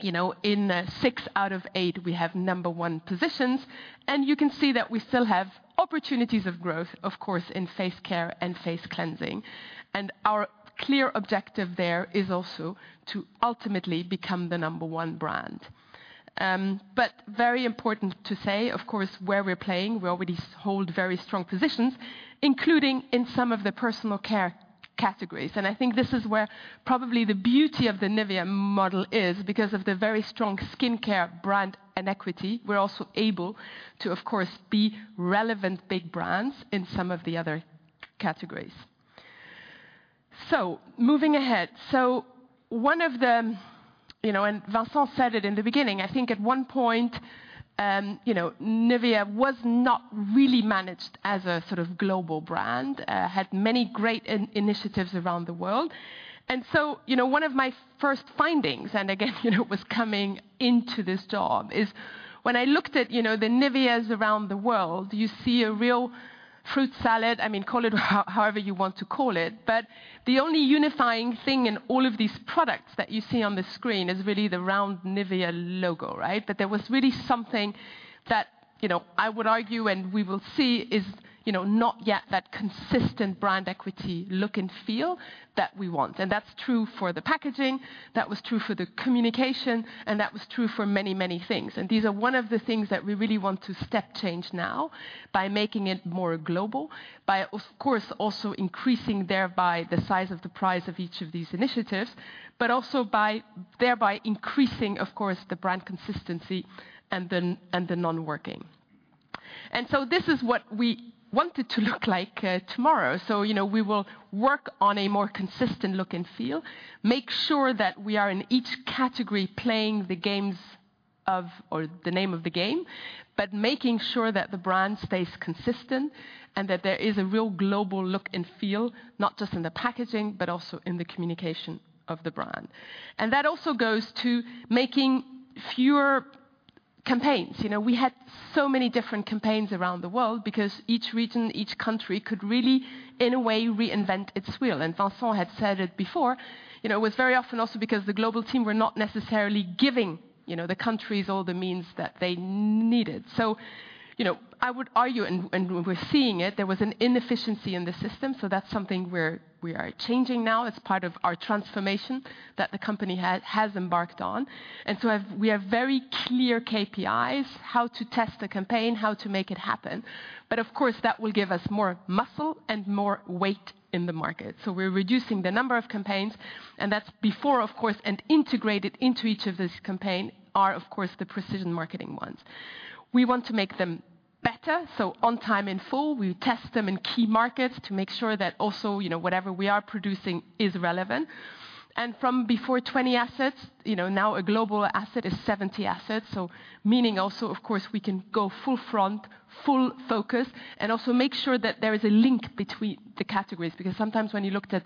M: you know, in six out of eight, we have number one positions, and you can see that we still have opportunities of growth, of course, in face care and face cleansing. Our clear objective there is also to ultimately become the number one brand. Very important to say, of course, where we're playing, we already hold very strong positions, including in some of the personal care categories. I think this is where probably the beauty of the NIVEA model is because of the very strong skincare brand and equity. We're also able to, of course, be relevant big brands in some of the other categories. Moving ahead. One of the, you know, and Vincent said it in the beginning, I think at one point, you know, NIVEA was not really managed as a sort of global brand. Had many great initiatives around the world. You know, one of my first findings, and I guess, you know, was coming into this job, is when I looked at, you know, the NIVEAs around the world, you see a real fruit salad. I mean, call it however you want to call it. The only unifying thing in all of these products that you see on the screen is really the round NIVEA logo, right? There was really something that, you know, I would argue and we will see is, you know, not yet that consistent brand equity look and feel that we want. That's true for the packaging, that was true for the communication, and that was true for many, many things. These are one of the things that we really want to step change now by making it more global, by of course, also increasing thereby the size of the price of each of these initiatives, but also by thereby increasing, of course, the brand consistency and the non-working. This is what we want it to look like tomorrow. You know, we will work on a more consistent look and feel, make sure that we are in each category playing the games of, or the name of the game, but making sure that the brand stays consistent and that there is a real global look and feel, not just in the packaging but also in the communication of the brand. That also goes to making fewer campaigns. You know, we had so many different campaigns around the world because each region, each country could really, in a way, reinvent its wheel. Vincent had said it before, you know, it was very often also because the global team were not necessarily giving, you know, the countries all the means that they needed. You know, I would argue, and we're seeing it, there was an inefficiency in the system. That's something we're changing now. It's part of our transformation that the company has embarked on. We have very clear KPIs, how to test the campaign, how to make it happen. Of course, that will give us more muscle and more weight in the market. We're reducing the number of campaigns, and that's before, of course, and integrated into each of these campaigns are, of course, the Precision Marketing ones. We want to make them better, so on time in full, we test them in key markets to make sure that also, you know, whatever we are producing is relevant. From before 20 assets, you know, now a global asset is 70 assets. Meaning also, of course, we can go full force, full focus, and also make sure that there is a link between the categories. Because sometimes when you looked at,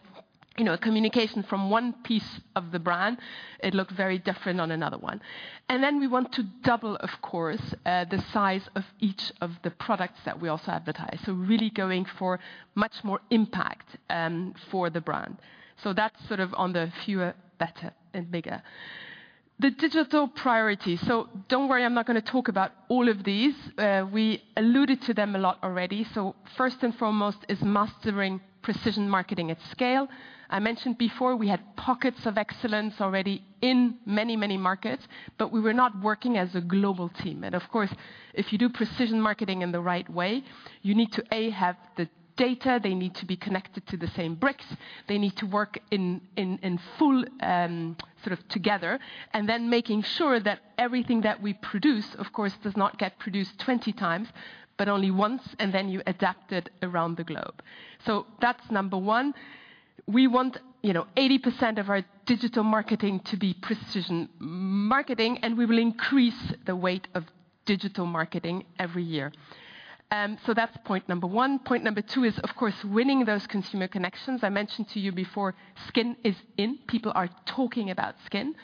M: you know, communication from one piece of the brand, it looked very different on another one. We want to double, of course, the size of each of the products that we also advertise. Really going for much more impact for the brand. That's sort of on the fewer, better and bigger. The digital priority. Don't worry, I'm not gonna talk about all of these. We alluded to them a lot already. First and foremost is mastering Precision Marketing at scale. I mentioned before we had pockets of excellence already in many, many markets, but we were not working as a global team. Of course, if you do Precision Marketing in the right way, you need to, A, have the data. They need to be connected to the same bricks. They need to work in full, sort of together. Then making sure that everything that we produce, of course, does not get produced 20 times, but only once, and then you adapt it around the globe. That's number one. We want, you know, 80% of our digital marketing to be precision marketing, and we will increase the weight of digital marketing every year. That's point number one. Point number two is, of course, winning those consumer connections. I mentioned to you before, skin is in. People are talking about skin.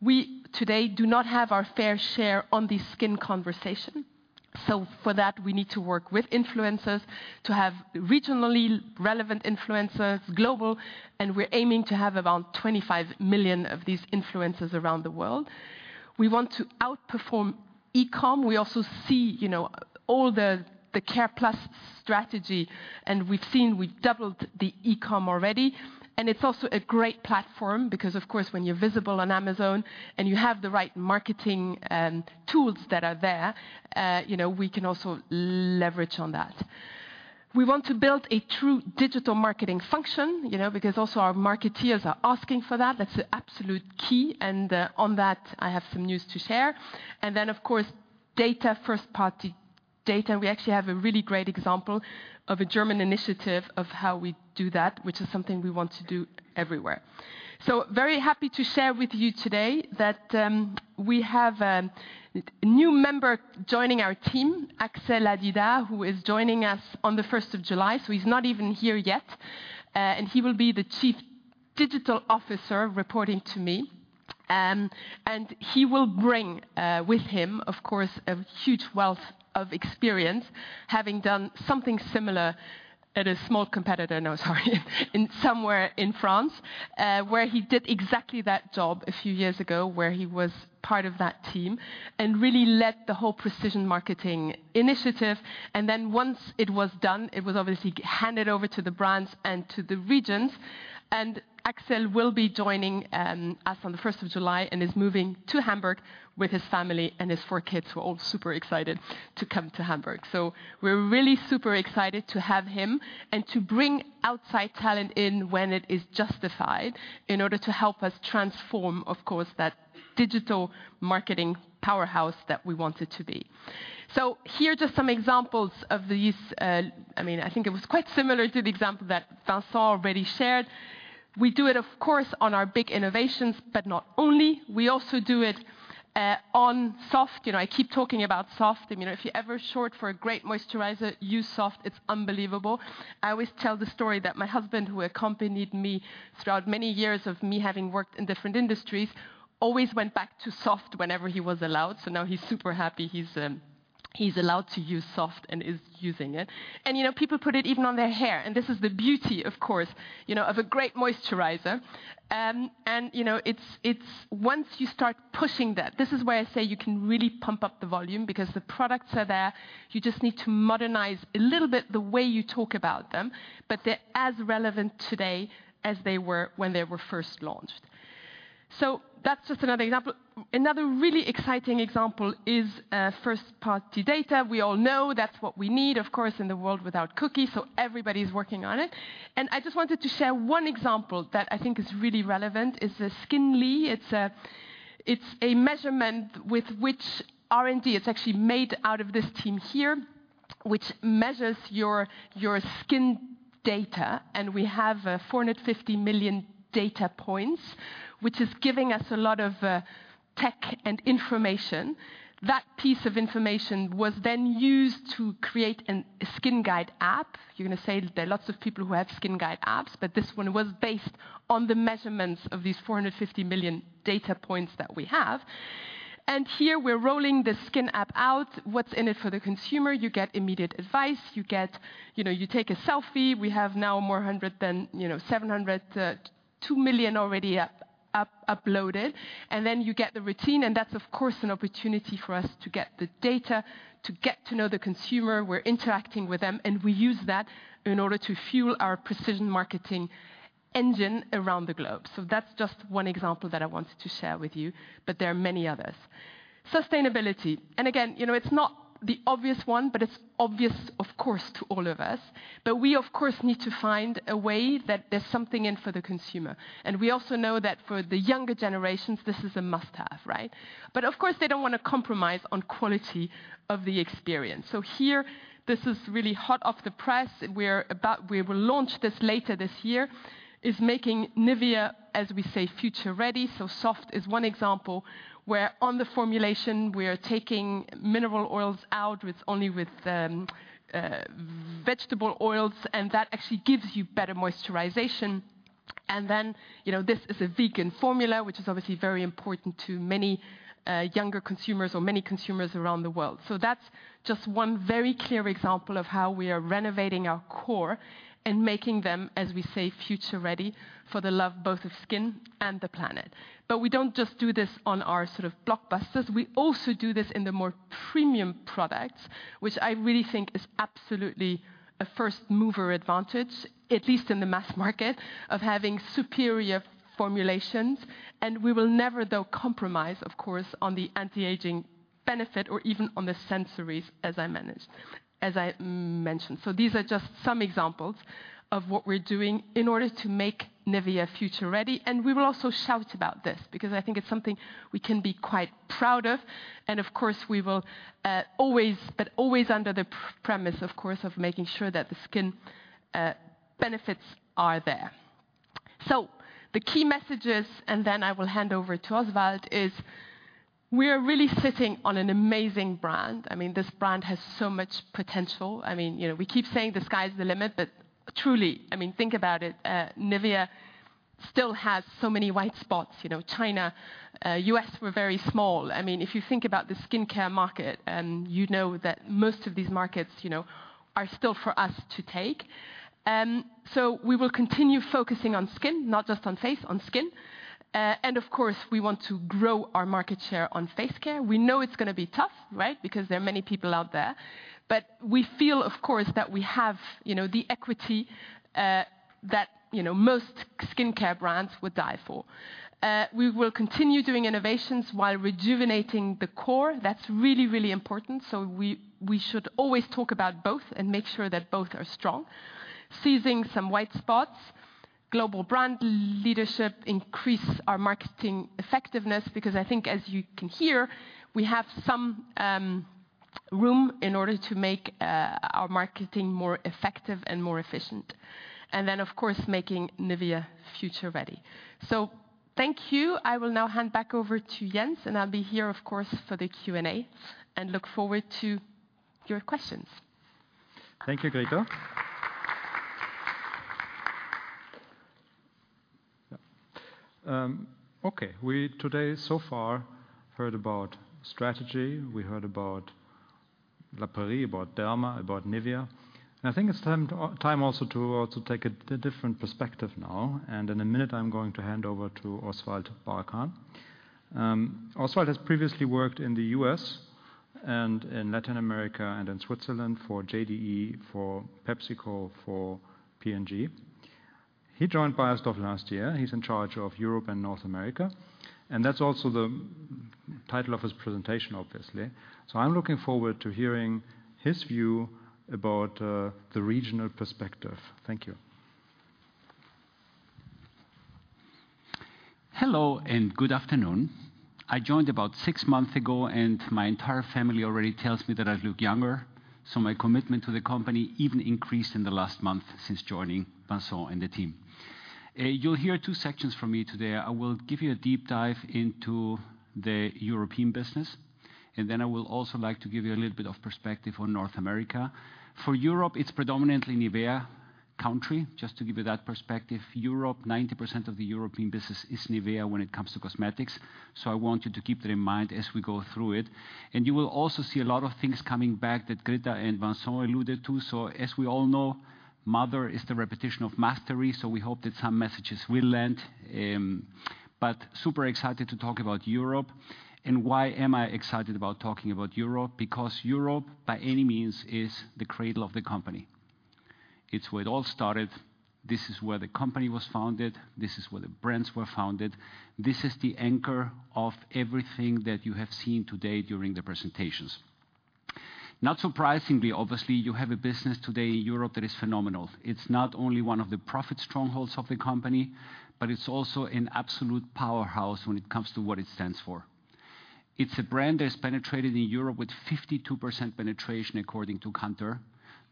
M: We today do not have our fair share on the skin conversation. For that, we need to work with influencers to have regionally relevant influencers global, and we're aiming to have around 25 million of these influencers around the world. We want to outperform eCom. We also see all the C.A.R.E.+ strategy, and we've seen we doubled the eCom already. It's also a great platform because, of course, when you're visible on Amazon and you have the right marketing tools that are there, you know, we can also leverage on that. We want to build a true digital marketing function, you know, because also our marketeers are asking for that. That's the absolute key, and on that, I have some news to share. Of course, data, first-party data. We actually have a really great example of a German initiative of how we do that, which is something we want to do everywhere. Very happy to share with you today that we have a new member joining our team, Axel Adida, who is joining us on the 1st of July, so he's not even here yet. He will be the Chief Digital Officer reporting to me. He will bring with him, of course, a huge wealth of experience, having done something similar somewhere in France, where he did exactly that job a few years ago, where he was part of that team and really led the whole Precision Marketing initiative. Then once it was done, it was obviously handed over to the brands and to the regions. Axel will be joining us on the 1st of July and is moving to Hamburg with his family and his four kids, who are all super excited to come to Hamburg. We're really super excited to have him and to bring outside talent in when it is justified in order to help us transform, of course, that digital marketing powerhouse that we want it to be. Here are just some examples of these. I mean, I think it was quite similar to the example that Vincent already shared. We do it, of course, on our big innovations, but not only. We also do it on Soft. You know, I keep talking about Soft. I mean, if you're ever short for a great moisturizer, use Soft. It's unbelievable. I always tell the story that my husband, who accompanied me throughout many years of me having worked in different industries, always went back to Soft whenever he was allowed. So now he's super happy. He's allowed to use Soft and is using it. You know, people put it even on their hair. This is the beauty, of course, you know, of a great moisturizer. You know, it's once you start pushing that, this is where I say you can really pump up the volume because the products are there. You just need to modernize a little bit the way you talk about them, but they're as relevant today as they were when they were first launched. That's just another example. Another really exciting example is first-party data. We all know that's what we need, of course, in the world without cookies, so everybody is working on it. I just wanted to share one example that I think is really relevant. It's the Skinly. It's a measurement with which R&D, it's actually made out of this team here, which measures your skin data. We have 450 million data points, which is giving us a lot of tech and information. That piece of information was then used to create a SKIN GUIDE app. You're gonna say that there are lots of people who have skin guide apps, but this one was based on the measurements of these 450 million data points that we have. Here we're rolling the skin app out. What's in it for the consumer? You get immediate advice. You know, you take a selfie. We have now more than 702 million already uploaded. Then you get the routine, and that's, of course, an opportunity for us to get the data, to get to know the consumer. We're interacting with them, and we use that in order to fuel our precision marketing engine around the globe. That's just one example that I wanted to share with you, but there are many others. Sustainability, again, you know, it's not the obvious one, but it's obvious of course to all of us. We of course need to find a way that there's something in for the consumer. We also know that for the younger generations, this is a must-have, right? Of course, they don't wanna compromise on quality of the experience. Here, this is really hot off the press. We will launch this later this year, is making NIVEA, as we say, future-ready. Soft is one example, where on the formulation, we are taking mineral oils out with only vegetable oils, and that actually gives you better moisturization. Then, you know, this is a vegan formula, which is obviously very important to many younger consumers or many consumers around the world. That's just one very clear example of how we are renovating our core and making them, as we say, future-ready for the love both of skin and the planet. We don't just do this on our sort of blockbusters. We also do this in the more premium products, which I really think is absolutely a first-mover advantage, at least in the mass market, of having superior formulations. We will never, though, compromise, of course, on the anti-aging benefit or even on the sensories as I mentioned. These are just some examples of what we're doing in order to make NIVEA future-ready. We will also shout about this because I think it's something we can be quite proud of. Of course, we will always, but always under the premise, of course, of making sure that the skin benefits are there. The key messages, and then I will hand over to Oswald, is we are really sitting on an amazing brand. I mean, this brand has so much potential. I mean, you know, we keep saying the sky's the limit, but truly, I mean, think about it. NIVEA still has so many white spots. You know, China, U.S. we're very small. I mean, if you think about the skincare market, and you know that most of these markets, you know, are still for us to take. We will continue focusing on skin, not just on face, on skin. Of course, we want to grow our market share on face care. We know it's gonna be tough, right? Because there are many people out there. We feel, of course, that we have, you know, the equity that, you know, most skincare brands would die for. We will continue doing innovations while rejuvenating the core. That's really, really important. We should always talk about both and make sure that both are strong. Seizing some white spots, global brand leadership, increase our marketing effectiveness, because I think as you can hear, we have some room in order to make our marketing more effective and more efficient. Then of course, making NIVEA future-ready. Thank you. I will now hand back over to Jens, and I'll be here of course for the Q&A, and look forward to your questions.
A: Thank you, Grita. Yeah. Okay. We today so far heard about strategy. We heard about La Prairie, about Derma, about NIVEA. I think it's time to take a different perspective now. In a minute, I'm going to hand over to Oswald Barckhahn. Oswald has previously worked in the U.S., and in Latin America, and in Switzerland for JDE, for PepsiCo, for P&G. He joined Beiersdorf last year. He's in charge of Europe and North America, and that's also the title of his presentation, obviously. I'm looking forward to hearing his view about the regional perspective. Thank you.
N: Hello, and good afternoon. I joined about six months ago, and my entire family already tells me that I look younger, so my commitment to the company even increased in the last month since joining Vincent and the team. You'll hear two sections from me today. I will give you a deep dive into the European business, and then I will also like to give you a little bit of perspective on North America. For Europe, it's predominantly NIVEA country. Just to give you that perspective, Europe, 90% of the European business is NIVEA when it comes to cosmetics. I want you to keep that in mind as we go through it. You will also see a lot of things coming back that Grita and Vincent alluded to. As we all know, Mother is the repetition of mastery, so we hope that some messages will land. But super excited to talk about Europe. Why am I excited about talking about Europe? Because Europe, by any means, is the cradle of the company. It's where it all started. This is where the company was founded. This is where the brands were founded. This is the anchor of everything that you have seen today during the presentations. Not surprisingly, obviously, you have a business today in Europe that is phenomenal. It's not only one of the profit strongholds of the company, but it's also an absolute powerhouse when it comes to what it stands for. It's a brand that's penetrated in Europe with 52% penetration according to Kantar.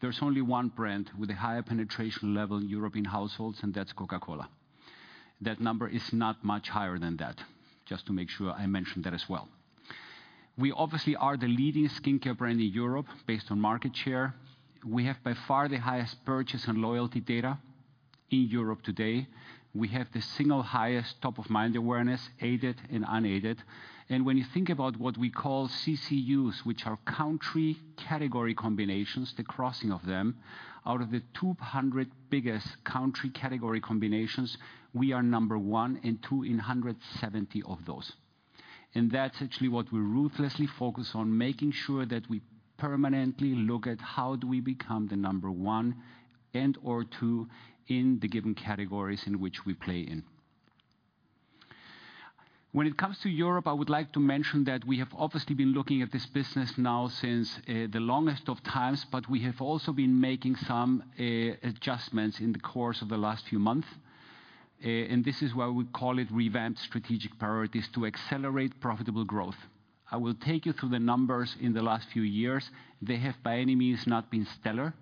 N: There's only one brand with a higher penetration level in European households, and that's Coca-Cola. That number is not much higher than that, just to make sure I mention that as well. We obviously are the leading skincare brand in Europe based on market share. We have by far the highest purchase and loyalty data in Europe today. We have the single highest top-of-mind awareness, aided and unaided. When you think about what we call CCUs, which are country category combinations, the crossing of them, out of the 200 biggest country category combinations, we are number one and two in 170 of those. That's actually what we ruthlessly focus on, making sure that we permanently look at how do we become the number one and/or two in the given categories in which we play in. When it comes to Europe, I would like to mention that we have obviously been looking at this business now since the longest of times, but we have also been making some adjustments in the course of the last few months. This is why we call it revamped strategic priorities to accelerate profitable growth. I will take you through the numbers in the last few years. They have, by any means, not been stellar.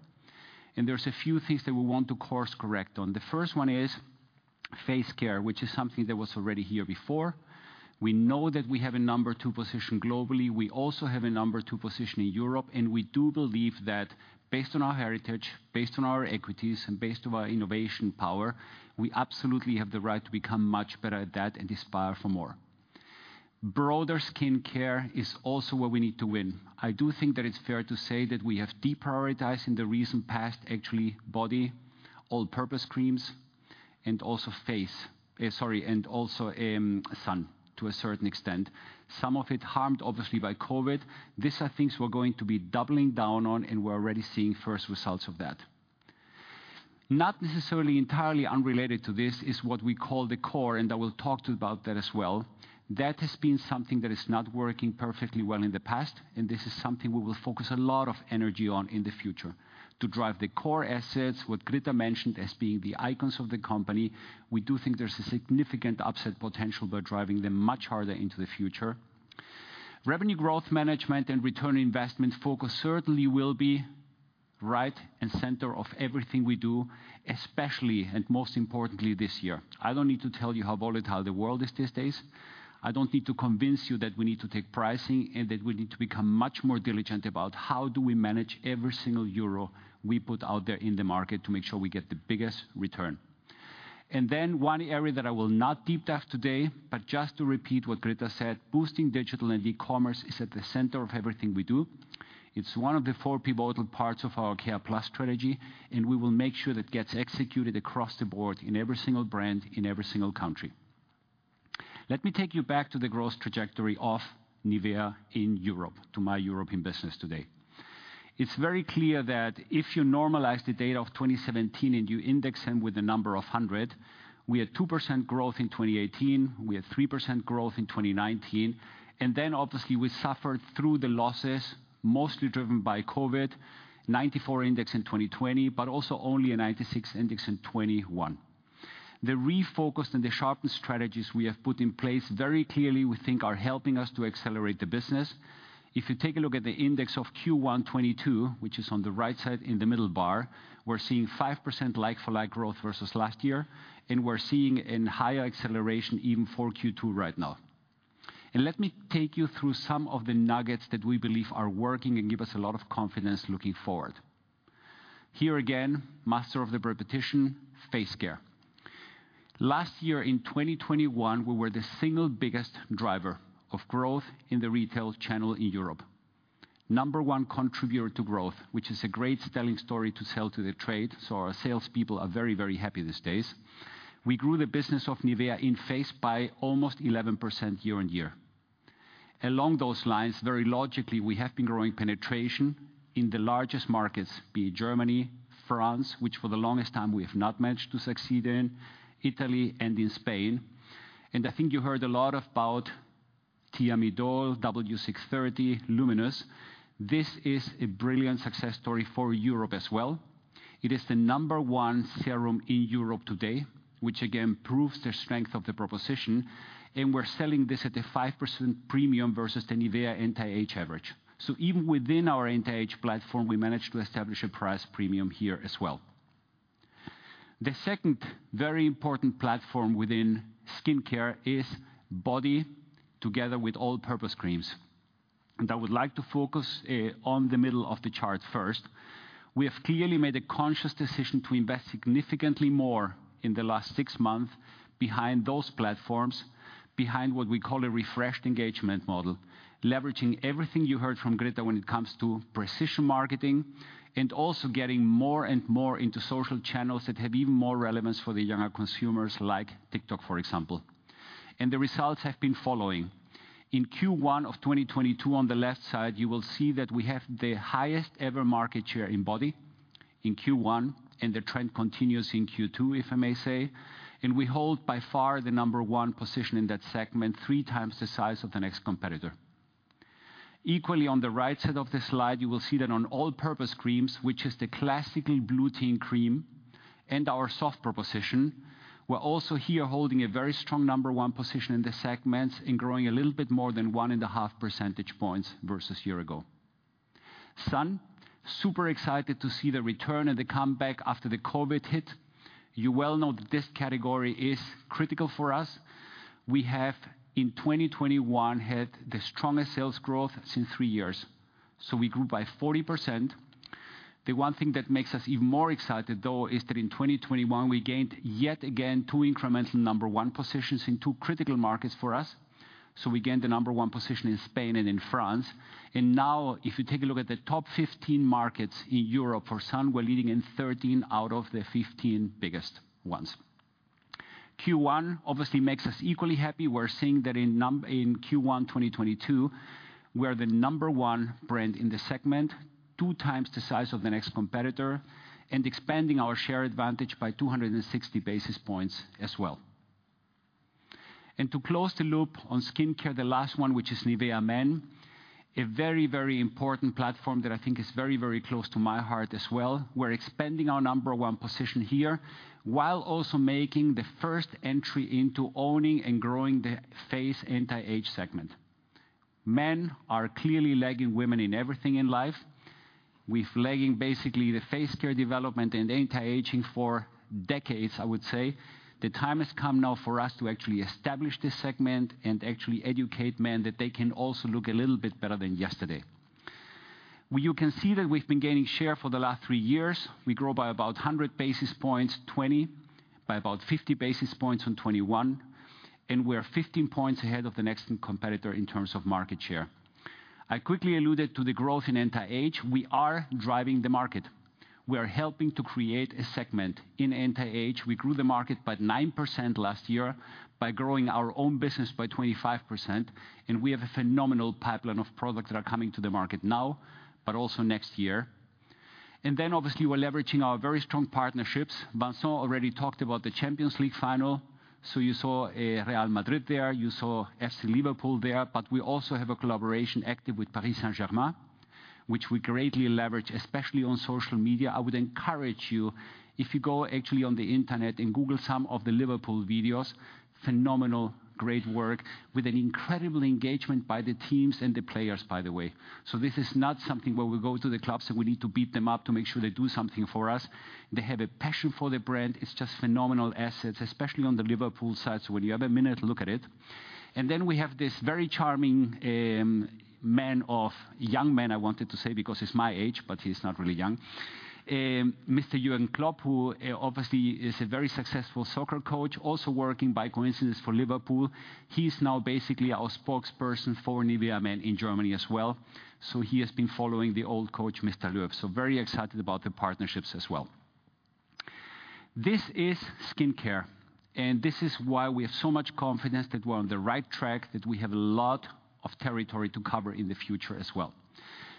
N: There's a few things that we want to course-correct on. The first one is face care, which is something that was already here before. We know that we have a number two position globally. We also have a number two position in Europe, and we do believe that based on our heritage, based on our equities, and based on our innovation power, we absolutely have the right to become much better at that and aspire for more. Broader skincare is also where we need to win. I do think that it's fair to say that we have deprioritized in the recent past, actually, body, all-purpose creams, and also face and sun to a certain extent. Some of it harmed, obviously, by COVID. This, I think, we're going to be doubling down on, and we're already seeing first results of that. Not necessarily entirely unrelated to this is what we call the core, and I will talk to you about that as well. That has been something that is not working perfectly well in the past, and this is something we will focus a lot of energy on in the future. To drive the core assets, what Grita mentioned as being the icons of the company, we do think there's a significant upside potential by driving them much harder into the future. Revenue growth management and return on investment focus certainly will be right and center of everything we do, especially and most importantly this year. I don't need to tell you how volatile the world is these days. I don't need to convince you that we need to take pricing and that we need to become much more diligent about how do we manage every single euro we put out there in the market to make sure we get the biggest return. One area that I will not deep dive today, but just to repeat what Grita said, boosting digital and e-commerce is at the center of everything we do. It's one of the four pivotal parts of our C.A.R.E.+ strategy, and we will make sure that gets executed across the board in every single brand, in every single country. Let me take you back to the growth trajectory of NIVEA in Europe, to my European business today. It's very clear that if you normalize the data of 2017 and you index them with a number of 100, we had 2% growth in 2018, we had 3% growth in 2019. Obviously, we suffered through the losses, mostly driven by COVID, 94 index in 2020, but also only a 96 index in 2021. The refocused and the sharpened strategies we have put in place very clearly we think are helping us to accelerate the business. If you take a look at the index of Q1 2022, which is on the right side in the middle bar, we're seeing 5% like for like growth versus last year, and we're seeing in higher acceleration even for Q2 right now. Let me take you through some of the nuggets that we believe are working and give us a lot of confidence looking forward. Here again, master of the repetition, face care. Last year in 2021, we were the single biggest driver of growth in the retail channel in Europe. Number one contributor to growth, which is a great selling story to sell to the trade, so our salespeople are very, very happy these days. We grew the business of NIVEA in face by almost 11% year-over-year. Along those lines, very logically, we have been growing penetration in the largest markets, be it Germany, France, which for the longest time we have not managed to succeed in, Italy, and in Spain. I think you heard a lot about Thiamidol, W630, LUMINOUS. This is a brilliant success story for Europe as well. It is the number one serum in Europe today, which again proves the strength of the proposition. We're selling this at a 5% premium versus the NIVEA anti-age average. Even within our anti-age platform, we managed to establish a price premium here as well. The second very important platform within skincare is body together with all-purpose creams. I would like to focus on the middle of the chart first. We have clearly made a conscious decision to invest significantly more in the last six months behind those platforms, behind what we call a refreshed engagement model, leveraging everything you heard from Grita when it comes to precision marketing and also getting more and more into social channels that have even more relevance for the younger consumers, like TikTok, for example. The results have been following. In Q1 of 2022 on the left side, you will see that we have the highest ever market share in body in Q1, and the trend continues in Q2, if I may say. We hold by far the number one position in that segment, three times the size of the next competitor. Equally on the right side of the slide, you will see that on all-purpose creams, which is the classical blue tin cream and our soft proposition, we're also here holding a very strong number one position in the segments and growing a little bit more than 1.5 percentage points versus year ago. Sun, super excited to see the return and the comeback after the COVID hit. You well know that this category is critical for us. We have in 2021 had the strongest sales growth since three years, so we grew by 40%. The one thing that makes us even more excited, though, is that in 2021 we gained yet again two incremental number one positions in two critical markets for us. We gained the number one position in Spain and in France. Now if you take a look at the top 15 markets in Europe for sun, we're leading in 13 out of the 15 biggest ones. Q1 obviously makes us equally happy. We're seeing that in Q1 2022, we are the number one brand in the segment, two times the size of the next competitor, and expanding our share advantage by 260 basis points as well. To close the loop on skincare, the last one, which is NIVEA MEN, a very, very important platform that I think is very, very close to my heart as well. We're expanding our number one position here, while also making the first entry into owning and growing the face anti-aging segment. Men are clearly lagging women in everything in life, with basically the face care development and anti-aging for decades, I would say. The time has come now for us to actually establish this segment and actually educate men that they can also look a little bit better than yesterday. Well, you can see that we've been gaining share for the last three years. We grow by about 100 basis points in 2020, by about 50 basis points in 2021, and we're 15 points ahead of the next competitor in terms of market share. I quickly alluded to the growth in anti-aging. We are driving the market. We are helping to create a segment in anti-aging. We grew the market by 9% last year by growing our own business by 25%, and we have a phenomenal pipeline of products that are coming to the market now, but also next year. Obviously, we're leveraging our very strong partnerships. Vincent already talked about the Champions League final. You saw Real Madrid there, you saw FC Liverpool there, but we also have a collaboration active with Paris Saint-Germain, which we greatly leverage, especially on social media. I would encourage you, if you go actually on the Internet and Google some of the Liverpool videos, phenomenal, great work with an incredible engagement by the teams and the players, by the way. This is not something where we go to the clubs, and we need to beat them up to make sure they do something for us. They have a passion for the brand. It's just phenomenal assets, especially on the Liverpool side. When you have a minute, look at it. Then we have this very charming young man, I wanted to say, because he's my age, but he's not really young. Mr. Jürgen Klopp, who obviously is a very successful soccer coach, also working by coincidence for Liverpool. He's now basically our spokesperson for NIVEA MEN in Germany as well. He has been following the old coach, Mr. Löw. Very excited about the partnerships as well. This is skincare, and this is why we have so much confidence that we're on the right track, that we have a lot of territory to cover in the future as well.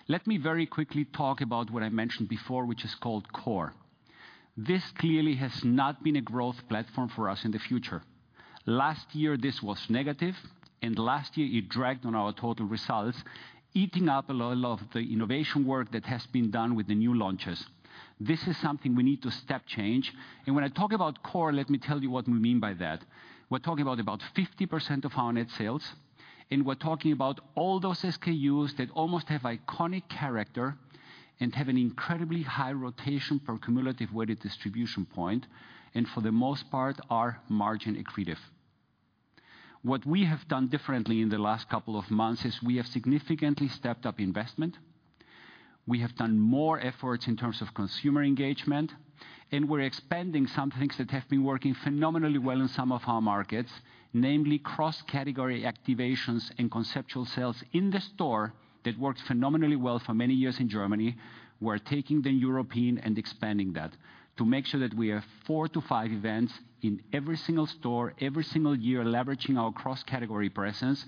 N: Let me very quickly talk about what I mentioned before, which is called core. This clearly has not been a growth platform for us in the future. Last year, this was negative, and last year, it dragged on our total results, eating up a lot of the innovation work that has been done with the new launches. This is something we need to step change. When I talk about core, let me tell you what we mean by that. We're talking about 50% of our net sales, and we're talking about all those SKUs that almost have iconic character and have an incredibly high rotation per cumulative weighted distribution point, and for the most part, are margin accretive. What we have done differently in the last couple of months is we have significantly stepped up investment. We have done more efforts in terms of consumer engagement, and we're expanding some things that have been working phenomenally well in some of our markets, namely cross-category activations and conceptual sales in the store that worked phenomenally well for many years in Germany. We're taking the European and expanding that to make sure that we have four to five events in every single store every single year, leveraging our cross-category presence.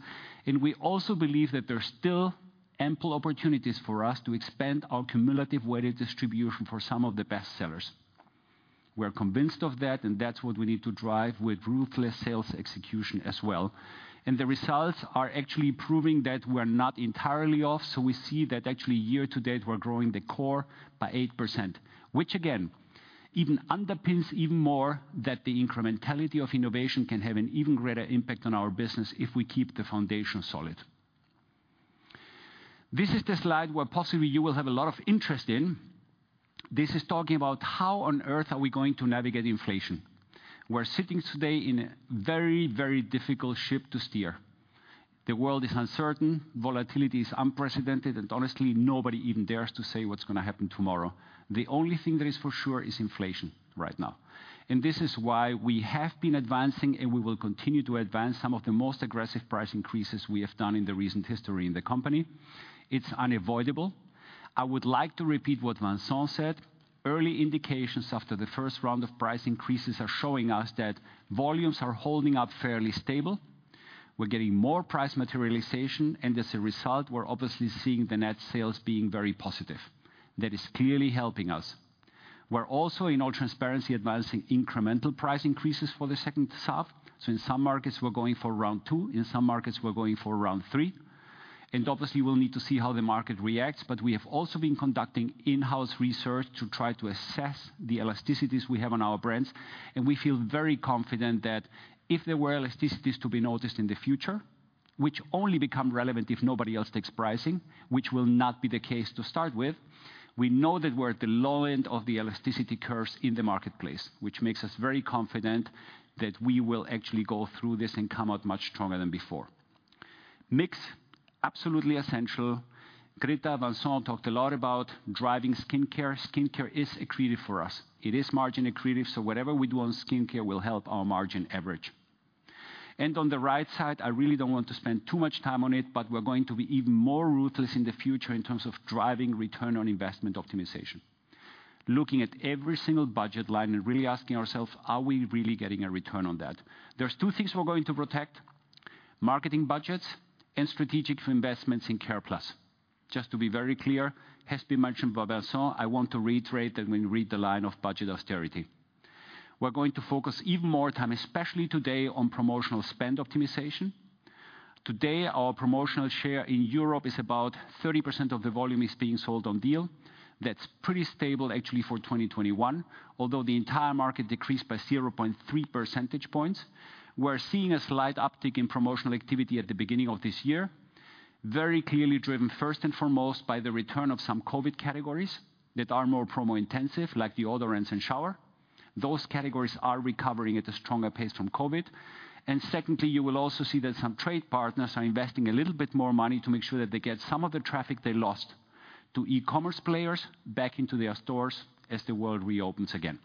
N: We also believe that there's still ample opportunities for us to expand our cumulative weighted distribution for some of the best sellers. We're convinced of that, and that's what we need to drive with ruthless sales execution as well. The results are actually proving that we're not entirely off. We see that actually year to date, we're growing the core by 8%, which again, even underpins even more that the incrementality of innovation can have an even greater impact on our business if we keep the foundation solid. This is the slide where possibly you will have a lot of interest in. This is talking about how on earth are we going to navigate inflation. We're sitting today in a very, very difficult ship to steer. The world is uncertain, volatility is unprecedented, and honestly, nobody even dares to say what's gonna happen tomorrow. The only thing that is for sure is inflation right now. This is why we have been advancing, and we will continue to advance some of the most aggressive price increases we have done in the recent history in the company. It's unavoidable. I would like to repeat what Vincent said. Early indications after the first round of price increases are showing us that volumes are holding up fairly stable. We're getting more price materialization, and as a result, we're obviously seeing the net sales being very positive. That is clearly helping us. We're also, in all transparency, advancing incremental price increases for the second half. In some markets, we're going for round two, in some markets, we're going for round three. Obviously, we'll need to see how the market reacts, but we have also been conducting in-house research to try to assess the elasticities we have on our brands. We feel very confident that if there were elasticities to be noticed in the future, which only become relevant if nobody else takes pricing, which will not be the case to start with. We know that we're at the low end of the elasticity curves in the marketplace, which makes us very confident that we will actually go through this and come out much stronger than before. Mix, absolutely essential. Grita, Vincent talked a lot about driving skincare. Skincare is accretive for us. It is margin accretive, so whatever we do on skincare will help our margin average. On the right side, I really don't want to spend too much time on it, but we're going to be even more ruthless in the future in terms of driving return on investment optimization. Looking at every single budget line and really asking ourselves, are we really getting a return on that? There are two things we're going to protect, marketing budgets and strategic investments in C.A.R.E.+. Just to be very clear, has been mentioned by Vincent, I want to reiterate and when you read the line of budget austerity. We're going to focus even more time, especially today, on promotional spend optimization. Today, our promotional share in Europe is about 30% of the volume is being sold on deal. That's pretty stable actually for 2021, although the entire market decreased by 0.3 percentage points. We're seeing a slight uptick in promotional activity at the beginning of this year. Very clearly driven first and foremost by the return of some COVID categories that are more promo-intensive, like the odor and shower. Those categories are recovering at a stronger pace from COVID. Secondly, you will also see that some trade partners are investing a little bit more money to make sure that they get some of the traffic they lost to e-commerce players back into their stores as the world reopens again.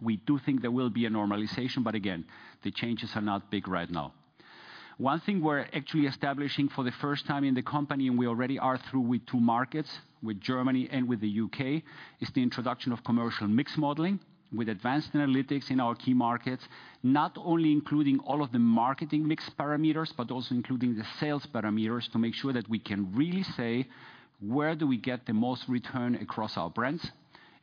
N: We do think there will be a normalization, but again, the changes are not big right now. One thing we're actually establishing for the first time in the company, and we already are through with two markets, with Germany and with the U.K., is the introduction of Commercial Mix Modeling with advanced analytics in our key markets, not only including all of the marketing mix parameters, but also including the sales parameters to make sure that we can really say, where do we get the most return across our brands,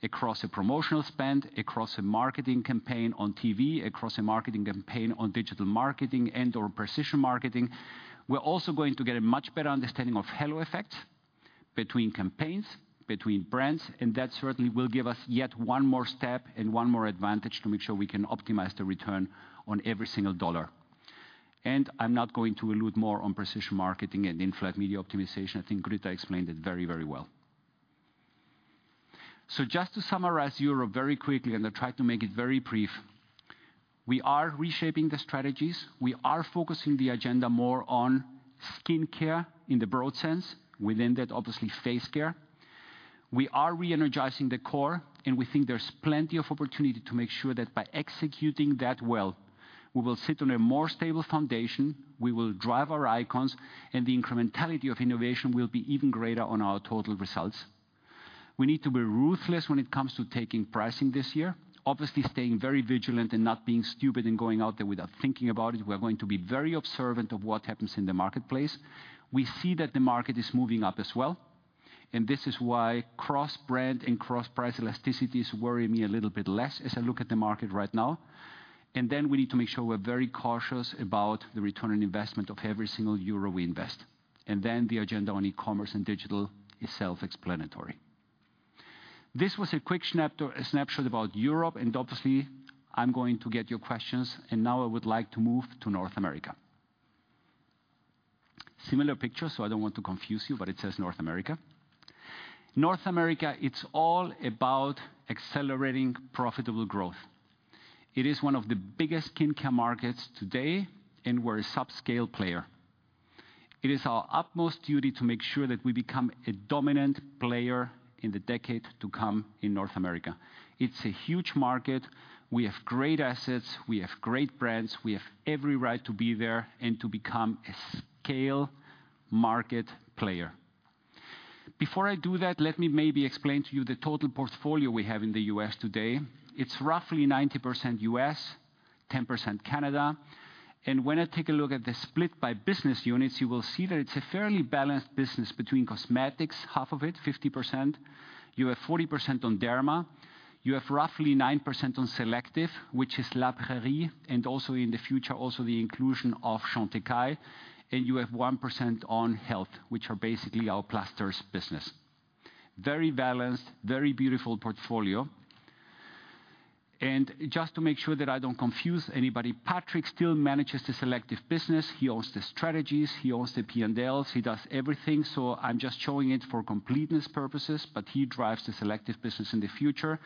N: across a promotional spend, across a marketing campaign on TV, across a marketing campaign on digital marketing and/or Precision Marketing. We're also going to get a much better understanding of halo effects between campaigns, between brands, and that certainly will give us yet one more step and one more advantage to make sure we can optimize the return on every single dollar. I'm not going to allude more on Precision Marketing and in-flight media optimization. I think Grita explained it very, very well. Just to summarize Europe very quickly, and I'll try to make it very brief. We are reshaping the strategies. We are focusing the agenda more on skincare in the broad sense. Within that, obviously, face care. We are re-energizing the core, and we think there's plenty of opportunity to make sure that by executing that well, we will sit on a more stable foundation, we will drive our icons, and the incrementality of innovation will be even greater on our total results. We need to be ruthless when it comes to taking pricing this year, obviously staying very vigilant and not being stupid and going out there without thinking about it. We are going to be very observant of what happens in the marketplace. We see that the market is moving up as well, and this is why cross-brand and cross-price elasticities worry me a little bit less as I look at the market right now. We need to make sure we're very cautious about the return on investment of every single euro we invest. The agenda on e-commerce and digital is self-explanatory. This was a quick snapshot to snapshot about Europe, and obviously I'm going to get your questions, and now I would like to move to North America. Similar picture, I don't want to confuse you, but it says North America. North America, it's all about accelerating profitable growth. It is one of the biggest skincare markets today, and we're a subscale player. It is our utmost duty to make sure that we become a dominant player in the decade to come in North America. It's a huge market. We have great assets, we have great brands, we have every right to be there and to become a scale market player. Before I do that, let me maybe explain to you the total portfolio we have in the U.S. today. It's roughly 90% U.S., 10% Canada. When I take a look at the split by business units, you will see that it's a fairly balanced business between cosmetics, half of it, 50%. You have 40% on derma. You have roughly 9% on selective, which is La Prairie, and also in the future, also the inclusion of Chantecaille. You have 1% on health, which are basically our plasters business. Very balanced, very beautiful portfolio. Just to make sure that I don't confuse anybody, Patrick still manages the selective business. He owns the strategies, he owns the P&Ls, he does everything. I'm just showing it for completeness purposes, but he drives the selective business in the future.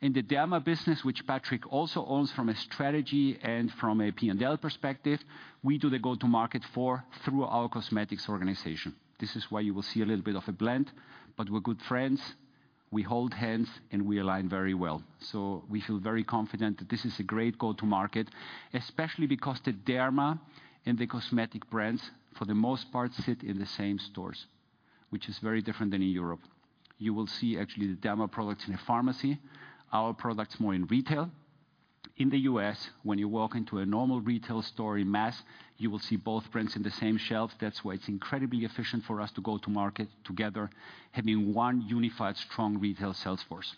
N: In the Derma business, which Patrick also owns from a strategy and from a P&L perspective, we do the go-to-market through our cosmetics organization. This is why you will see a little bit of a blend, but we're good friends. We hold hands and we align very well. We feel very confident that this is a great go-to-market, especially because the Derma and the cosmetic brands, for the most part, sit in the same stores, which is very different than in Europe. You will see actually the Derma products in a pharmacy, our products more in retail. In the U.S., when you walk into a normal retail store in mass, you will see both brands in the same shelf. That's why it's incredibly efficient for us to go to market together, having one unified, strong retail sales force.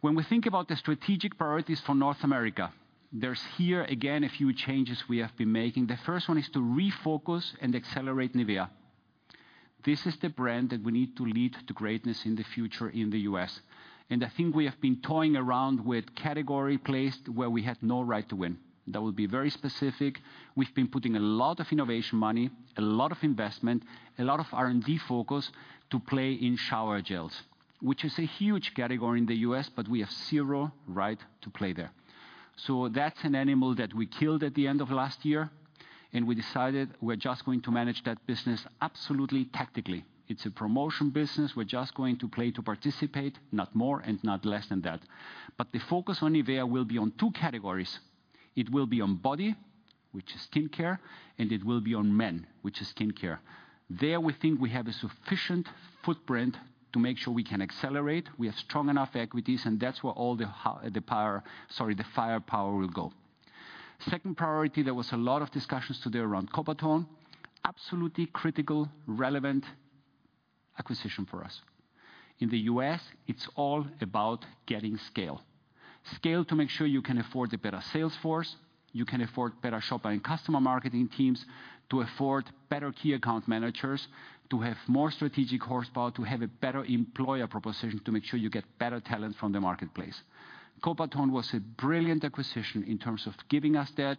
N: When we think about the strategic priorities for North America, there's here again, a few changes we have been making. The first one is to refocus and accelerate NIVEA. This is the brand that we need to lead to greatness in the future in the U.S. I think we have been toying around with category plays where we had no right to win. That will be very specific. We've been putting a lot of innovation money, a lot of investment, a lot of R&D focus to play in shower gels, which is a huge category in the U.S., but we have zero right to play there. That's an animal that we killed at the end of last year. We decided we're just going to manage that business absolutely tactically. It's a promotion business. We're just going to play to participate, not more and not less than that. The focus on NIVEA will be on two categories. It will be on body, which is skincare, and it will be on men, which is skincare. There we think we have a sufficient footprint to make sure we can accelerate. We have strong enough equities, and that's where all the firepower will go. Second priority, there was a lot of discussions today around Coppertone. Absolutely critical, relevant acquisition for us. In the U.S., it's all about getting scale. Scale to make sure you can afford a better sales force, you can afford better shopper and customer marketing teams, to afford better key account managers, to have more strategic horsepower, to have a better employer proposition to make sure you get better talent from the marketplace. Coppertone was a brilliant acquisition in terms of giving us that,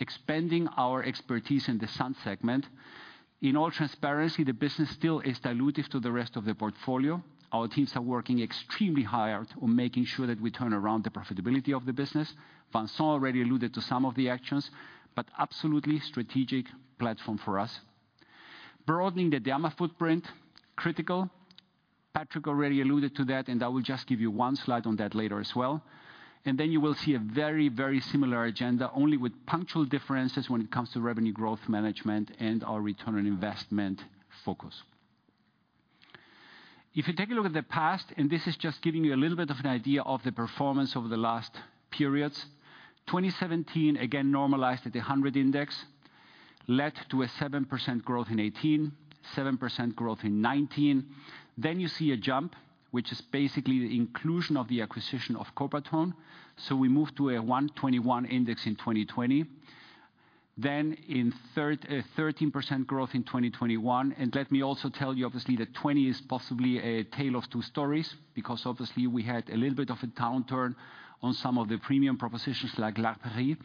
N: expanding our expertise in the sun segment. In all transparency, the business still is dilutive to the rest of the portfolio. Our teams are working extremely hard on making sure that we turn around the profitability of the business. Vincent already alluded to some of the actions, but absolutely strategic platform for us. Broadening the Derma footprint, critical. Patrick already alluded to that, and I will just give you one slide on that later as well. You will see a very, very similar agenda, only with punctual differences when it comes to revenue growth management and our return on investment focus. If you take a look at the past, and this is just giving you a little bit of an idea of the performance over the last periods. 2017, again, normalized at a 100 index, led to a 7% growth in 2018, 7% growth in 2019. You see a jump, which is basically the inclusion of the acquisition of Coppertone. We moved to a 121 index in 2020. Then 13% growth in 2021. Let me also tell you, obviously, that 2020 is possibly a tale of two stories because obviously we had a little bit of a downturn on some of the premium propositions like La Prairie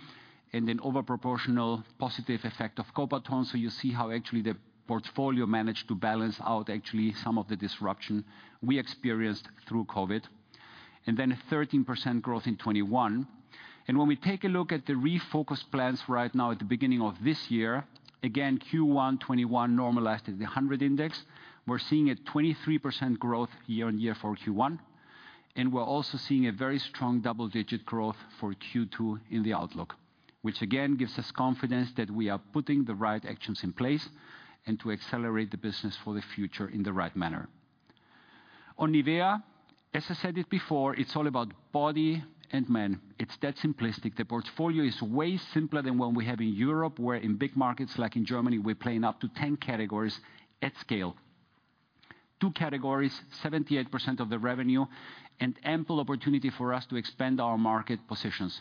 N: and an overproportional positive effect of Coppertone. You see how actually the portfolio managed to balance out actually some of the disruption we experienced through COVID. A 13% growth in 2021. When we take a look at the refocused plans right now at the beginning of this year, again, Q1 2021 normalized at the 100 index. We're seeing 23% growth year-on-year for Q1, and we're also seeing a very strong double-digit growth for Q2 in the outlook, which again gives us confidence that we are putting the right actions in place and to accelerate the business for the future in the right manner. On NIVEA, as I said it before, it's all about body and men. It's that simplistic. The portfolio is way simpler than what we have in Europe, where in big markets like in Germany, we're playing up to 10 categories at scale. Two categories, 78% of the revenue, and ample opportunity for us to expand our market positions.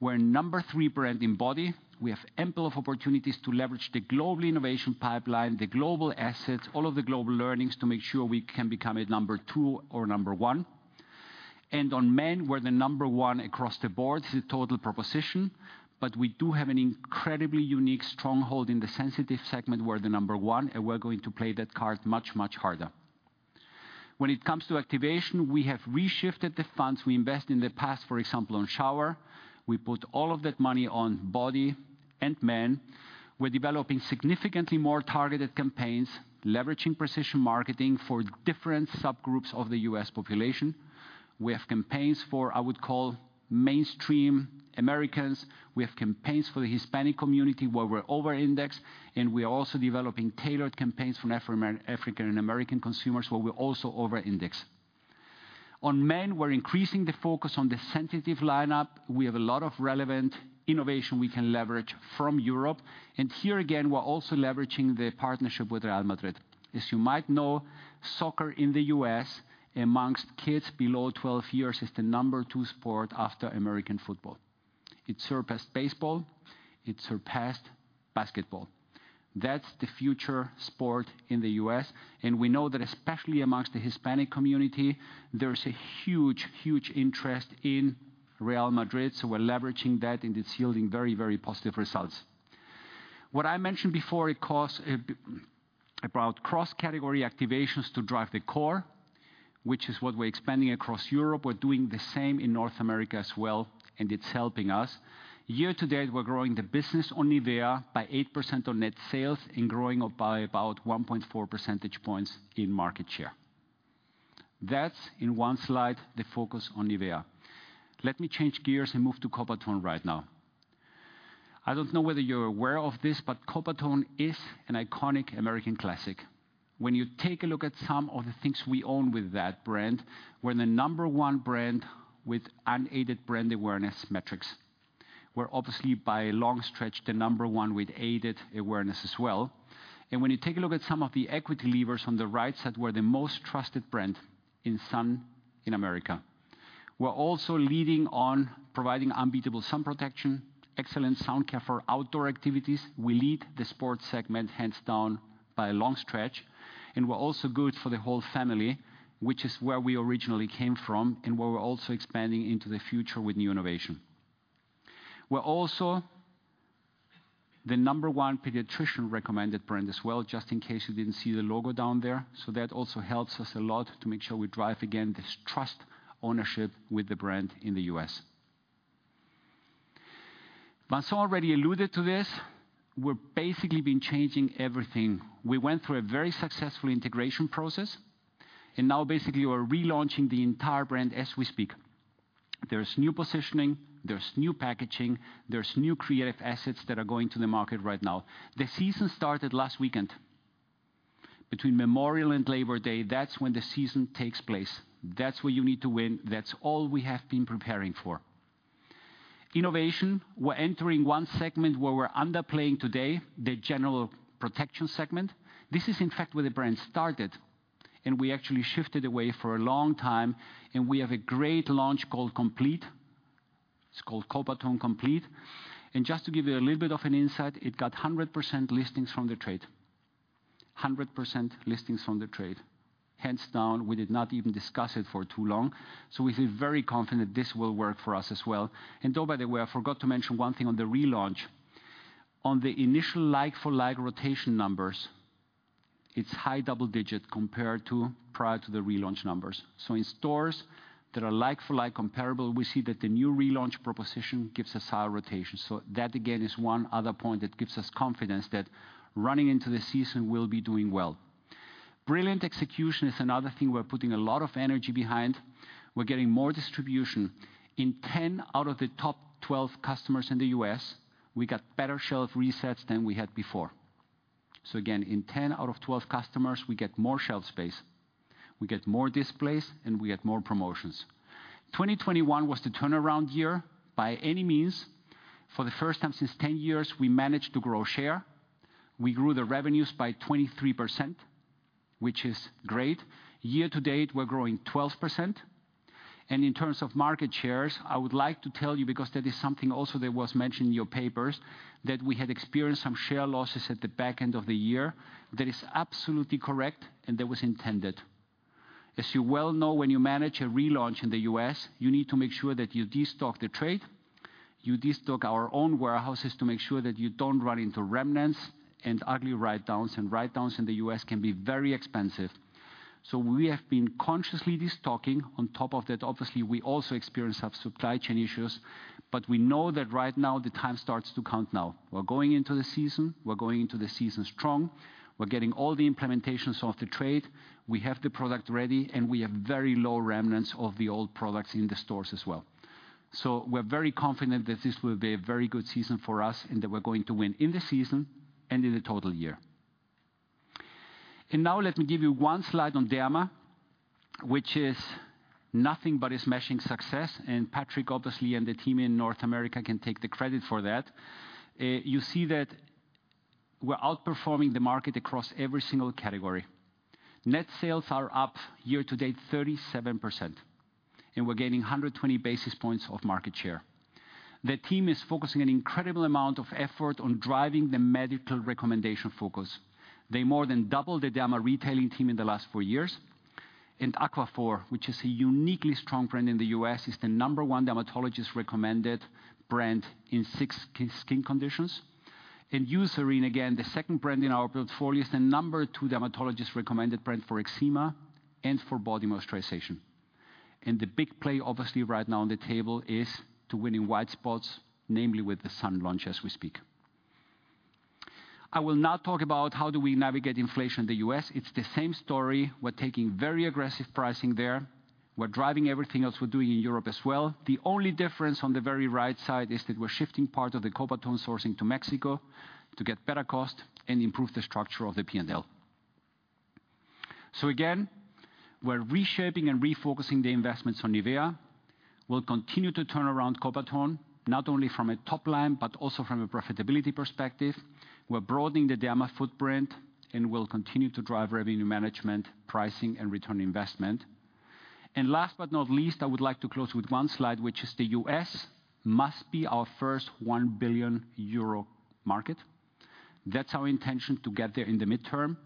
N: We're number three brand in body. We have ample of opportunities to leverage the global innovation pipeline, the global assets, all of the global learnings to make sure we can become a number two or number one. On men, we're the number one across the board. This is a total proposition, but we do have an incredibly unique stronghold in the sensitive segment. We're the number one, and we're going to play that card much, much harder. When it comes to activation, we have reshifted the funds we invest in the past, for example, on shower. We put all of that money on body and men. We're developing significantly more targeted campaigns, leveraging Precision Marketing for different subgroups of the U.S. population. We have campaigns for, I would call, mainstream Americans. We have campaigns for the Hispanic community, where we're over-indexed, and we are also developing tailored campaigns for African-American consumers, where we're also over-indexed. On men, we're increasing the focus on the sensitive lineup. We have a lot of relevant innovation we can leverage from Europe. Here again, we're also leveraging the partnership with Real Madrid. As you might know, soccer in the U.S. among kids below 12 years is the number two sport after American football. It surpassed baseball. It surpassed basketball. That's the future sport in the U.S. We know that especially among the Hispanic community, there is a huge, huge interest in Real Madrid, so we're leveraging that, and it's yielding very, very positive results. What I mentioned before, it costs about cross-category activations to drive the core, which is what we're expanding across Europe. We're doing the same in North America as well, and it's helping us. Year to date, we're growing the business on NIVEA by 8% on net sales and growing up by about 1.4 percentage points in market share. That's in one slide, the focus on NIVEA. Let me change gears and move to Coppertone right now. I don't know whether you're aware of this, but Coppertone is an iconic American classic. When you take a look at some of the things we own with that brand, we're the number one brand with unaided brand awareness metrics. We're obviously by a long stretch, the number one with aided awareness as well. When you take a look at some of the equity levers on the right side, we're the most trusted brand in sun in America. We're also leading on providing unbeatable sun protection, excellent sun care for outdoor activities. We lead the sports segment hands down by a long stretch, and we're also good for the whole family, which is where we originally came from, and where we're also expanding into the future with new innovation. We're also the number one pediatrician-recommended brand as well, just in case you didn't see the logo down there. That also helps us a lot to make sure we drive again, this trust ownership with the brand in the U.S. Vincent already alluded to this. We're basically been changing everything. We went through a very successful integration process, and now basically we're relaunching the entire brand as we speak. There's new positioning, there's new packaging, there's new creative assets that are going to the market right now. The season started last weekend. Between Memorial and Labor Day, that's when the season takes place. That's where you need to win. That's all we have been preparing for. Innovation, we're entering one segment where we're underplaying today, the general protection segment. This is in fact where the brand started, and we actually shifted away for a long time, and we have a great launch called Complete. It's called Coppertone Complete. Just to give you a little bit of an insight, it got 100% listings from the trade. Hands down, we did not even discuss it for too long, so we feel very confident this will work for us as well. Oh, by the way, I forgot to mention one thing on the relaunch. On the initial like-for-like rotation numbers, it's high double-digit compared to prior to the relaunch numbers. In stores that are like-for-like comparable, we see that the new relaunch proposition gives us high rotation. That again is one other point that gives us confidence that running into the season we'll be doing well. Brilliant execution is another thing we're putting a lot of energy behind. We're getting more distribution. In 10 out of the top 12 customers in the U.S., we got better shelf resets than we had before. Again, in 10 out of 12 customers, we get more shelf space, we get more displays, and we get more promotions. 2021 was the turnaround year by any means. For the first time since 10 years, we managed to grow share. We grew the revenues by 23%, which is great. Year to date, we're growing 12%. In terms of market shares, I would like to tell you because that is something also that was mentioned in your papers, that we had experienced some share losses at the back end of the year. That is absolutely correct, and that was intended. As you well know, when you manage a relaunch in the U.S., you need to make sure that you de-stock the trade. You de-stock our own warehouses to make sure that you don't run into remnants and ugly write-downs, and write-downs in the U.S. can be very expensive. We have been consciously de-stocking. On top of that, obviously, we also experienced some supply chain issues, but we know that right now the time starts to count now. We're going into the season, we're going into the season strong. We're getting all the implementations of the trade. We have the product ready, and we have very low remnants of the old products in the stores as well. We're very confident that this will be a very good season for us, and that we're going to win in the season and in the total year. Now let me give you one slide on Derma, which is nothing but a smashing success. Patrick, obviously, and the team in North America can take the credit for that. You see that we're outperforming the market across every single category. Net sales are up year to date 37%, and we're gaining 120 basis points of market share. The team is focusing an incredible amount of effort on driving the medical recommendation focus. They more than doubled the Derma detailing team in the last four years. Aquaphor, which is a uniquely strong brand in the U.S., is the number one dermatologist recommended brand in six key skin conditions. Eucerin, again, the second brand in our portfolio, is the number two dermatologist recommended brand for eczema and for body moisturization. The big play, obviously, right now on the table is to win in wide spots, namely with the sun launch as we speak. I will now talk about how do we navigate inflation in the U.S. It's the same story. We're taking very aggressive pricing there. We're driving everything else we're doing in Europe as well. The only difference on the very right side is that we're shifting part of the Coppertone sourcing to Mexico to get better cost and improve the structure of the P&L. Again, we're reshaping and refocusing the investments on NIVEA. We'll continue to turn around Coppertone, not only from a top line, but also from a profitability perspective. We're broadening the Derma footprint, and we'll continue to drive revenue management, pricing, and return on investment. Last but not least, I would like to close with one slide, which is the U.S. must be our first 1 billion euro market. That's our intention to get there in the midterm.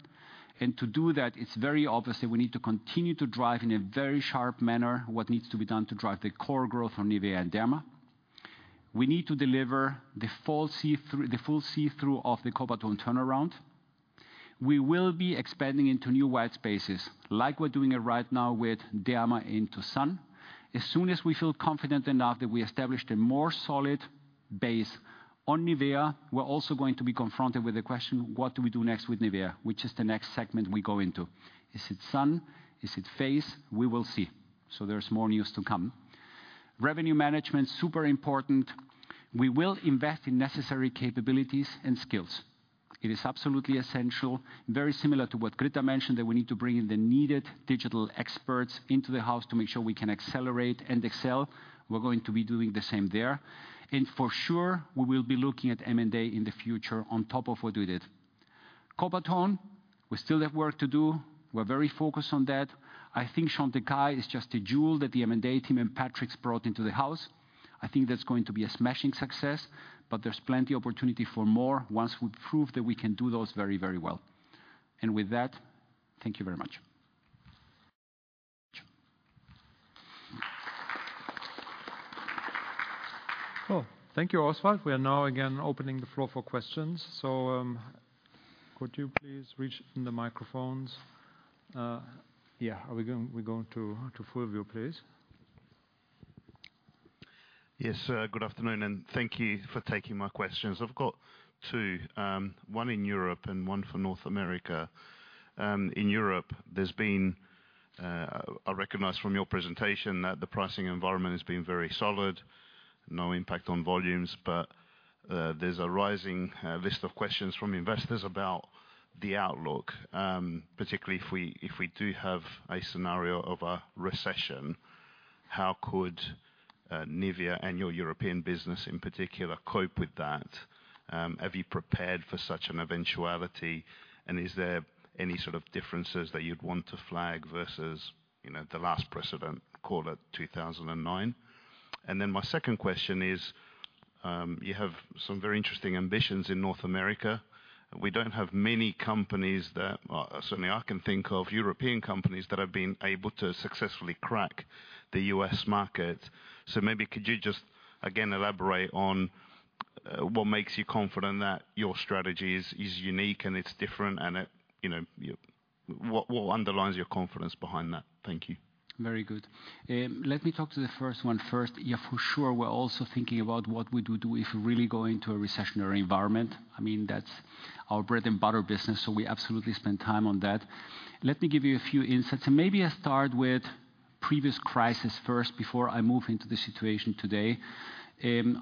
N: To do that, it's very obvious that we need to continue to drive in a very sharp manner what needs to be done to drive the core growth on NIVEA and Derma. We need to deliver the full see-through of the Coppertone turnaround. We will be expanding into new white spaces like we're doing it right now with Derma into sun. As soon as we feel confident enough that we established a more solid base on NIVEA, we're also going to be confronted with the question, what do we do next with NIVEA? Which is the next segment we go into? Is it sun? Is it face? We will see. There's more news to come. Revenue management, super important. We will invest in necessary capabilities and skills. It is absolutely essential, very similar to what Grita mentioned, that we need to bring in the needed digital experts into the house to make sure we can accelerate and excel. We're going to be doing the same there. For sure, we will be looking at M&A in the future on top of what we did. Coppertone, we still have work to do. We're very focused on that. I think Chantecaille is just a jewel that the M&A team and Patrick's brought into the house. I think that's going to be a smashing success, but there's plenty opportunity for more once we prove that we can do those very, very well. With that, thank you very much.
A: Cool. Thank you, Oswald. We are now again opening the floor for questions. So, um- Could you please reach in the microphones? Yeah. We're going to Fulvio, please.
O: Yes, sir. Good afternoon and thank you for taking my questions. I've got two, one in Europe and one for North America. In Europe, I recognize from your presentation that the pricing environment has been very solid. No impact on volumes, but there's a rising list of questions from investors about the outlook. Particularly if we do have a scenario of a recession, how could NIVEA and your European business in particular cope with that? Have you prepared for such an eventuality? Is there any sort of differences that you'd want to flag versus, you know, the last precedent, call it 2009? My second question is, you have some very interesting ambitions in North America. We don't have many companies that, certainly I can think of, European companies that have been able to successfully crack the U.S. market. Maybe could you just, again, elaborate on, what makes you confident that your strategy is unique and it's different and it, you know, what underlines your confidence behind that? Thank you.
N: Very good. Let me talk to the first one first. Yeah, for sure, we're also thinking about what would we do if we really go into a recessionary environment. I mean, that's our bread and butter business, so we absolutely spend time on that. Let me give you a few insights, and maybe I start with previous crisis first before I move into the situation today.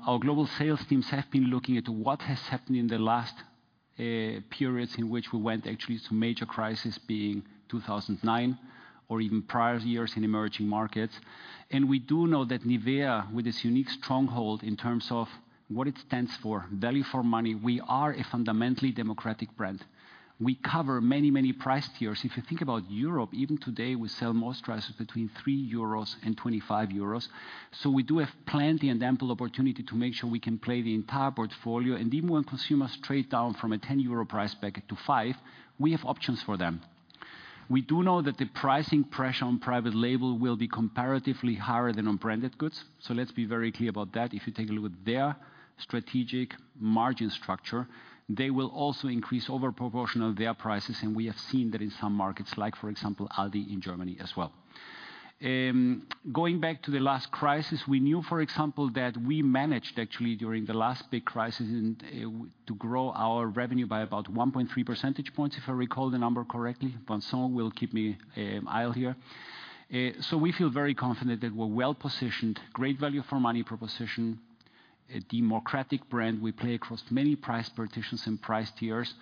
N: Our global sales teams have been looking at what has happened in the last periods in which we went actually to major crisis being 2009 or even prior years in emerging markets. We do know that NIVEA, with its unique stronghold in terms of what it stands for, value for money, we are a fundamentally democratic brand. We cover many, many price tiers. If you think about Europe, even today, we sell most prices between 3 euros and 25 euros. We do have plenty and ample opportunity to make sure we can play the entire portfolio. Even when consumers trade down from a 10 euro price back to 5, we have options for them. We do know that the pricing pressure on private label will be comparatively higher than on branded goods, so let's be very clear about that. If you take a look at their strategic margin structure, they will also increase out of proportion of their prices. We have seen that in some markets, like for example, Aldi in Germany as well. Going back to the last crisis, we knew, for example, that we managed actually during the last big crisis and to grow our revenue by about 1.3 percentage points, if I recall the number correctly. Vincent will keep me right here. We feel very confident that we're well-positioned, great value for money proposition, a democratic brand. We play across many price partitions and price tiers.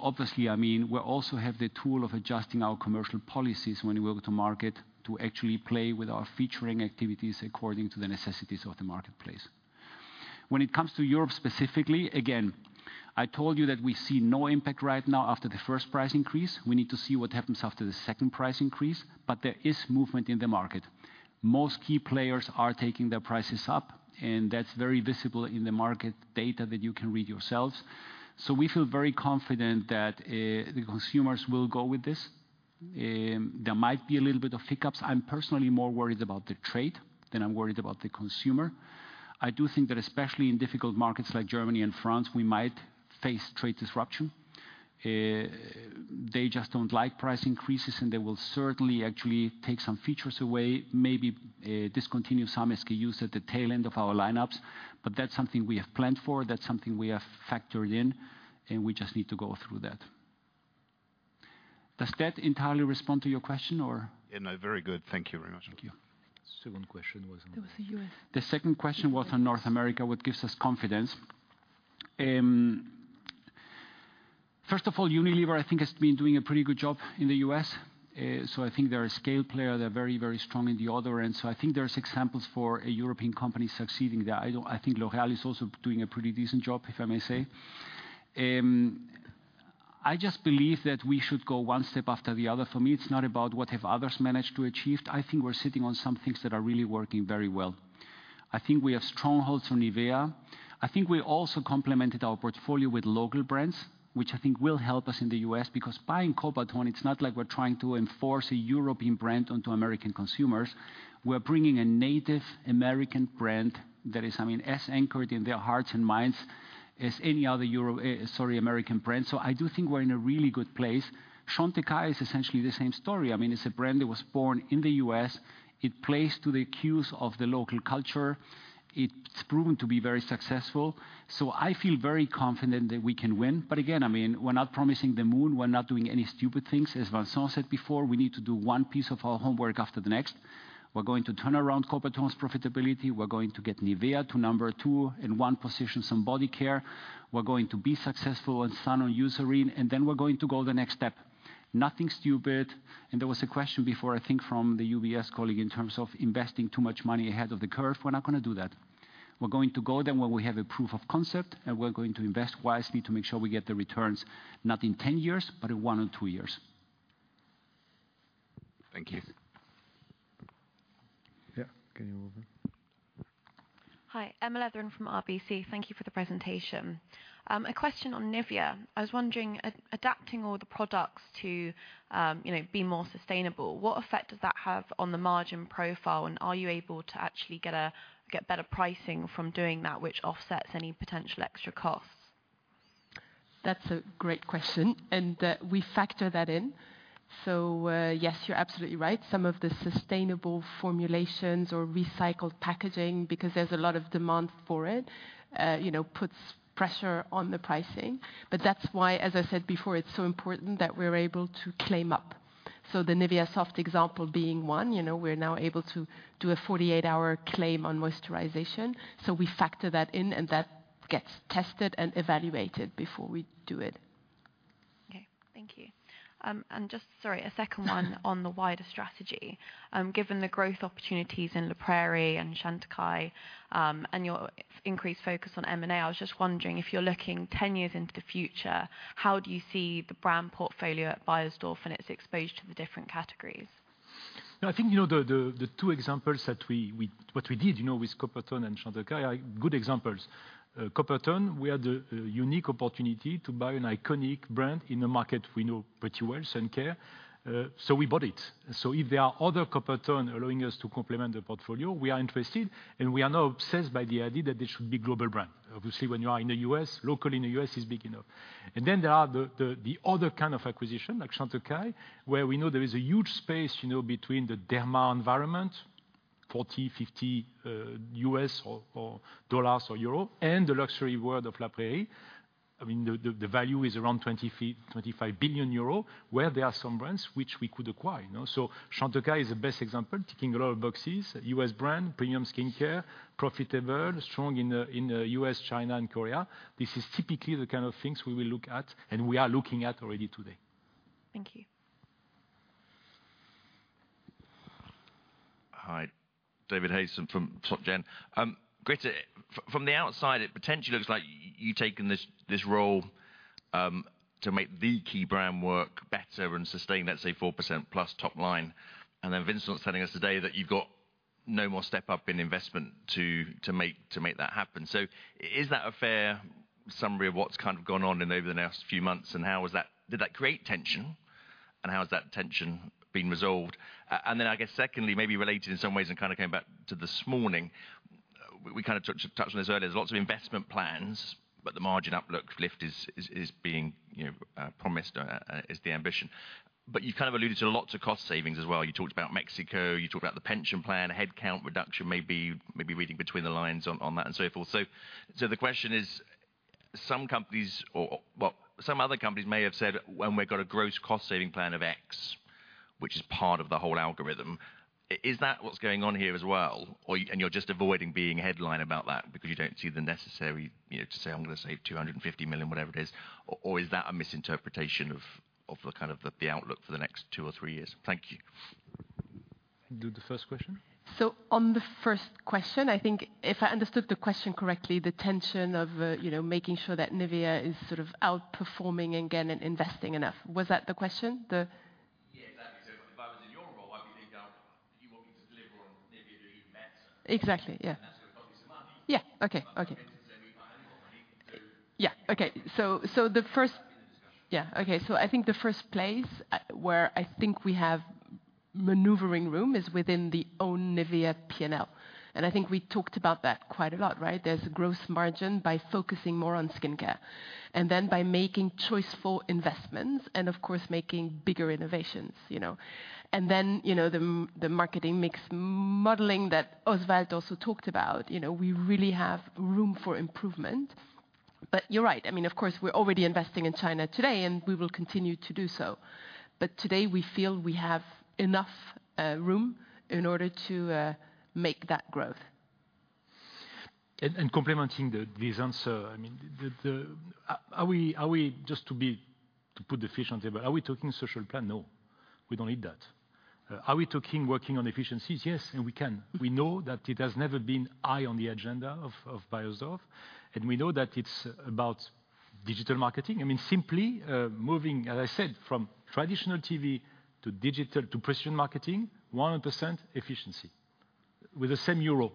N: Obviously, I mean, we also have the tool of adjusting our commercial policies when we go to market to actually play with our featuring activities according to the necessities of the marketplace. When it comes to Europe specifically, again, I told you that we see no impact right now after the first price increase. We need to see what happens after the second price increase. There is movement in the market. Most key players are taking their prices up, and that's very visible in the market data that you can read yourselves. We feel very confident that the consumers will go with this. There might be a little bit of hiccups. I'm personally more worried about the trade than I'm worried about the consumer. I do think that especially in difficult markets like Germany and France, we might face trade disruption. They just don't like price increases, and they will certainly actually take some features away, maybe, discontinue some SKUs at the tail end of our lineups. That's something we have planned for. That's something we have factored in, and we just need to go through that. Does that entirely respond to your question or?
O: Yeah, no, very good. Thank you very much.
N: Thank you.
B: Second question was on.
M: That was the U.S.
N: The second question was on North America, what gives us confidence. First of all, Unilever, I think has been doing a pretty good job in the U.S. I think they're a scale player. They're very, very strong in the other end. I think there's examples for a European company succeeding there. I think L'Oréal is also doing a pretty decent job, if I may say. I just believe that we should go one step after the other. For me, it's not about what have others managed to achieve. I think we're sitting on some things that are really working very well. I think we have strongholds on NIVEA. I think we also complemented our portfolio with local brands, which I think will help us in the U.S. because buying Coppertone, it's not like we're trying to enforce a European brand onto American consumers. We're bringing a native American brand that is, I mean, as anchored in their hearts and minds as any other American brand. I do think we're in a really good place. Chantecaille is essentially the same story. I mean, it's a brand that was born in the U.S. It plays to the cues of the local culture. It's proven to be very successful. I feel very confident that we can win. Again, I mean, we're not promising the moon. We're not doing any stupid things. As Vincent said before, we need to do one piece of our homework after the next. We're going to turn around Coppertone's profitability. We're going to get NIVEA to number two and one position some body care. We're going to be successful on sun or Eucerin, and then we're going to go the next step. Nothing stupid. There was a question before, I think from the UBS colleague, in terms of investing too much money ahead of the curve. We're not gonna do that. We're going to go then when we have a proof of concept, and we're going to invest wisely to make sure we get the returns not in 10 years, but in one or two years.
O: Thank you.
A: Yeah. Can you over?
P: Hi. Emma Letheren from RBC. Thank you for the presentation. A question on NIVEA. I was wondering adapting all the products to, you know, be more sustainable, what effect does that have on the margin profile, and are you able to actually get better pricing from doing that which offsets any potential extra costs?
M: That's a great question, and, we factor that in. Yes, you're absolutely right. Some of the sustainable formulations or recycled packaging, because there's a lot of demand for it, you know, puts pressure on the pricing. That's why, as I said before, it's so important that we're able to claim up. The NIVEA Soft example being one, you know. We're now able to do a 48-hour claim on moisturization, so we factor that in, and that gets tested and evaluated before we do it.
P: Okay. Thank you. Just, sorry, a second one on the wider strategy. Given the growth opportunities in La Prairie and Chantecaille, your increased focus on M&A, I was just wondering if you're looking 10 years into the future, how do you see the brand portfolio at Beiersdorf and its exposure to the different categories?
B: No, I think, you know, what we did, you know, with Coppertone and Chantecaille are good examples. Coppertone, we had a unique opportunity to buy an iconic brand in a market we know pretty well, sun care, so we bought it. If there are other Coppertone allowing us to complement the portfolio, we are interested, and we are not obsessed by the idea that they should be global brand. Obviously, when you are in the U.S., local in the U.S. is big enough. There are the other kind of acquisition, like Chantecaille, where we know there is a huge space, you know, between the derma environment, $40-$50 or euro, and the luxury world of La Prairie. I mean, the value is around 25 billion euro, where there are some brands which we could acquire, you know? Chantecaille is the best example, ticking a lot of boxes. U.S. brand, premium skincare, profitable, strong in U.S., China and Korea. This is typically the kind of things we will look at and we are looking at already today.
P: Thank you.
Q: Hi. David Hayes on from Soc Gen. Grita, from the outside, it potentially looks like you've taken this role to make the key brand work better and sustain, let's say, 4%+ top line. Then Vincent was telling us today that you've got no more step up in investment to make that happen. Is that a fair summary of what's kind of gone on over the next few months, and how was that? Did that create tension, and how has that tension been resolved? Then I guess secondly, maybe related in some ways and kind of coming back to this morning, we kind of touched on this earlier. There's lots of investment plans, but the margin outlook lift is, you know, being promised as the ambition. You've kind of alluded to lots of cost savings as well. You talked about Mexico, you talked about the pension plan, headcount reduction, maybe reading between the lines on that and so forth. The question is, some companies or, well, some other companies may have said, "Well, we've got a gross cost saving plan of X, which is part of the whole algorithm." Is that what's going on here as well, or you're just avoiding being headline about that because you don't see the necessary, you know, to say, "I'm gonna save 250 million," whatever it is? Or is that a misinterpretation of the kind of the outlook for the next two or three years? Thank you.
B: Do the first question.
M: On the first question, I think if I understood the question correctly, the tension of, you know, making sure that NIVEA is sort of outperforming again and investing enough. Was that the question?
Q: Yeah, exactly. If I was in your role, I would think you want me to deliver on NIVEA doing better.
M: Exactly, yeah.
Q: That's gonna cost me some money.
M: Yeah. Okay.
Q: I'm not convinced there's any final money.
M: Yeah. Okay.
Q: To have that discussion.
M: Yeah. Okay. I think the first place where I think we have maneuvering room is within the own NIVEA P&L, and I think we talked about that quite a lot, right? There's a growth margin by focusing more on skincare and then by making choiceful investments and of course making bigger innovations, you know. Then, you know, the marketing mix modeling that Oswald also talked about. You know, we really have room for improvement. You're right. I mean, of course, we're already investing in China today, and we will continue to do so. Today we feel we have enough room in order to make that growth.
B: Complementing this answer, I mean, are we just to put the fish on the table, are we talking social plan? No, we don't need that. Are we talking working on efficiencies? Yes, and we can. We know that it has never been high on the agenda of Beiersdorf, and we know that it's about digital marketing. I mean, simply, moving, as I said, from traditional TV to digital to Precision Marketing, 100% efficiency with the same euro.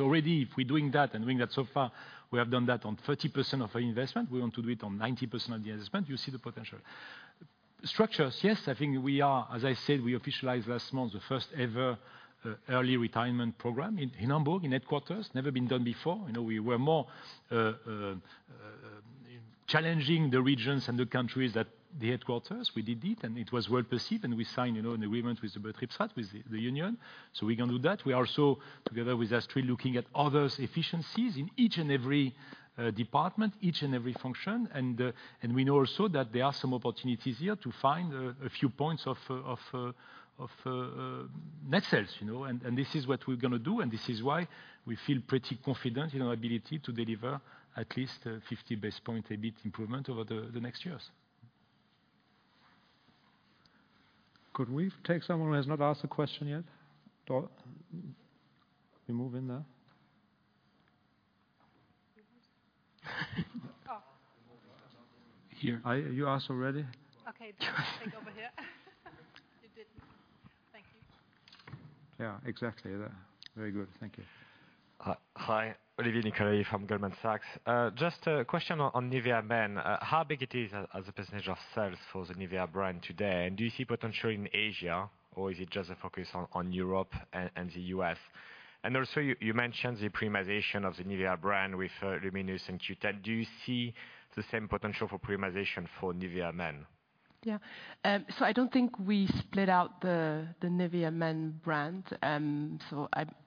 B: Already if we're doing that and doing that so far, we have done that on 30% of our investment. We want to do it on 90% of the investment. You see the potential. Structures, yes. I think we are. As I said, we officialized last month the first ever early retirement program in Hamburg, in headquarters. Never been done before. You know, we were more challenging the regions and the countries that the headquarters. We did it, and it was well received, and we signed, you know, an agreement with the union, so we can do that. We are still looking at others efficiencies in each and every department, each and every function. And we know or so that there are some opportunities here to find few points of net sales. This is what were gonna do and this is why we feel pretty confident in our ability to deliver at least 50 basis points EBIT improvement in the next few years.
A: Here. Are you asked already?
M: Okay. Take over here. You did. Thank you.
A: Yeah, exactly. There. Very good. Thank you.
R: Hi. Olivier Nicolaï from Goldman Sachs. Just a question on NIVEA MEN. How big it is as a percentage of sales for the NIVEA brand today, and do you see potential in Asia, or is it just a focus on Europe and the U.S.? Also, you mentioned the premiumization of the NIVEA brand with LUMINOUS and Q10. Do you see the same potential for premiumization for NIVEA MEN?
M: I don't think we split out the NIVEA MEN brand. I'm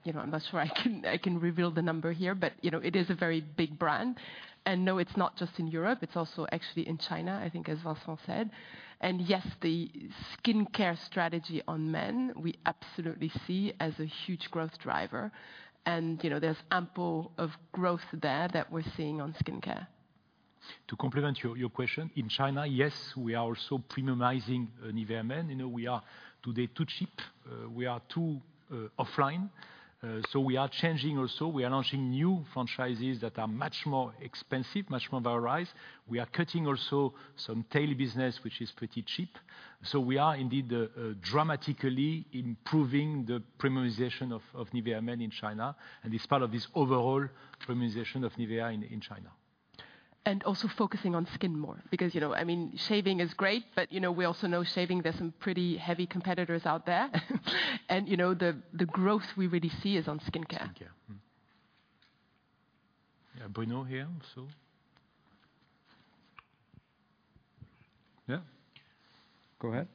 M: not sure I can reveal the number here, but you know, it is a very big brand. No, it's not just in Europe, it's also actually in China, I think as Vincent said. Yes, the skincare strategy on men, we absolutely see as a huge growth driver. You know, there's ample of growth there that we're seeing on skincare.
B: To complement your question. In China, yes, we are also premiumizing NIVEA MEN. You know, we are today too cheap. We are too offline. We are changing also. We are launching new franchises that are much more expensive, much more valorized. We are cutting also some tail business, which is pretty cheap. We are indeed dramatically improving the premiumization of NIVEA MEN in China, and it's part of this overall premiumization of NIVEA in China.
M: Also focusing on skin more because, you know, I mean, shaving is great, but, you know, we also know shaving, there's some pretty heavy competitors out there. You know, the growth we really see is on skincare.
N: Skincare. Mm-hmm.
B: Yeah. Bruno here also.
A: Yeah. Go ahead.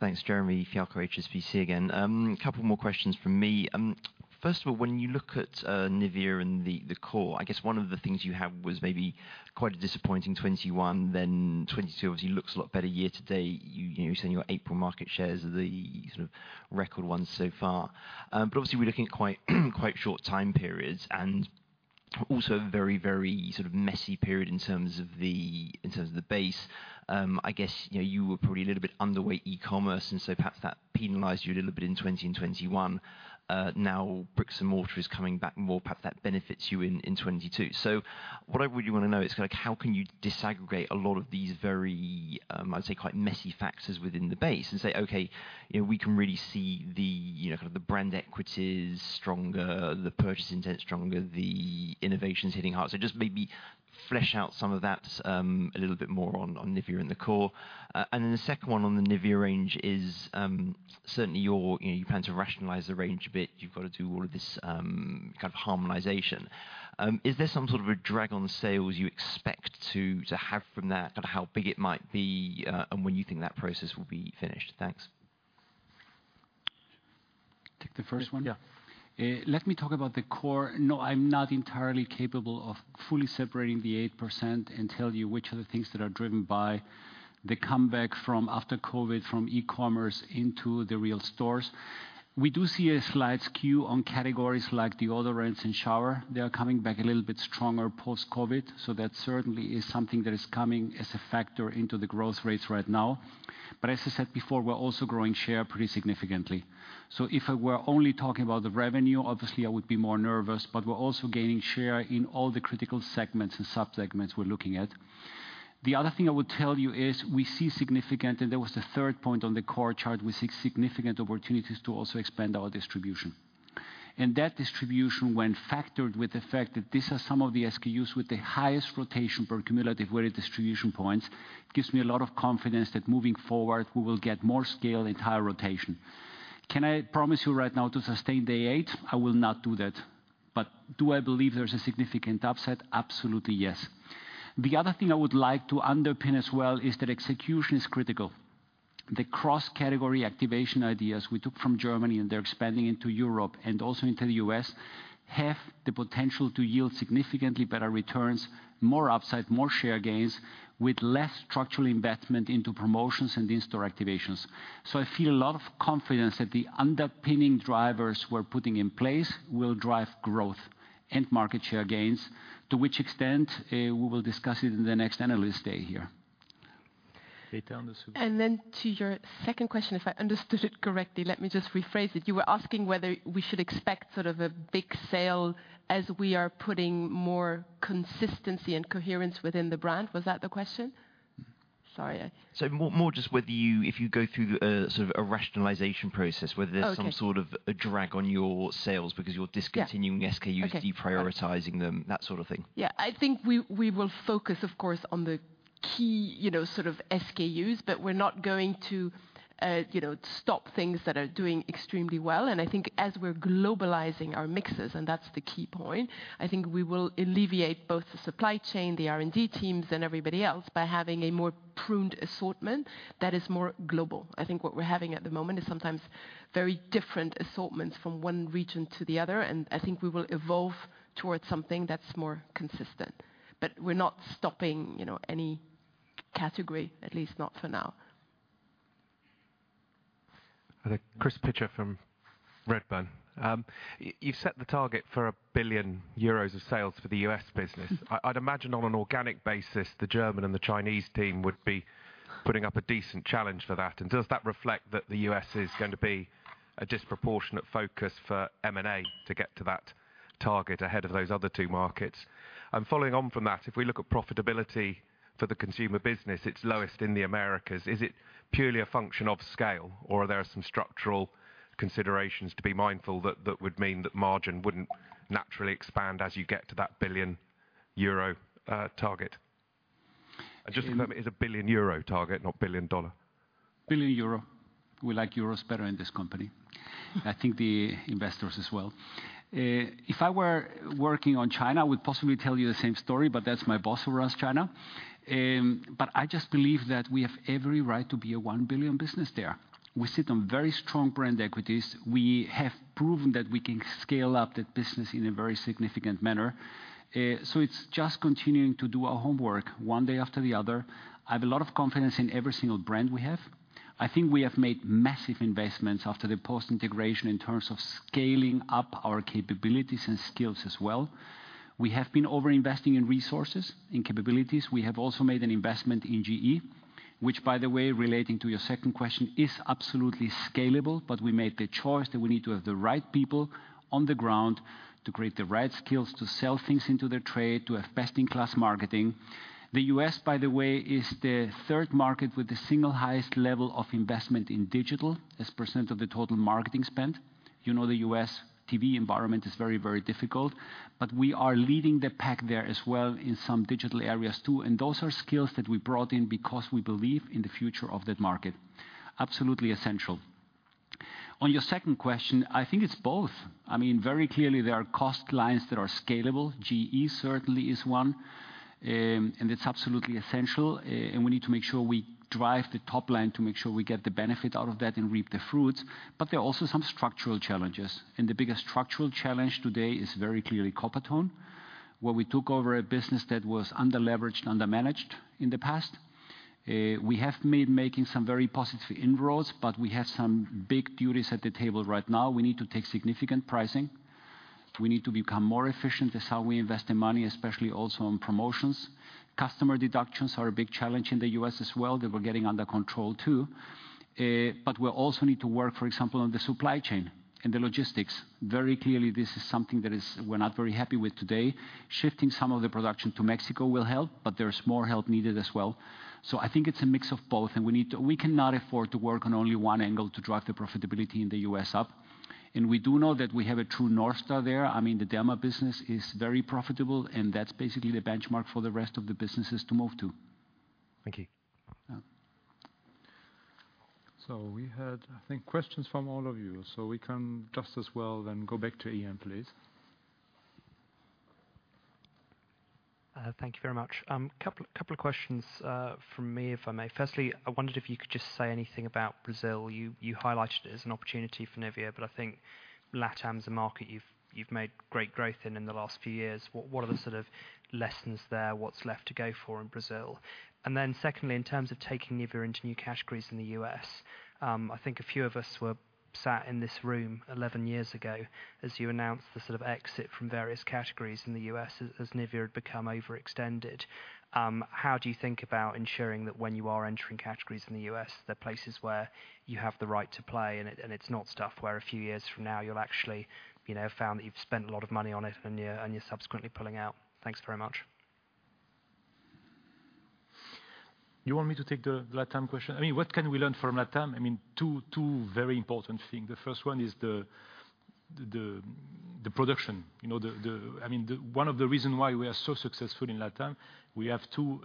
I: Thanks, Jeremy Fialko, HSBC again. A couple more questions from me. First of all, when you look at NIVEA and the core, I guess one of the things you have was maybe quite a disappointing 2021, then 2022 obviously looks a lot better year to date. You know, you're saying your April market shares are the sort of record ones so far. But obviously we're looking at quite short time periods, and also very sort of messy period in terms of the base. I guess, you know, you were probably a little bit underweight e-commerce, and so perhaps that penalized you a little bit in 2020 and 2021. Now bricks and mortar is coming back more, perhaps that benefits you in 2022. What I really wanna know is kind of like how can you disaggregate a lot of these very, I'd say quite messy factors within the base and say, "Okay, you know, we can really see the, you know, kind of the brand equity is stronger, the purchase intent is stronger, the innovation's hitting hard." Just maybe flesh out some of that, a little bit more on NIVEA and the core. And then the second one on the NIVEA range is, certainly your, you know, you plan to rationalize the range a bit. You've gotta do all of this, kind of harmonization. Is there some sort of a drag on sales you expect to have from that? Kind of how big it might be, and when you think that process will be finished? Thanks.
N: Take the first one?
B: Yeah.
N: Let me talk about the core. I'm not entirely capable of fully separating the 8% and tell you which are the things that are driven by the comeback from after COVID from e-commerce into the real stores. We do see a slight skew on categories like deodorants and shower. They are coming back a little bit stronger post-COVID, so that certainly is something that is coming as a factor into the growth rates right now. As I said before, we're also growing share pretty significantly. If I were only talking about the revenue, obviously I would be more nervous, but we're also gaining share in all the critical segments and sub-segments we're looking at. The other thing I would tell you is we see significant, and there was a third point on the core chart, we see significant opportunities to also expand our distribution. That distribution, when factored with the fact that these are some of the SKUs with the highest rotation per cumulative weight distribution points, gives me a lot of confidence that moving forward we will get more scale and higher rotation. Can I promise you right now to sustain the 8%? I will not do that. Do I believe there's a significant upside? Absolutely, yes. The other thing I would like to underpin as well is that execution is critical. The cross-category activation ideas we took from Germany, and they're expanding into Europe and also into the U.S., have the potential to yield significantly better returns, more upside, more share gains, with less structural investment into promotions and in-store activations. I feel a lot of confidence that the underpinning drivers we're putting in place will drive growth and market share gains. To which extent, we will discuss it in the next Analyst Day here.
B: Grita on the-
M: To your second question, if I understood it correctly, let me just rephrase it. You were asking whether we should expect sort of a big sale as we are putting more consistency and coherence within the brand. Was that the question? Sorry.
I: More just if you go through a sort of a rationalization process, whether
M: Okay
I: There's some sort of a drag on your sales because you're discontinuing.
M: Yeah
I: SKUs
M: Okay
I: deprioritizing them, that sort of thing.
M: I think we will focus of course on the key, you know, sort of SKUs, but we're not going to, you know, stop things that are doing extremely well. I think as we're globalizing our mixes, and that's the key point, I think we will alleviate both the supply chain, the R&D teams, and everybody else by having a more pruned assortment that is more global. I think what we're having at the moment is sometimes very different assortments from one region to the other, and I think we will evolve towards something that's more consistent. We're not stopping, you know, any category, at least not for now.
E: I think Chris Pitcher from Redburn. You've set the target for 1 billion euros of sales for the U.S. business.
M: Mm-hmm.
E: I'd imagine on an organic basis, the German and the Chinese team would be putting up a decent challenge for that. Does that reflect that the U.S. is going to be a disproportionate focus for M&A to get to that target ahead of those other two markets? Following on from that, if we look at profitability for the consumer business, it's lowest in the Americas. Is it purely a function of scale, or are there some structural considerations to be mindful that would mean that margin wouldn't naturally expand as you get to that 1 billion euro target? Just confirm, it is a 1 billion euro target, not $1 billion?
N: 1 billion euro. We like euros better in this company. I think the investors as well. If I were working on China, I would possibly tell you the same story, but that's my boss who runs China. I just believe that we have every right to be a 1 billion business there. We sit on very strong brand equities. We have proven that we can scale up that business in a very significant manner. It's just continuing to do our homework one day after the other. I have a lot of confidence in every single brand we have. I think we have made massive investments after the post-integration in terms of scaling up our capabilities and skills as well. We have been over-investing in resources, in capabilities. We have also made an investment in G&A, which by the way, relating to your second question, is absolutely scalable, but we made the choice that we need to have the right people on the ground to create the right skills to sell things into their trade, to have best-in-class marketing. The U.S., by the way, is the third market with the single highest level of investment in digital as percent of the total marketing spend. You know, the U.S. TV environment is very, very difficult, but we are leading the pack there as well in some digital areas too. Those are skills that we brought in because we believe in the future of that market. Absolutely essential. On your second question, I think it's both. I mean, very clearly, there are cost lines that are scalable. G&A certainly is one, and it's absolutely essential, and we need to make sure we drive the top line to make sure we get the benefit out of that and reap the fruits. There are also some structural challenges, and the biggest structural challenge today is very clearly Coppertone, where we took over a business that was under-leveraged, under-managed in the past. We have made some very positive inroads, but we have some big duties at the table right now. We need to take significant pricing. We need to become more efficient. That's how we invest the money, especially also on promotions. Customer deductions are a big challenge in the U.S. as well, that we're getting under control too. We also need to work, for example, on the supply chain and the logistics. Very clearly, this is something we're not very happy with today. Shifting some of the production to Mexico will help, but there's more help needed as well. I think it's a mix of both. We need we cannot afford to work on only one angle to drive the profitability in the U.S. up. We do know that we have a true North Star there. I mean, the Derma business is very profitable, and that's basically the benchmark for the rest of the businesses to move to.
E: Thank you.
N: Yeah.
A: We had, I think, questions from all of you, so we can just as well then go back to Ian, please.
K: Thank you very much. A couple of questions from me, if I may. Firstly, I wondered if you could just say anything about Brazil. You highlighted it as an opportunity for NIVEA, but I think LATAM is a market you've made great growth in in the last few years. What are the sort of lessons there? What's left to go for in Brazil? Secondly, in terms of taking NIVEA into new categories in the U.S., I think a few of us were sat in this room 11 years ago as you announced the sort of exit from various categories in the U.S. as NIVEA had become overextended. How do you think about ensuring that when you are entering categories in the U.S., they're places where you have the right to play and it's not stuff where a few years from now you'll actually, you know, found that you've spent a lot of money on it and you're subsequently pulling out. Thanks very much.
B: You want me to take the LATAM question? I mean, what can we learn from LATAM? I mean, two very important thing. The first one is the production. You know, one of the reason why we are so successful in LATAM, we have two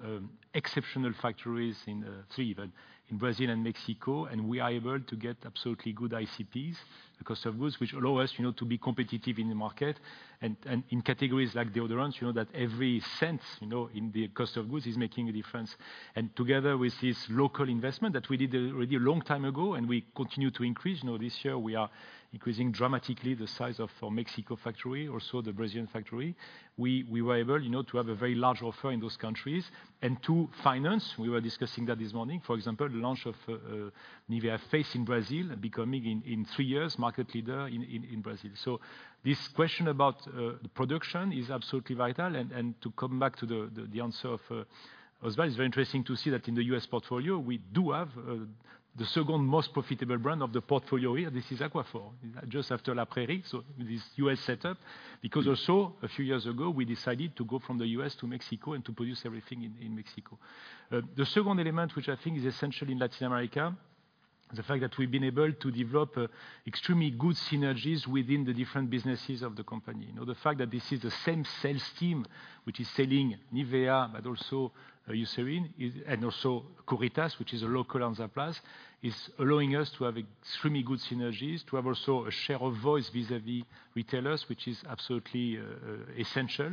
B: exceptional factories in three even, in Brazil and Mexico, and we are able to get absolutely good ICPs, the cost of goods, which allow us, you know, to be competitive in the market and in categories like deodorants, you know that every cent in the cost of goods is making a difference. Together with this local investment that we did already a long time ago, and we continue to increase. You know, this year we are increasing dramatically the size of our Mexico factory, also the Brazilian factory. We were able, you know, to have a very large offer in those countries. To finance, we were discussing that this morning. For example, the launch of NIVEA Face in Brazil becoming in three years market leader in Brazil. This question about the production is absolutely vital. To come back to the answer of Oswald, it's very interesting to see that in the U.S. portfolio, we do have the second most profitable brand of the portfolio here. This is Aquaphor just after La Prairie. This U.S. setup, because also a few years ago, we decided to go from the U.S. to Mexico and to produce everything in Mexico. The second element, which I think is essential in Latin America, the fact that we've been able to develop extremely good synergies within the different businesses of the company. You know, the fact that this is the same sales team which is selling NIVEA, but also Eucerin, and also Curitas, which is a local Hansaplast, is allowing us to have extremely good synergies, to have also a share of voice vis-à-vis retailers, which is absolutely essential.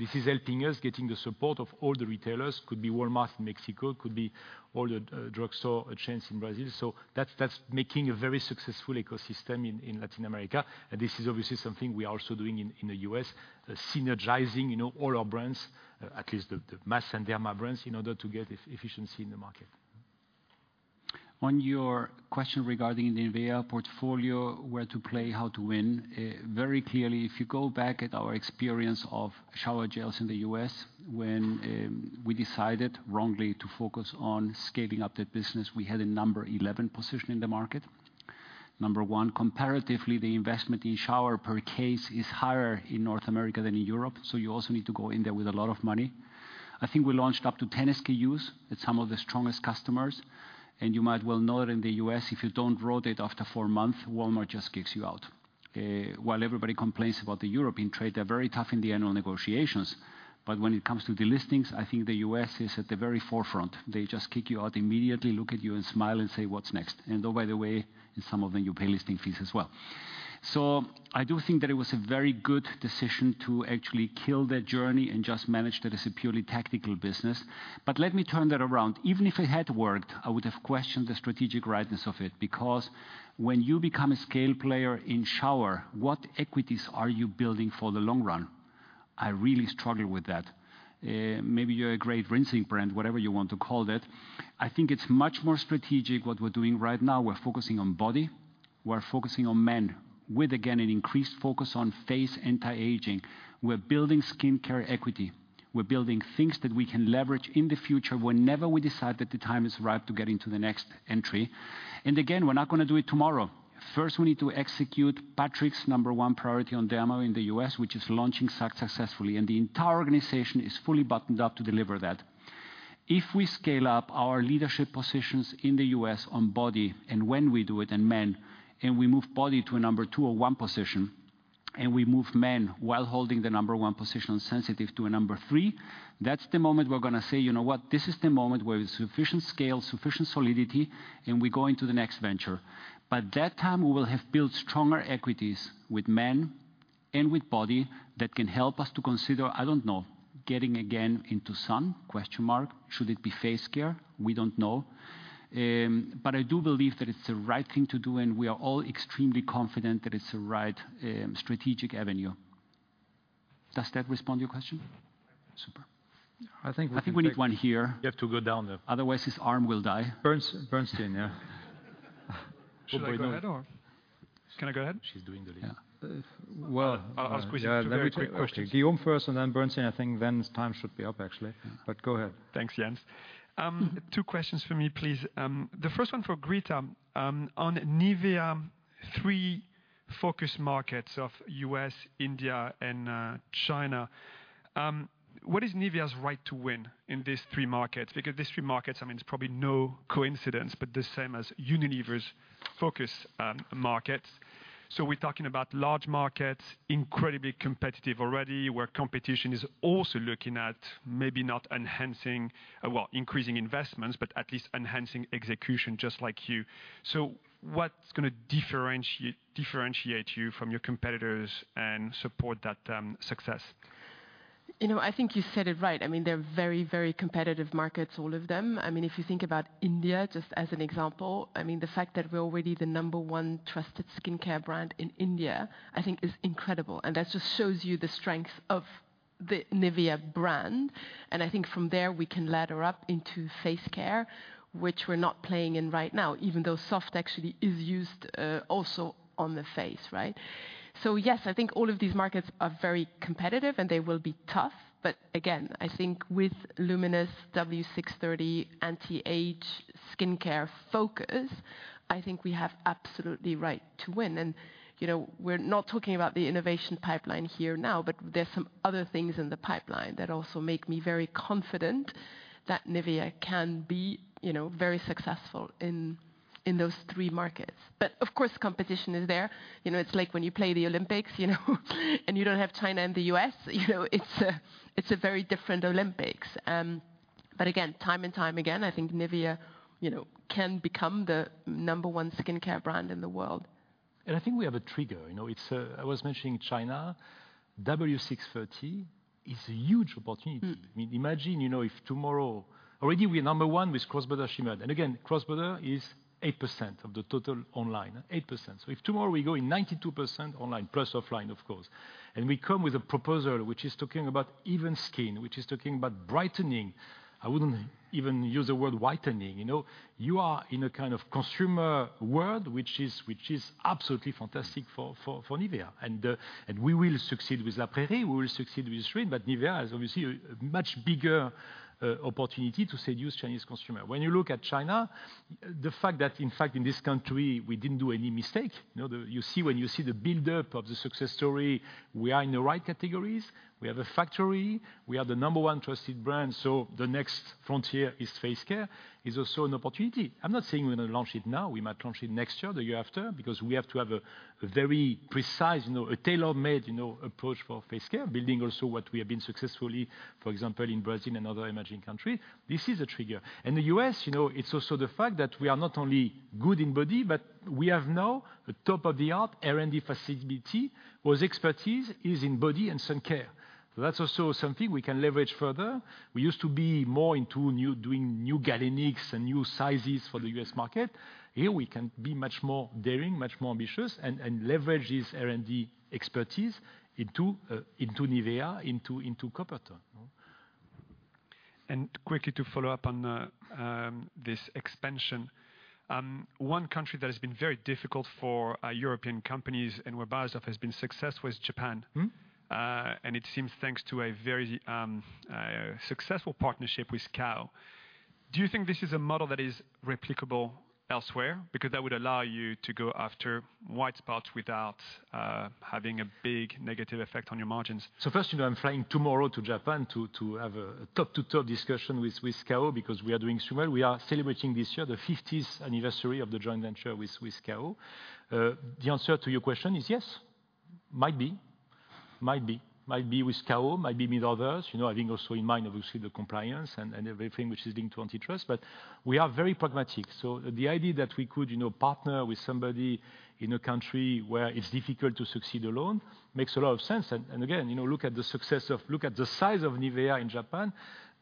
B: This is helping us getting the support of all the retailers. Could be Walmart in Mexico, could be all the drugstore chains in Brazil. That's making a very successful ecosystem in Latin America. This is obviously something we are also doing in the U.S., synergizing, you know, all our brands, at least the mass and Derma brands, in order to get efficiency in the market.
N: On your question regarding the NIVEA portfolio, where to play, how to win, very clearly, if you go back at our experience of shower gels in the U.S., when we decided wrongly to focus on scaling up that business, we had a number 11 position in the market. Number one, comparatively, the investment in shower per case is higher in North America than in Europe, so you also need to go in there with a lot of money. I think we launched up to 10 SKUs at some of the strongest customers, and you might well know that in the U.S., if you don't rotate after four months, Walmart just kicks you out. While everybody complains about the European trade, they're very tough in the annual negotiations. When it comes to the listings, I think the U.S. is at the very forefront. They just kick you out immediately, look at you and smile and say, "What's next?" Oh, by the way, in some of them, you pay listing fees as well. I do think that it was a very good decision to actually kill that journey and just manage that as a purely tactical business. Let me turn that around. Even if it had worked, I would have questioned the strategic rightness of it, because when you become a scale player in shower, what equities are you building for the long run? I really struggle with that. Maybe you're a great rinsing brand, whatever you want to call it. I think it's much more strategic what we're doing right now. We're focusing on body, we're focusing on men with, again, an increased focus on face anti-aging. We're building skincare equity. We're building things that we can leverage in the future whenever we decide that the time is right to get into the next entry. Again, we're not gonna do it tomorrow. First, we need to execute Patrick's number one priority on Derma in the U.S., which is launching successfully, and the entire organization is fully buttoned up to deliver that. If we scale up our leadership positions in the U.S. on body, and when we do it in men, and we move body to a number two or one position, and we move men while holding the number one position on sensitive to a number three, that's the moment we're gonna say, "You know what? This is the moment where there's sufficient scale, sufficient solidity, and we go into the next venture." By that time, we will have built stronger equities with men and with body that can help us to consider, I don't know, getting again into sun? Should it be face care? We don't know. But I do believe that it's the right thing to do, and we are all extremely confident that it's the right strategic avenue. Does that respond to your question? Super.
A: I think we can take.
N: I think we need one here.
B: You have to go down there.
N: Otherwise, his arm will die.
A: Bernstein, yeah.
F: Can I go ahead?
B: She's doing the lead.
A: Yeah. Well
F: I'll squeeze in a very quick question.
A: Yeah. Let me take Guillaume first and then Bernstein. I think then time should be up, actually. Go ahead.
F: Thanks, Jens. Two questions from me, please. The first one for Grita. On NIVEA, three focus markets of U.S., India, and China. What is NIVEA's right to win in these three markets? Because these three markets, I mean, it's probably no coincidence, but the same as Unilever's focus markets. We're talking about large markets, incredibly competitive already, where competition is also looking at maybe not increasing investments, but at least enhancing execution just like you. What's gonna differentiate you from your competitors and support that success?
M: You know, I think you said it right. I mean, they're very, very competitive markets, all of them. I mean, if you think about India, just as an example, I mean, the fact that we're already the number one trusted skincare brand in India, I think is incredible. That just shows you the strength of the NIVEA brand. I think from there, we can ladder up into face care, which we're not playing in right now, even though soft actually is used also on the face, right? Yes, I think all of these markets are very competitive and they will be tough. Again, I think with LUMINOUS W630 anti-aging skincare focus, I think we have absolutely right to win. You know, we're not talking about the innovation pipeline here now, but there's some other things in the pipeline that also make me very confident that NIVEA can be, you know, very successful in those three markets. But of course, competition is there. You know, it's like when you play the Olympics, you know, and you don't have China and the U.S., you know, it's a very different Olympics. But again, time and time again, I think NIVEA, you know, can become the number one skincare brand in the world.
B: I think we have a trigger. You know, I was mentioning China. W630 is a huge opportunity.
M: Mm.
B: I mean, imagine, you know, if tomorrow already we're number one with cross-border Tmall. Again, cross-border is 8% of the total online. 8%. So if tomorrow we go in 92% online, plus offline, of course, and we come with a proposal which is talking about even skin, which is talking about brightening, I wouldn't even use the word whitening. You know, you are in a kind of consumer world which is absolutely fantastic for NIVEA. We will succeed with La Prairie, we will succeed with Eucerin, but NIVEA has obviously a much bigger opportunity to seduce Chinese consumer. When you look at China, the fact that in fact in this country, we didn't do any mistake. You know, when you see the build-up of the success story, we are in the right categories. We have a factory. We are the number one trusted brand, so the next frontier is face care. It's also an opportunity. I'm not saying we're gonna launch it now. We might launch it next year or the year after, because we have to have a very precise, you know, a tailor-made, you know, approach for face care, building also what we have been successfully, for example, in Brazil and other emerging country. This is a trigger. In the U.S., you know, it's also the fact that we are not only good in body, but we have now a top-of-the-art R&D facility whose expertise is in body and sun care. That's also something we can leverage further. We used to be more into doing new galenics and new sizes for the U.S. market. Here we can be much more daring, much more ambitious, and leverage this R&D expertise into NIVEA, into Coppertone.
F: Quickly to follow up on this expansion. One country that has been very difficult for European companies and where Beiersdorf has been successful is Japan.
B: Mm-hmm.
F: It seems thanks to a very successful partnership with Kao. Do you think this is a model that is replicable elsewhere? Because that would allow you to go after white spots without having a big negative effect on your margins.
B: First, you know, I'm flying tomorrow to Japan to have a top-to-top discussion with Kao because we are doing so well. We are celebrating this year the 50th anniversary of the joint venture with Kao. The answer to your question is yes, might be. Might be. Might be with Kao, might be with others. You know, I think also in mind, obviously, the compliance and everything which is linked to antitrust, but we are very pragmatic. The idea that we could, you know, partner with somebody in a country where it's difficult to succeed alone makes a lot of sense. Again, you know, look at the size of NIVEA in Japan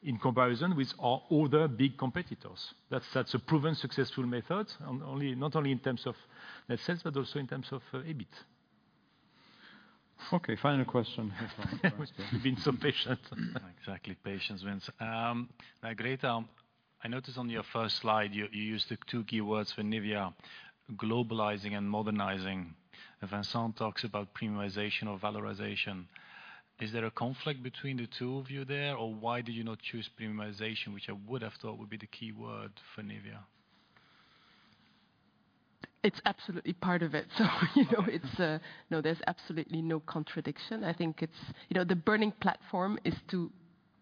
B: in comparison with our other big competitors. That's a proven successful method not only in terms of net sales, but also in terms of EBIT.
A: Okay, final question.
B: You've been so patient.
G: Exactly. Patience wins. Now Grita, I noticed on your first slide you used the two keywords for NIVEA: globalizing and modernizing. Vincent talks about premiumization or valorization. Is there a conflict between the two of you there? Or why did you not choose premiumization, which I would have thought would be the key word for NIVEA?
M: It's absolutely part of it. You know, no, there's absolutely no contradiction. I think it's, you know, the burning platform is to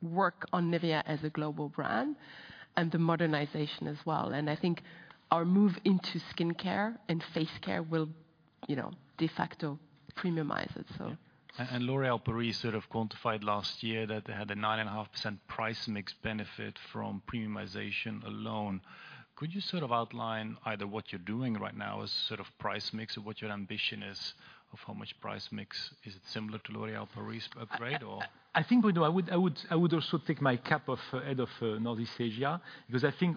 M: work on NIVEA as a global brand and the modernization as well. I think our move into skincare and face care will, you know, de facto premiumize it.
G: Yeah. L'Oréal Paris sort of quantified last year that they had a 9.5% price mix benefit from premiumization alone. Could you sort of outline either what you're doing right now as sort of price mix or what your ambition is of how much price mix? Is it similar to L'Oréal Paris upgrade or?
B: I think we do. I would also take my cap off head of Northeast Asia, because I think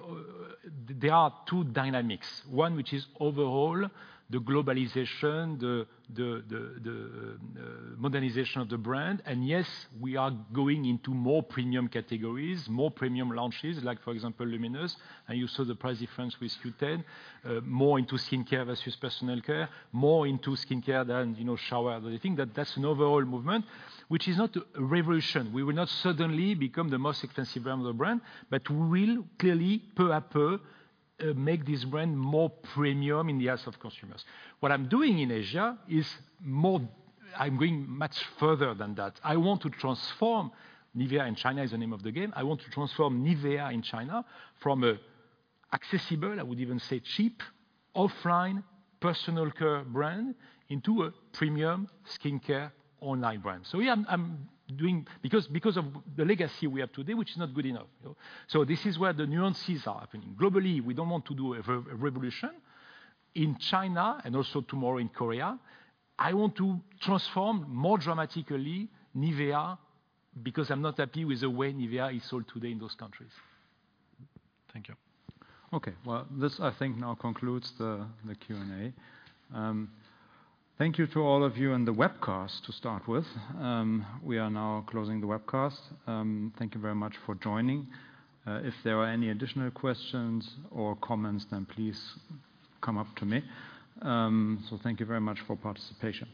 B: there are two dynamics. One, which is overall the globalization, the modernization of the brand. Yes, we are going into more premium categories, more premium launches, like for example, LUMINOUS. You saw the price difference with Q10. More into skincare versus personal care, more into skincare than, you know, shower. I think that's an overall movement, which is not a revolution. We will not suddenly become the most expensive brand of the brand, but we will clearly peu à peu make this brand more premium in the eyes of consumers. What I'm doing in Asia is more. I'm going much further than that. I want to transform NIVEA, and China is the name of the game. I want to transform NIVEA in China from an accessible, I would even say cheap, offline personal care brand into a premium skincare online brand. Yeah, I'm doing this because of the legacy we have today, which is not good enough, you know. This is where the nuances are happening. Globally, we don't want to do a revolution. In China and also tomorrow in Korea, I want to transform more dramatically NIVEA because I'm not happy with the way NIVEA is sold today in those countries.
G: Thank you.
A: Okay. Well, this I think now concludes the Q&A. Thank you to all of you on the webcast to start with. We are now closing the webcast. Thank you very much for joining. If there are any additional questions or comments, then please come up to me. Thank you very much for participation.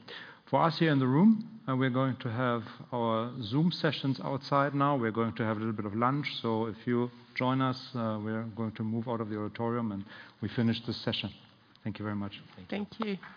A: For us here in the room, we're going to have our Zoom sessions outside now. We're going to have a little bit of lunch. If you join us, we are going to move out of the auditorium, and we finish this session. Thank you very much.
B: Thank you.
M: Thank you.